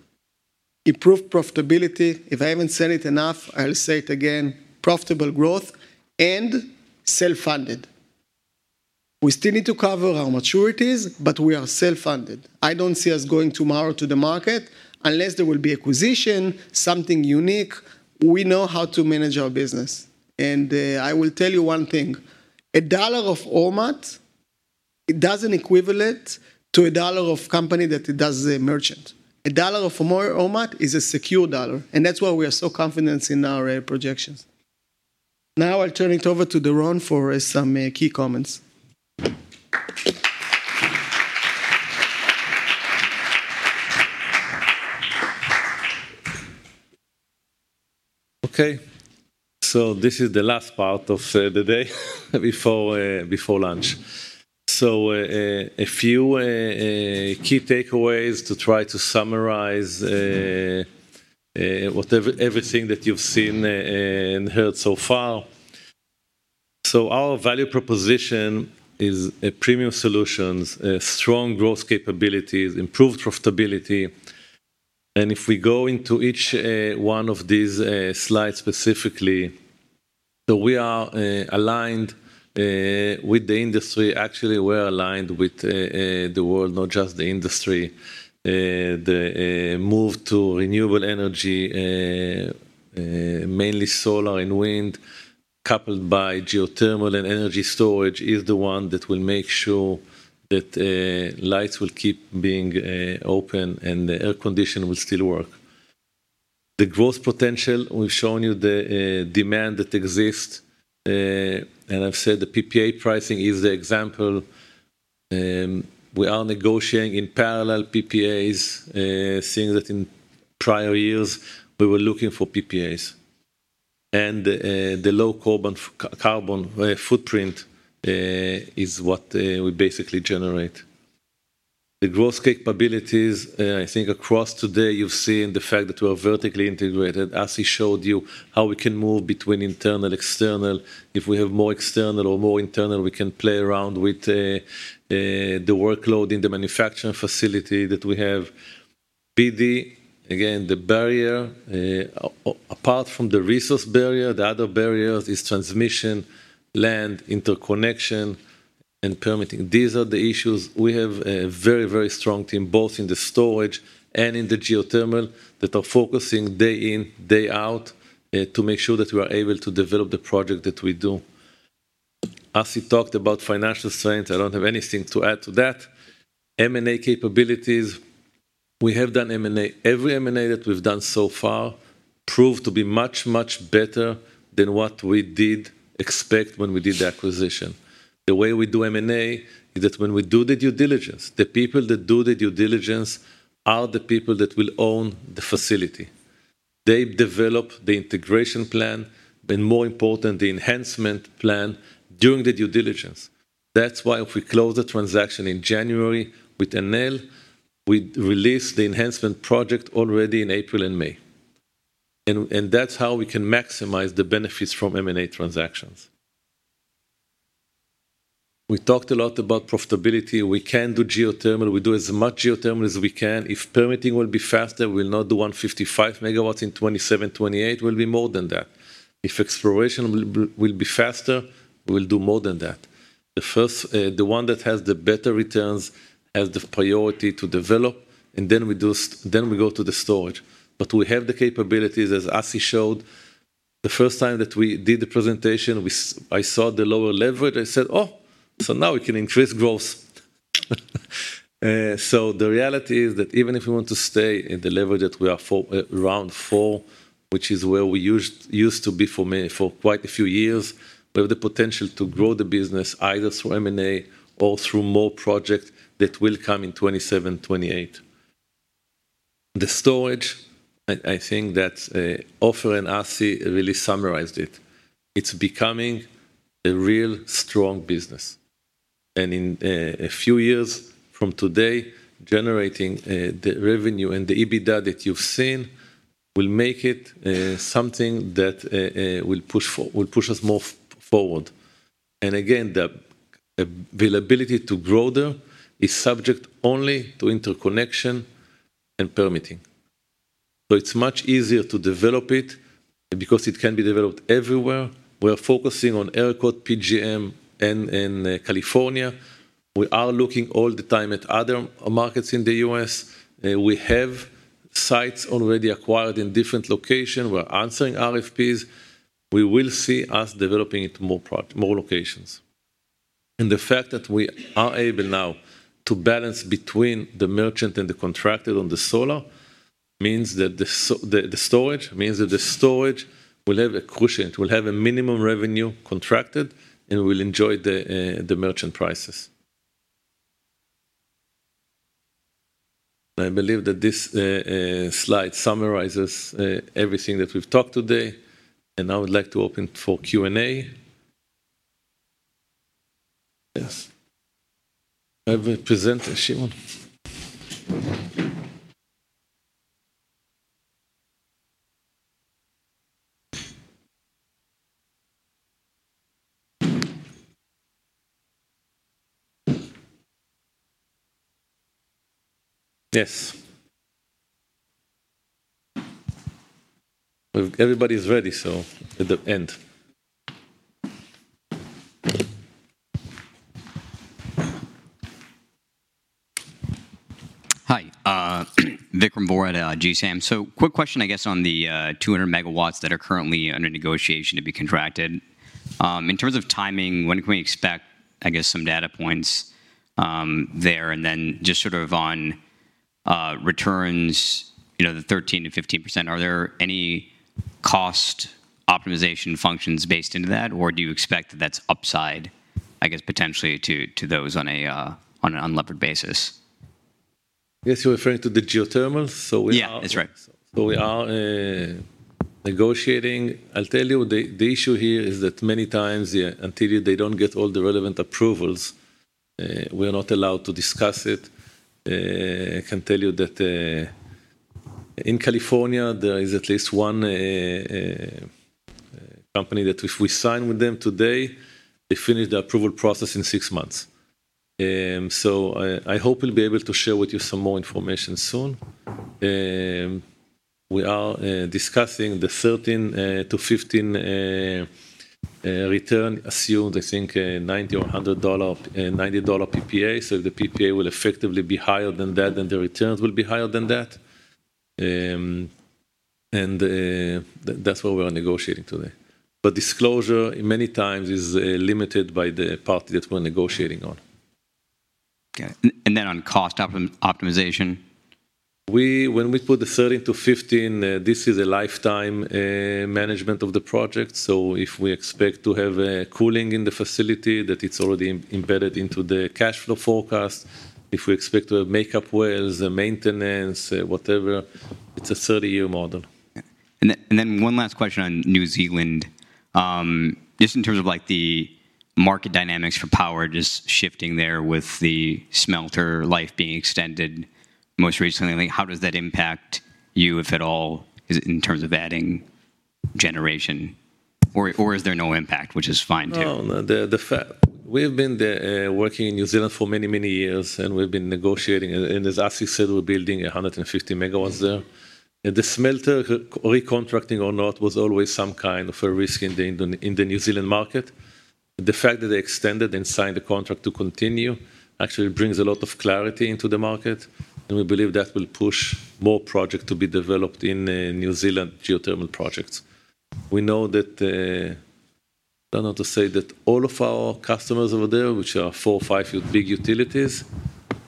improve profitability. If I haven't said it enough, I'll say it again, profitable growth and self-funded. We still need to cover our maturities, but we are self-funded. I don't see us going tomorrow to the market unless there will be acquisition, something unique. We know how to manage our business, and, I will tell you one thing, a dollar of Ormat, it doesn't equivalent to a dollar of company that does a merchant. A dollar of Ormat is a secure dollar, and that's why we are so confident in our projections. Now, I'll turn it over to Doron for some key comments. Okay, so this is the last part of the day before lunch. So, a few key takeaways to try to summarize everything that you've seen and heard so far. So our value proposition is premium solutions, strong growth capabilities, improved profitability. And if we go into each one of these slides specifically, so we are aligned with the industry. Actually, we're aligned with the world, not just the industry. The move to renewable energy mainly solar and wind, coupled by geothermal and energy storage, is the one that will make sure that lights will keep being open and the air condition will still work. The growth potential, we've shown you the demand that exists, and I've said the PPA pricing is the example. We are negotiating in parallel PPAs, seeing that in prior years we were looking for PPAs. The low carbon footprint is what we basically generate. The growth capabilities, I think across today, you've seen the fact that we're vertically integrated. Asi showed you how we can move between internal, external. If we have more external or more internal, we can play around with the workload in the manufacturing facility that we have. PD, again, the barrier, apart from the resource barrier, the other barriers is transmission, land, interconnection, and permitting. These are the issues. We have a very, very strong team, both in the storage and in the geothermal, that are focusing day in, day out, to make sure that we are able to develop the project that we do. Asi talked about financial strength. I don't have anything to add to that. M&A capabilities, we have done M&A. Every M&A that we've done so far proved to be much, much better than what we did expect when we did the acquisition. The way we do M&A is that when we do the due diligence, the people that do the due diligence are the people that will own the facility. They develop the integration plan, and more important, the enhancement plan during the due diligence. That's why if we close the transaction in January with Enel, we release the enhancement project already in April and May, and that's how we can maximize the benefits from M&A transactions. We talked a lot about profitability. We can do geothermal. We do as much geothermal as we can. If permitting will be faster, we'll not do 155 megawatts in 2027, 2028, we'll be more than that. If exploration will be faster, we'll do more than that. The first, the one that has the better returns has the priority to develop, and then we do... Then we go to the storage. But we have the capabilities, as Asi showed. The first time that we did the presentation, I saw the lower leverage, I said, "Oh, so now we can increase growth." So the reality is that even if we want to stay in the leverage that we are for around four, which is where we used to be for many, for quite a few years, we have the potential to grow the business either through M&A or through more projects that will come in 2027, 2028. The storage, I think that Ofer and Asi really summarized it. It's becoming a real strong business.... And in a few years from today, generating the revenue and the EBITDA that you've seen will make it something that will push us more forward. And again, the availability to grow there is subject only to interconnection and permitting. So it's much easier to develop it because it can be developed everywhere. We are focusing on ERCOT, PJM, and California. We are looking all the time at other markets in the U.S. We have sites already acquired in different location. We're answering RFPs. We will see us developing it more locations. And the fact that we are able now to balance between the merchant and the contracted on the solar means that the storage will have a cushion. It will have a minimum revenue contracted, and we'll enjoy the, the merchant prices. I believe that this slide summarizes everything that we've talked today, and I would like to open for Q&A. Yes. I have a presenter, Shimon. Yes. Well, everybody is ready, so at the end. Hi, Vikram Bora at GSAM. So quick question, I guess, on the 200 megawatts that are currently under negotiation to be contracted. In terms of timing, when can we expect, I guess, some data points there? And then just sort of on returns, you know, the 13%-15%, are there any cost optimization functions based into that, or do you expect that's upside, I guess, potentially to, to those on a, on an unlevered basis? Yes, you're referring to the geothermal, so we are- Yeah, that's right. So we are negotiating. I'll tell you, the issue here is that many times, yeah, until they don't get all the relevant approvals, we're not allowed to discuss it. I can tell you that, in California, there is at least one company that if we sign with them today, they finish the approval process in six months. So I hope we'll be able to share with you some more information soon. We are discussing the 13- to 15-return assumed, I think, 90- or 100-dollar, 90-dollar PPA. So the PPA will effectively be higher than that, and the returns will be higher than that. And that's what we are negotiating today. But disclosure, many times, is limited by the party that we're negotiating on. Got it. And then on cost optimization? When we put the 13-15, this is a lifetime management of the project. So if we expect to have a cooling in the facility, that it's already embedded into the cash flow forecast, if we expect to have makeup wells, maintenance, whatever, it's a 30-year model. One last question on New Zealand. Just in terms of, like, the market dynamics for power just shifting there with the smelter life being extended most recently, like, how does that impact you, if at all? Is it in terms of adding generation or, or is there no impact, which is fine, too? No, no, the fact. We've been there, working in New Zealand for many, many years, and we've been negotiating. And as Asi said, we're building 150 megawatts there. And the smelter recontracting or not was always some kind of a risk in the New Zealand market. The fact that they extended and signed a contract to continue actually brings a lot of clarity into the market, and we believe that will push more projects to be developed in New Zealand geothermal projects. We know that I don't know to say that all of our customers over there, which are four or five big utilities,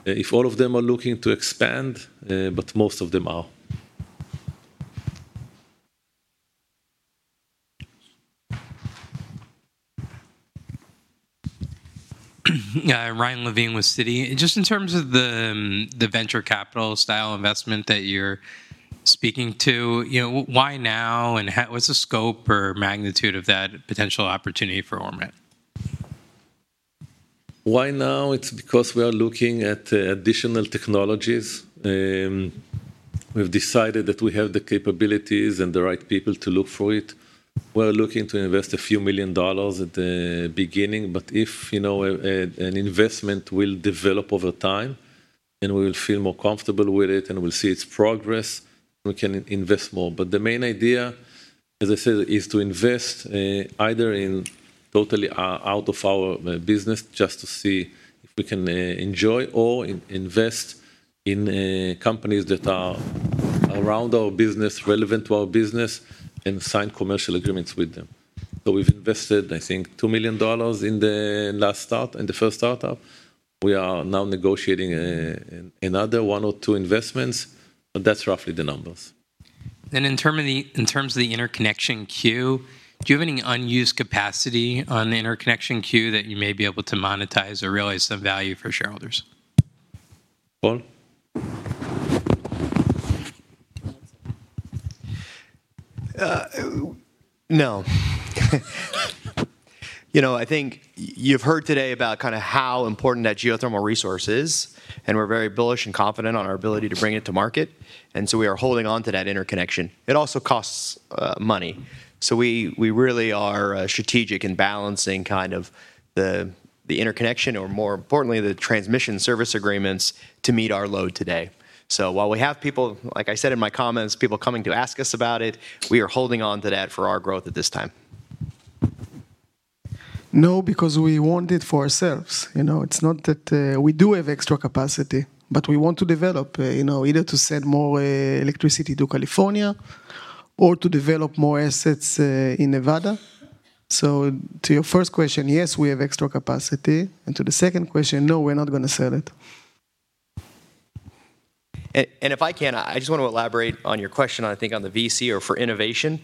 if all of them are looking to expand, but most of them are. Yeah, Ryan Levine with Citi. Just in terms of the, the venture capital style investment that you're speaking to, you know, why now, and what's the scope or magnitude of that potential opportunity for Ormat? Why now? It's because we are looking at additional technologies. We've decided that we have the capabilities and the right people to look for it. We're looking to invest $a few million at the beginning, but if, you know, an investment will develop over time, and we will feel more comfortable with it, and we'll see its progress, we can invest more. But the main idea, as I said, is to invest either in totally out of our business, just to see if we can enjoy or invest in companies that are around our business, relevant to our business, and sign commercial agreements with them. So we've invested, I think, $2 million in the last start, in the first startup. We are now negotiating another 1 or 2 investments, but that's roughly the numbers. In terms of the interconnection queue, do you have any unused capacity on the interconnection queue that you may be able to monetize or realize the value for shareholders? Paul? ... No. You know, I think you've heard today about kinda how important that geothermal resource is, and we're very bullish and confident on our ability to bring it to market, and so we are holding on to that interconnection. It also costs money, so we really are strategic in balancing kind of the interconnection or more importantly, the transmission service agreements to meet our load today. So while we have people, like I said in my comments, people coming to ask us about it, we are holding on to that for our growth at this time. No, because we want it for ourselves. You know, it's not that... We do have extra capacity, but we want to develop, you know, either to send more electricity to California or to develop more assets in Nevada. So to your first question, yes, we have extra capacity, and to the second question, no, we're not gonna sell it. And if I can, I just want to elaborate on your question, I think on the VC or for innovation.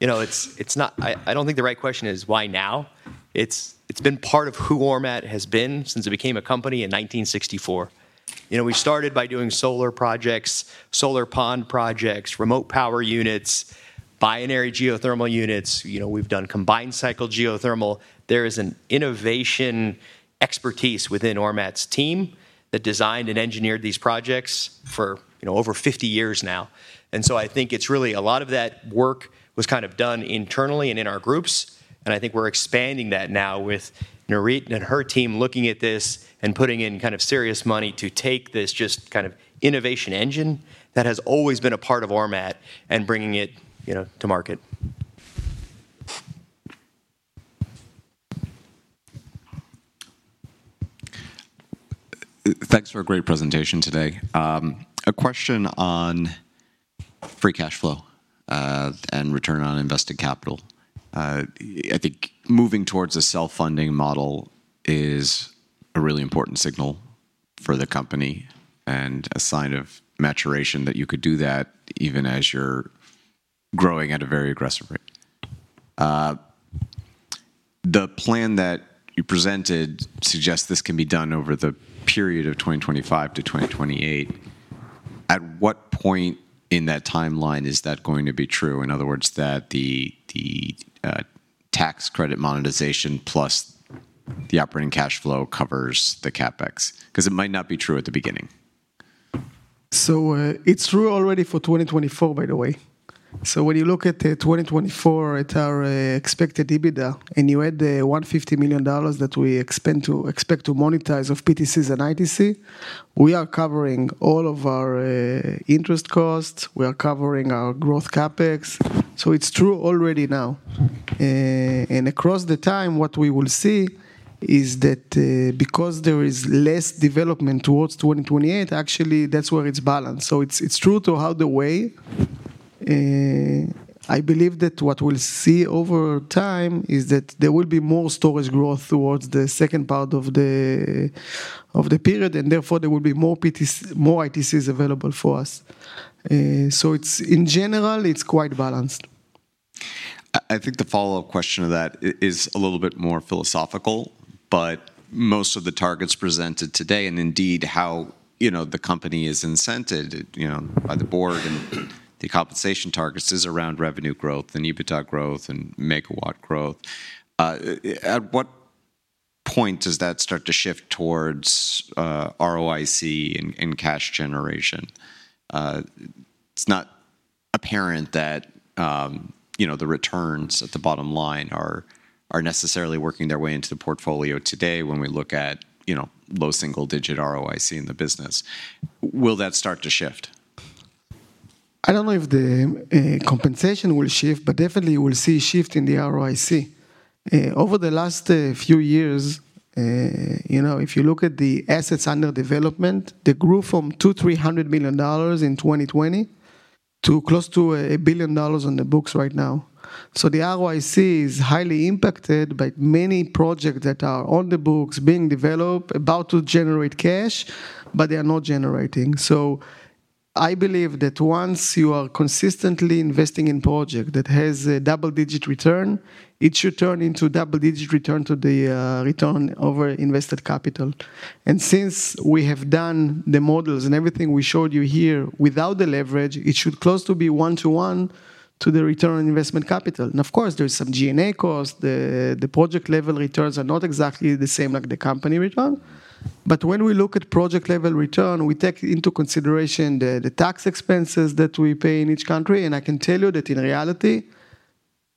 You know, it's not. I don't think the right question is, why now? It's been part of who Ormat has been since it became a company in 1964. You know, we started by doing solar projects, solar pond projects, remote power units, binary geothermal units. You know, we've done combined cycle geothermal. There is an innovation expertise within Ormat's team that designed and engineered these projects for, you know, over 50 years now. And so, I think it's really a lot of that work was kind of done internally and in our groups, and I think we're expanding that now with Nurit and her team looking at this and putting in kind of serious money to take this just kind of innovation engine that has always been a part of Ormat and bringing it, you know, to market. Thanks for a great presentation today. A question on free cash flow, and return on invested capital. I think moving towards a self-funding model is a really important signal for the company and a sign of maturation that you could do that even as you're growing at a very aggressive rate. The plan that you presented suggests this can be done over the period of 2025 to 2028. At what point in that timeline is that going to be true, in other words, that the tax credit monetization plus the operating cash flow covers the CapEx? 'Cause it might not be true at the beginning. So, it's true already for 2024, by the way. So when you look at 2024 at our expected EBITDA, and you add the $150 million that we expect to monetize of PTCs and ITC, we are covering all of our interest costs, we are covering our growth CapEx. So it's true already now. And across the time, what we will see is that because there is less development towards 2028, actually, that's where it's balanced. So it's true to how the way. I believe that what we'll see over time is that there will be more storage growth towards the second part of the period, and therefore, there will be more PTCs, more ITCs available for us. So it's in general, it's quite balanced. I think the follow-up question to that is a little bit more philosophical, but most of the targets presented today, and indeed, how, you know, the company is incented, you know, by the board and the compensation targets, is around revenue growth and EBITDA growth and megawatt growth. At what point does that start to shift towards ROIC and cash generation? It's not apparent that, you know, the returns at the bottom line are necessarily working their way into the portfolio today when we look at, you know, low single-digit ROIC in the business. Will that start to shift? I don't know if the compensation will shift, but definitely, we'll see a shift in the ROIC. Over the last few years, you know, if you look at the assets under development, they grew from $200 million-$300 million in 2020 to close to $1 billion on the books right now. So the ROIC is highly impacted by many projects that are on the books, being developed, about to generate cash, but they are not generating. So I believe that once you are consistently investing in project that has a double-digit return, it should turn into double-digit return to the return over invested capital. And since we have done the models and everything we showed you here without the leverage, it should close to be one-to-one to the return on investment capital. And of course, there is some G&A cost. The project-level returns are not exactly the same like the company return. But when we look at project-level return, we take into consideration the tax expenses that we pay in each country, and I can tell you that in reality,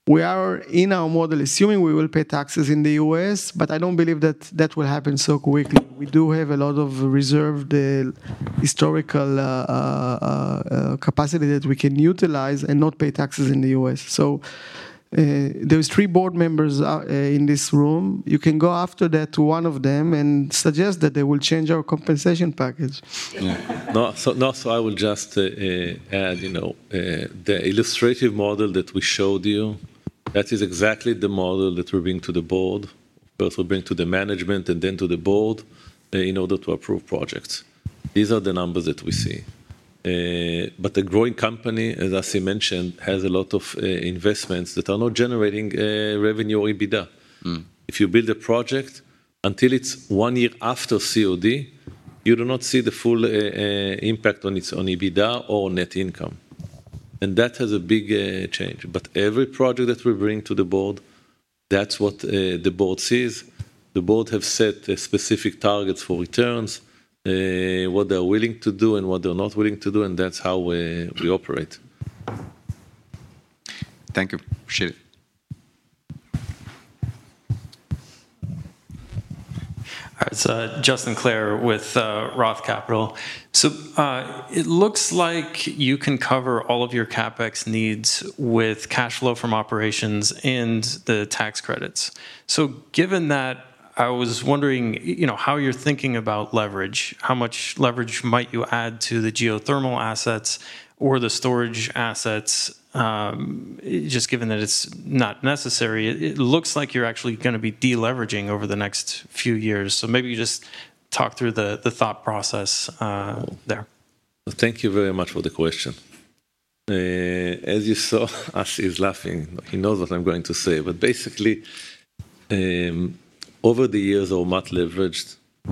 we are in our model, assuming we will pay taxes in the U.S., but I don't believe that will happen so quickly. We do have a lot of reserved historical capacity that we can utilize and not pay taxes in the U.S. So, there's three board members in this room. You can go after that to one of them and suggest that they will change our compensation package. Yeah. No, so, no, so I will just add, you know, the illustrative model that we showed you, that is exactly the model that we're bringing to the board, first we bring to the management and then to the board, in order to approve projects. These are the numbers that we see. But a growing company, as Asi mentioned, has a lot of investments that are not generating revenue or EBITDA. Mm. If you build a project, until it's one year after COD-... you do not see the full, impact on its, on EBITDA or net income, and that has a big, change. But every project that we bring to the board, that's what, the board sees. The board have set specific targets for returns, what they're willing to do and what they're not willing to do, and that's how we, we operate. Thank you. Appreciate it. All right, so, Justin Clair with Roth Capital. So, it looks like you can cover all of your CapEx needs with cash flow from operations and the tax credits. So given that, I was wondering, you know, how you're thinking about leverage, how much leverage might you add to the geothermal assets or the storage assets, just given that it's not necessary? It looks like you're actually gonna be de-leveraging over the next few years. So maybe just talk through the thought process there. Thank you very much for the question. As you saw, Asi is laughing. He knows what I'm going to say. But basically, over the years, our net leverage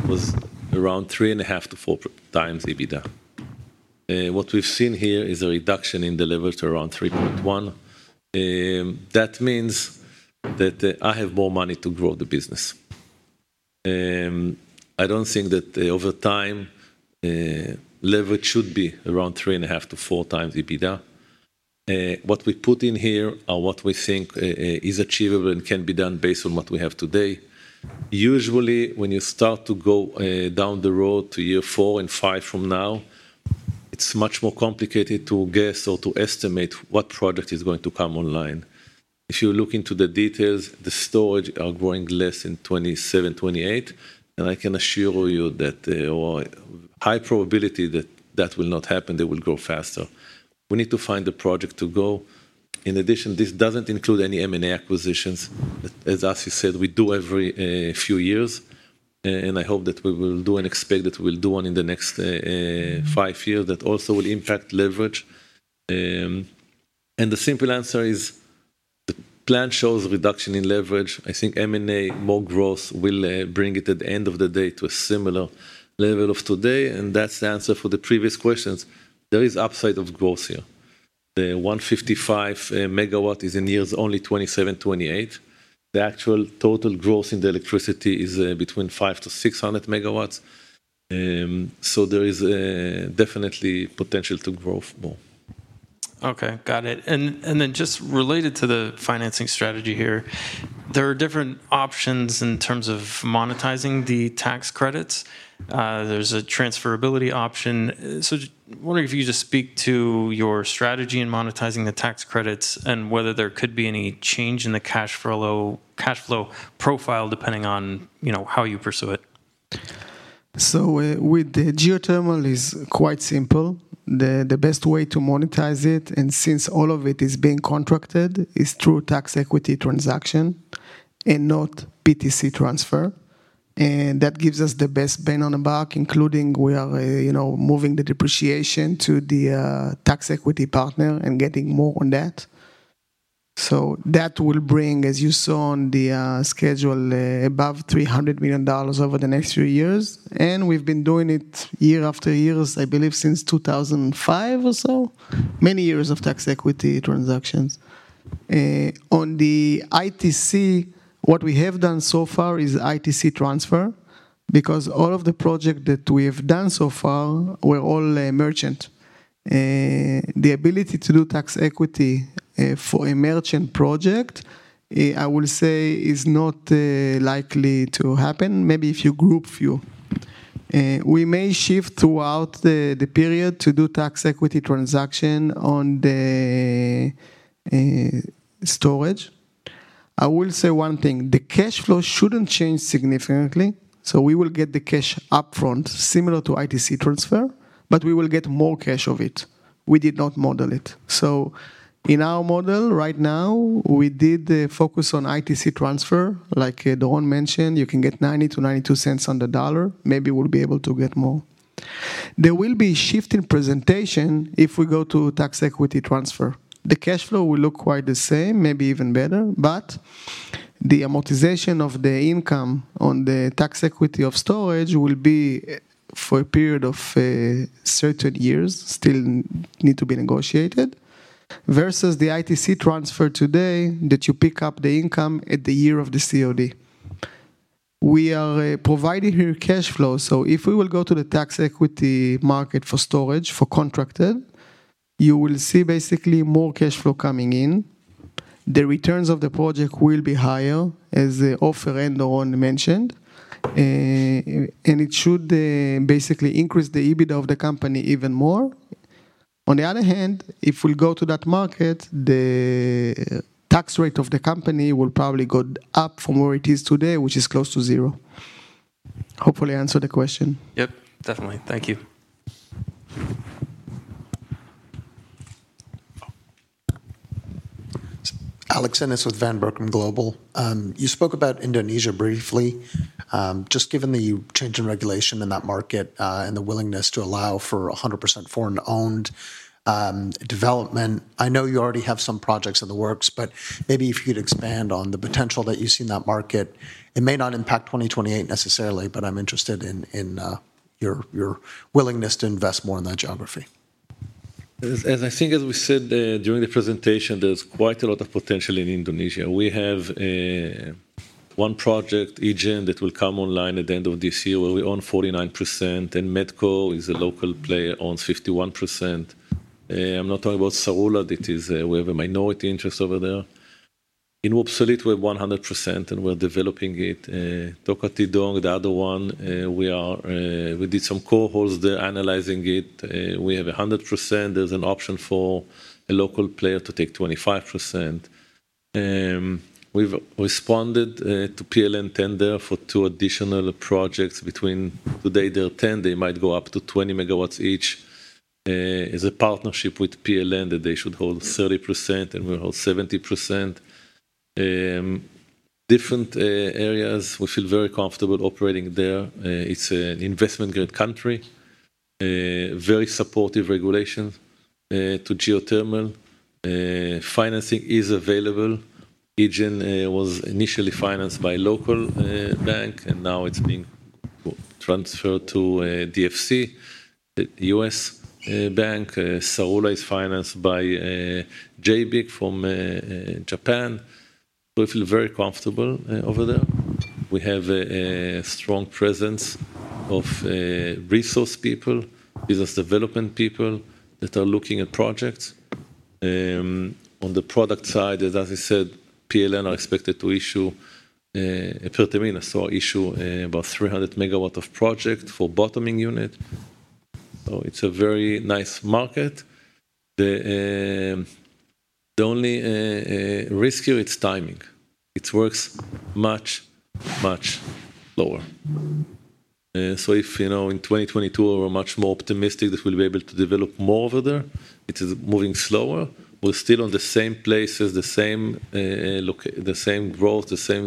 was around 3.5-4 times EBITDA. What we've seen here is a reduction in the leverage to around 3.1. That means that, I have more money to grow the business. I don't think that, over time, leverage should be around 3.5-4 times EBITDA. What we put in here are what we think, is achievable and can be done based on what we have today. Usually, when you start to go, down the road to year 4 and 5 from now, it's much more complicated to guess or to estimate what project is going to come online. If you look into the details, the storage are growing less in 2027, 2028, and I can assure you that there are high probability that that will not happen, they will grow faster. We need to find a project to go. In addition, this doesn't include any M&A acquisitions. As Asi said, we do every few years, and I hope that we will do and expect that we'll do one in the next five years. That also will impact leverage. And the simple answer is, the plan shows reduction in leverage. I think M&A, more growth will bring it at the end of the day to a similar level of today, and that's the answer for the previous questions. There is upside of growth here. The 155 MW is in years only 2027, 2028. The actual total growth in the electricity is between 500-600 megawatts, so there is definitely potential to grow more. Okay, got it. Then, just related to the financing strategy here, there are different options in terms of monetizing the tax credits. There's a transferability option. So, wonder if you could just speak to your strategy in monetizing the tax credits and whether there could be any change in the cash flow profile, depending on, you know, how you pursue it? So with the geothermal is quite simple. The best way to monetize it, and since all of it is being contracted, is through tax equity transaction and not PTC transfer, and that gives us the best bang on the buck, including we are, you know, moving the depreciation to the tax equity partner and getting more on that. So that will bring, as you saw on the schedule above $300 million over the next few years, and we've been doing it year after years, I believe, since 2005 or so, many years of tax equity transactions. On the ITC, what we have done so far is ITC transfer, because all of the project that we have done so far were all merchant. The ability to do tax equity for a merchant project, I will say, is not likely to happen. Maybe if you group few. We may shift throughout the period to do tax equity transaction on the storage. I will say one thing: the cash flow shouldn't change significantly, so we will get the cash upfront, similar to ITC transfer, but we will get more cash of it. We did not model it. So in our model right now, we did the focus on ITC transfer. Like Doron mentioned, you can get 90-92 cents on the dollar. Maybe we'll be able to get more. There will be shift in presentation if we go to tax equity transfer. The cash flow will look quite the same, maybe even better, but the amortization of the income on the tax equity of storage will be, for a period of, certain years, still need to be negotiated, versus the ITC transfer today, that you pick up the income at the year of the COD. We are providing here cash flow, so if we will go to the tax equity market for storage, for contracted, you will see basically more cash flow coming in. The returns of the project will be higher, as Ofer and Doron mentioned, and it should, basically increase the EBITDA of the company even more. On the other hand, if we go to that market, the tax rate of the company will probably go up from where it is today, which is close to zero. Hopefully, I answered the question. Yep, definitely. Thank you. Alex Ennis with Van Berkom Global. You spoke about Indonesia briefly. Just given the change in regulation in that market, and the willingness to allow for 100% foreign-owned development, I know you already have some projects in the works, but maybe if you'd expand on the potential that you see in that market. It may not impact 2028 necessarily, but I'm interested in, in your, your willingness to invest more in that geography. ... As I think, as we said, during the presentation, there's quite a lot of potential in Indonesia. We have one project, Egen, that will come online at the end of this year, where we own 49%, and Medco is a local player, owns 51%. I'm not talking about Saula, that is, we have a minority interest over there. In Upsolit, we have 100%, and we're developing it. Tokatidong, the other one, we did some core holes there, analyzing it. We have 100%. There's an option for a local player to take 25%. We've responded to PLN tender for two additional projects between... Today, they're 10, they might go up to 20 MW each. As a partnership with PLN, that they should hold 30%, and we hold 70%. Different areas, we feel very comfortable operating there. It's an investment grade country, very supportive regulation to geothermal. Financing is available. Egen was initially financed by local bank, and now it's being transferred to DFC, the US bank. Saula is financed by JBIC from Japan. We feel very comfortable over there. We have a strong presence of resource people, business development people, that are looking at projects. On the product side, as I said, PLN are expected to issue Pertamina so issue about 300 megawatt of project for bottoming unit. So it's a very nice market. The only risk here, it's timing. It works much, much lower. So if you know, in 2022, we were much more optimistic that we'll be able to develop more over there, it is moving slower. We're still on the same places, the same growth, the same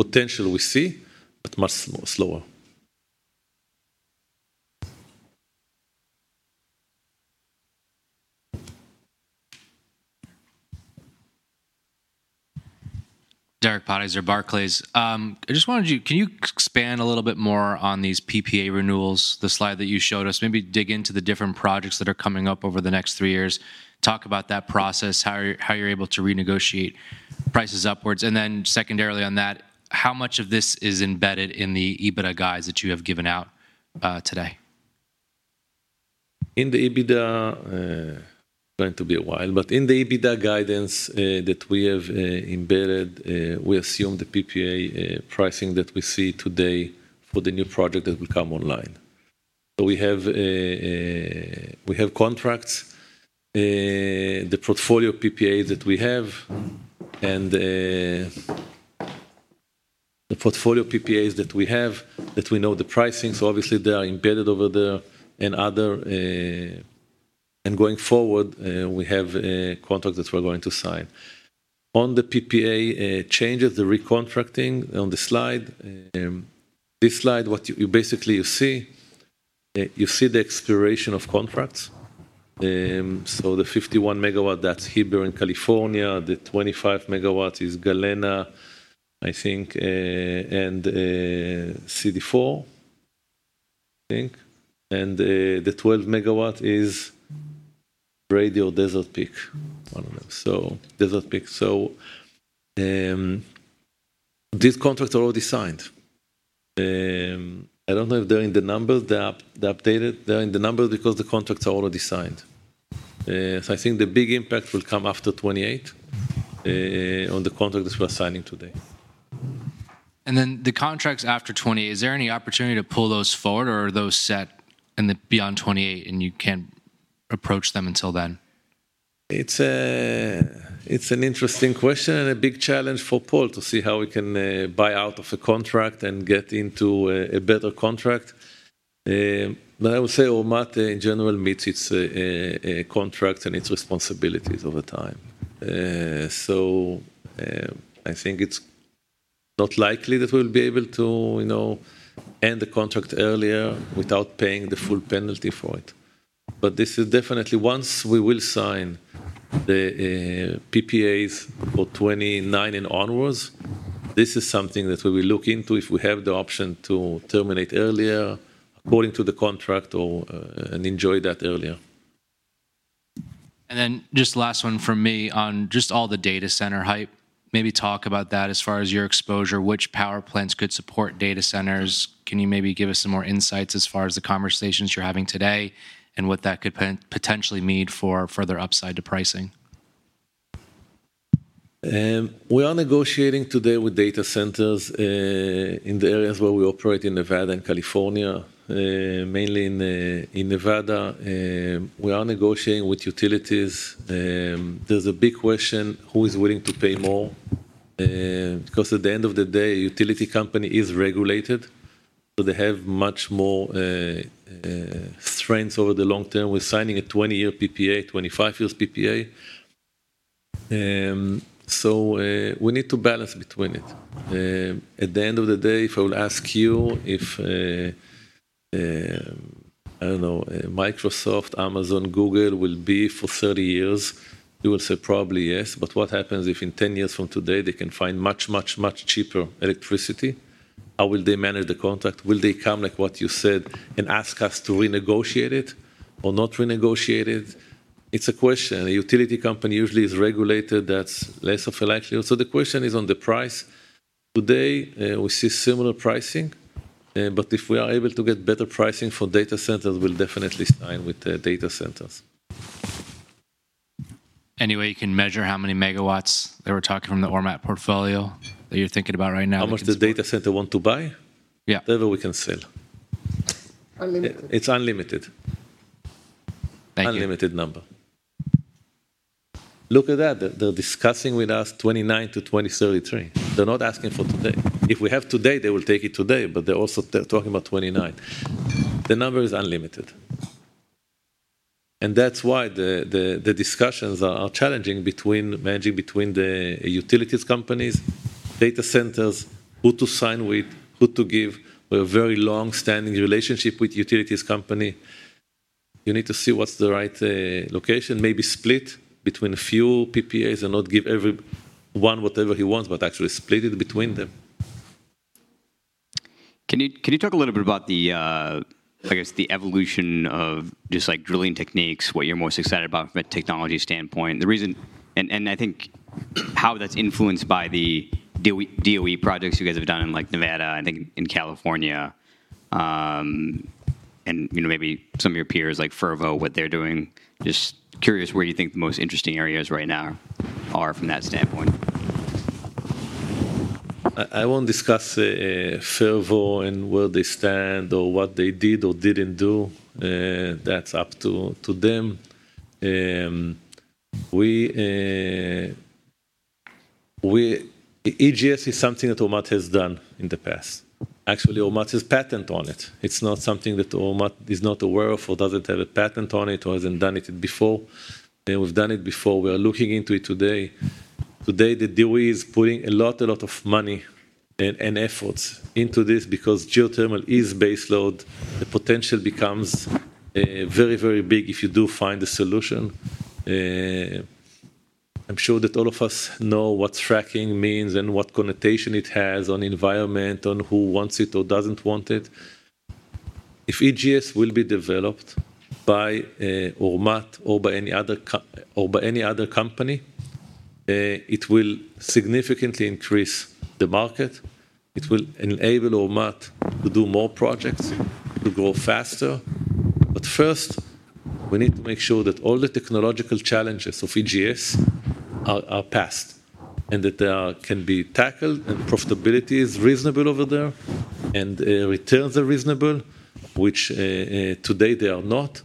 potential we see, but much slower. Derek Patiser, Barclays. I just wanted you... Can you expand a little bit more on these PPA renewals, the slide that you showed us? Maybe dig into the different projects that are coming up over the next three years. Talk about that process, how you're, how you're able to renegotiate prices upwards. And then secondarily on that, how much of this is embedded in the EBITDA guides that you have given out, today? In the EBITDA, going to be a while, but in the EBITDA guidance that we have embedded, we assume the PPA pricing that we see today for the new project that will come online. So we have a. We have contracts, the portfolio PPA that we have, and the portfolio PPAs that we have, that we know the pricing, so obviously they are embedded over there and other. And going forward, we have a contract that we're going to sign. On the PPA changes, the recontracting on the slide, this slide, what you basically you see, you see the expiration of contracts. So the 51-megawatt, that's Heber in California, the 25 megawatts is Galena, I think, and CD4, I think, and the 12-megawatt is Radio Desert Peak. One of them. So Desert Peak. So, these contracts are already signed. I don't know if they're in the numbers. They are, they updated. They're in the numbers because the contracts are already signed. So I think the big impact will come after 2028, on the contracts we're signing today. And then the contracts after 2020, is there any opportunity to pull those forward, or are those set in the beyond 2028, and you can't approach them until then? It's an interesting question and a big challenge for Paul to see how we can buy out of a contract and get into a better contract. But I would say Ormat, in general, meets its contract and its responsibilities over time. So, I think it's not likely that we'll be able to, you know, end the contract earlier without paying the full penalty for it. But this is definitely... Once we will sign the PPAs for 2029 and onwards, this is something that we will look into if we have the option to terminate earlier according to the contract or and enjoy that earlier. And then just last one from me on just all the data center hype. Maybe talk about that as far as your exposure. Which power plants could support data centers? Can you maybe give us some more insights as far as the conversations you're having today, and what that could potentially mean for further upside to pricing? We are negotiating today with data centers in the areas where we operate in Nevada and California, mainly in Nevada. We are negotiating with utilities. There's a big question, who is willing to pay more? Because at the end of the day, utility company is regulated, so they have much more strengths over the long term. We're signing a 20-year PPA, 25-year PPA. So we need to balance between it. At the end of the day, if I would ask you if I don't know, Microsoft, Amazon, Google will be for 30 years, you will say probably yes, but what happens if in 10 years from today, they can find much, much, much cheaper electricity? How will they manage the contract? Will they come, like what you said, and ask us to renegotiate it or not renegotiate it? It's a question. A utility company usually is regulated, that's less of a likelihood. So the question is on the price. Today, we see similar pricing, but if we are able to get better pricing for data centers, we'll definitely sign with the data centers. Any way you can measure how many megawatts they were talking from the Ormat portfolio that you're thinking about right now? How much the data center want to buy? Yeah. Whatever we can sell. It's unlimited. Thank you. Unlimited number. Look at that, they're discussing with us 2029 to 2033. They're not asking for today. If we have today, they will take it today, but they're also talking about 2029. The number is unlimited, and that's why the discussions are challenging between managing between the utilities companies, data centers, who to sign with, who to give. We have very long-standing relationship with utilities company. You need to see what's the right location, maybe split between a few PPAs and not give every one whatever he wants, but actually split it between them. Can you talk a little bit about the, I guess, the evolution of just, like, drilling techniques, what you're most excited about from a technology standpoint? The reason... And I think how that's influenced by the DOE projects you guys have done in, like, Nevada, I think in California, and, you know, maybe some of your peers, like Fervo, what they're doing. Just curious where you think the most interesting areas right now are from that standpoint. I won't discuss Fervo and where they stand or what they did or didn't do. That's up to them. EGS is something that Ormat has done in the past. Actually, Ormat has patent on it. It's not something that Ormat is not aware of, or doesn't have a patent on it, or hasn't done it before. And we've done it before. We are looking into it today. Today, the DOE is putting a lot of money and efforts into this because geothermal is baseload. The potential becomes very big if you do find a solution. I'm sure that all of us know what fracking means and what connotation it has on environment, on who wants it or doesn't want it. If EGS will be developed by Ormat or by any other company, it will significantly increase the market. It will enable Ormat to do more projects, to grow faster. But first, we need to make sure that all the technological challenges of EGS are passed, and that they can be tackled, and profitability is reasonable over there, and returns are reasonable, which today they are not,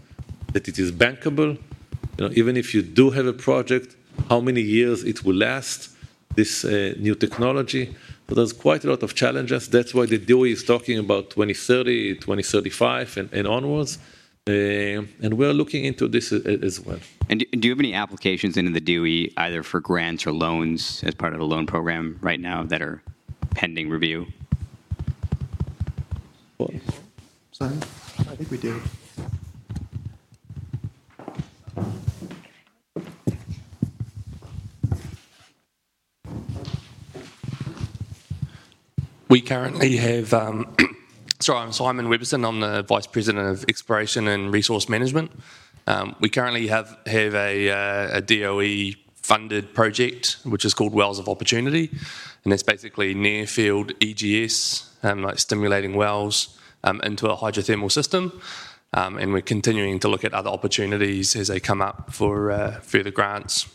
that it is bankable. You know, even if you do have a project, how many years it will last, this new technology? So there's quite a lot of challenges. That's why the DOE is talking about 2030, 2035, and onwards. And we're looking into this as well. Do you have any applications into the DOE, either for grants or loans, as part of a loan program right now that are pending review? Sorry. I think we do. We currently have... Sorry, I'm Simon Webbison. I'm the Vice President of Exploration and Resource Management. We currently have a DOE-funded project, which is called Wells of Opportunity, and it's basically near-field EGS, like stimulating wells, into a hydrothermal system. And we're continuing to look at other opportunities as they come up for further grants.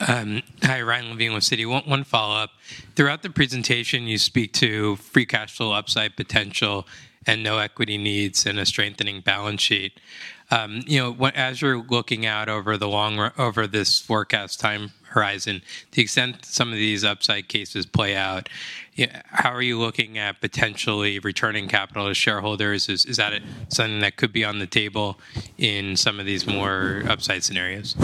Hi, Ryan Levine with Citi. One follow-up. Throughout the presentation, you speak to free cash flow, upside potential, and no equity needs, and a strengthening balance sheet. You know, as you're looking out over this forecast time horizon, the extent some of these upside cases play out, how are you looking at potentially returning capital to shareholders? Is that something that could be on the table in some of these more upside scenarios?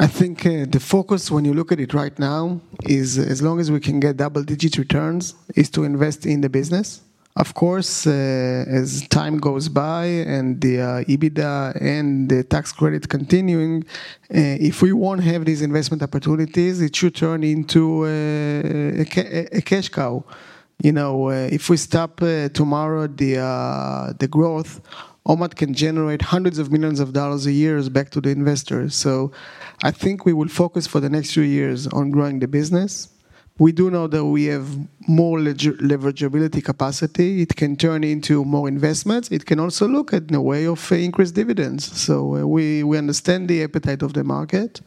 I think, the focus when you look at it right now is, as long as we can get double-digit returns, is to invest in the business. Of course, as time goes by and the, EBITDA and the tax credit continuing, if we won't have these investment opportunities, it should turn into a cash cow. You know, if we stop, tomorrow, the growth, Ormat can generate $hundreds of millions a year back to the investors. So I think we will focus for the next few years on growing the business. We do know that we have more leverageability capacity. It can turn into more investments. It can also look at a way of increased dividends. So we, we understand the appetite of the market,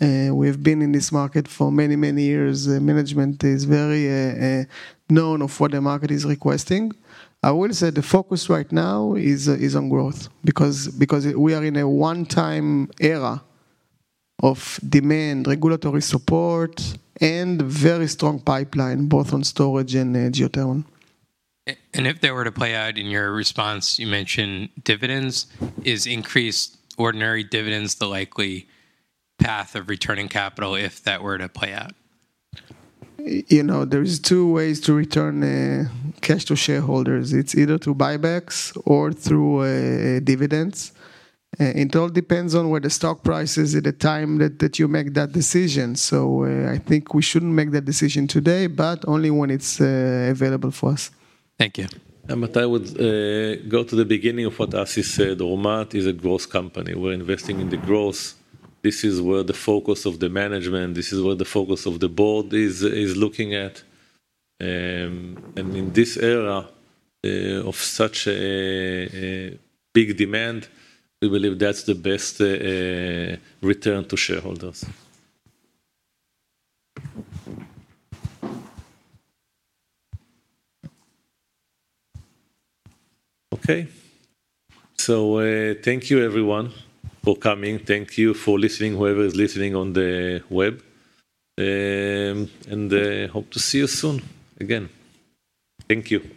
we've been in this market for many, many years. The management is very known of what the market is requesting. I will say the focus right now is on growth because we are in a one-time era of demand, regulatory support, and very strong pipeline, both on storage and geothermal. And if they were to play out in your response, you mentioned dividends. Is increased ordinary dividends the likely path of returning capital if that were to play out? You know, there are two ways to return cash to shareholders. It's either through buybacks or through dividends. It all depends on where the stock price is at the time that you make that decision. So, I think we shouldn't make that decision today, but only when it's available for us. Thank you. I would go to the beginning of what Asi said. Ormat is a growth company. We're investing in the growth. This is where the focus of the management, this is where the focus of the board is, is looking at. And in this era of such a big demand, we believe that's the best return to shareholders. Okay. Thank you everyone for coming. Thank you for listening, whoever is listening on the web, and hope to see you soon again. Thank you.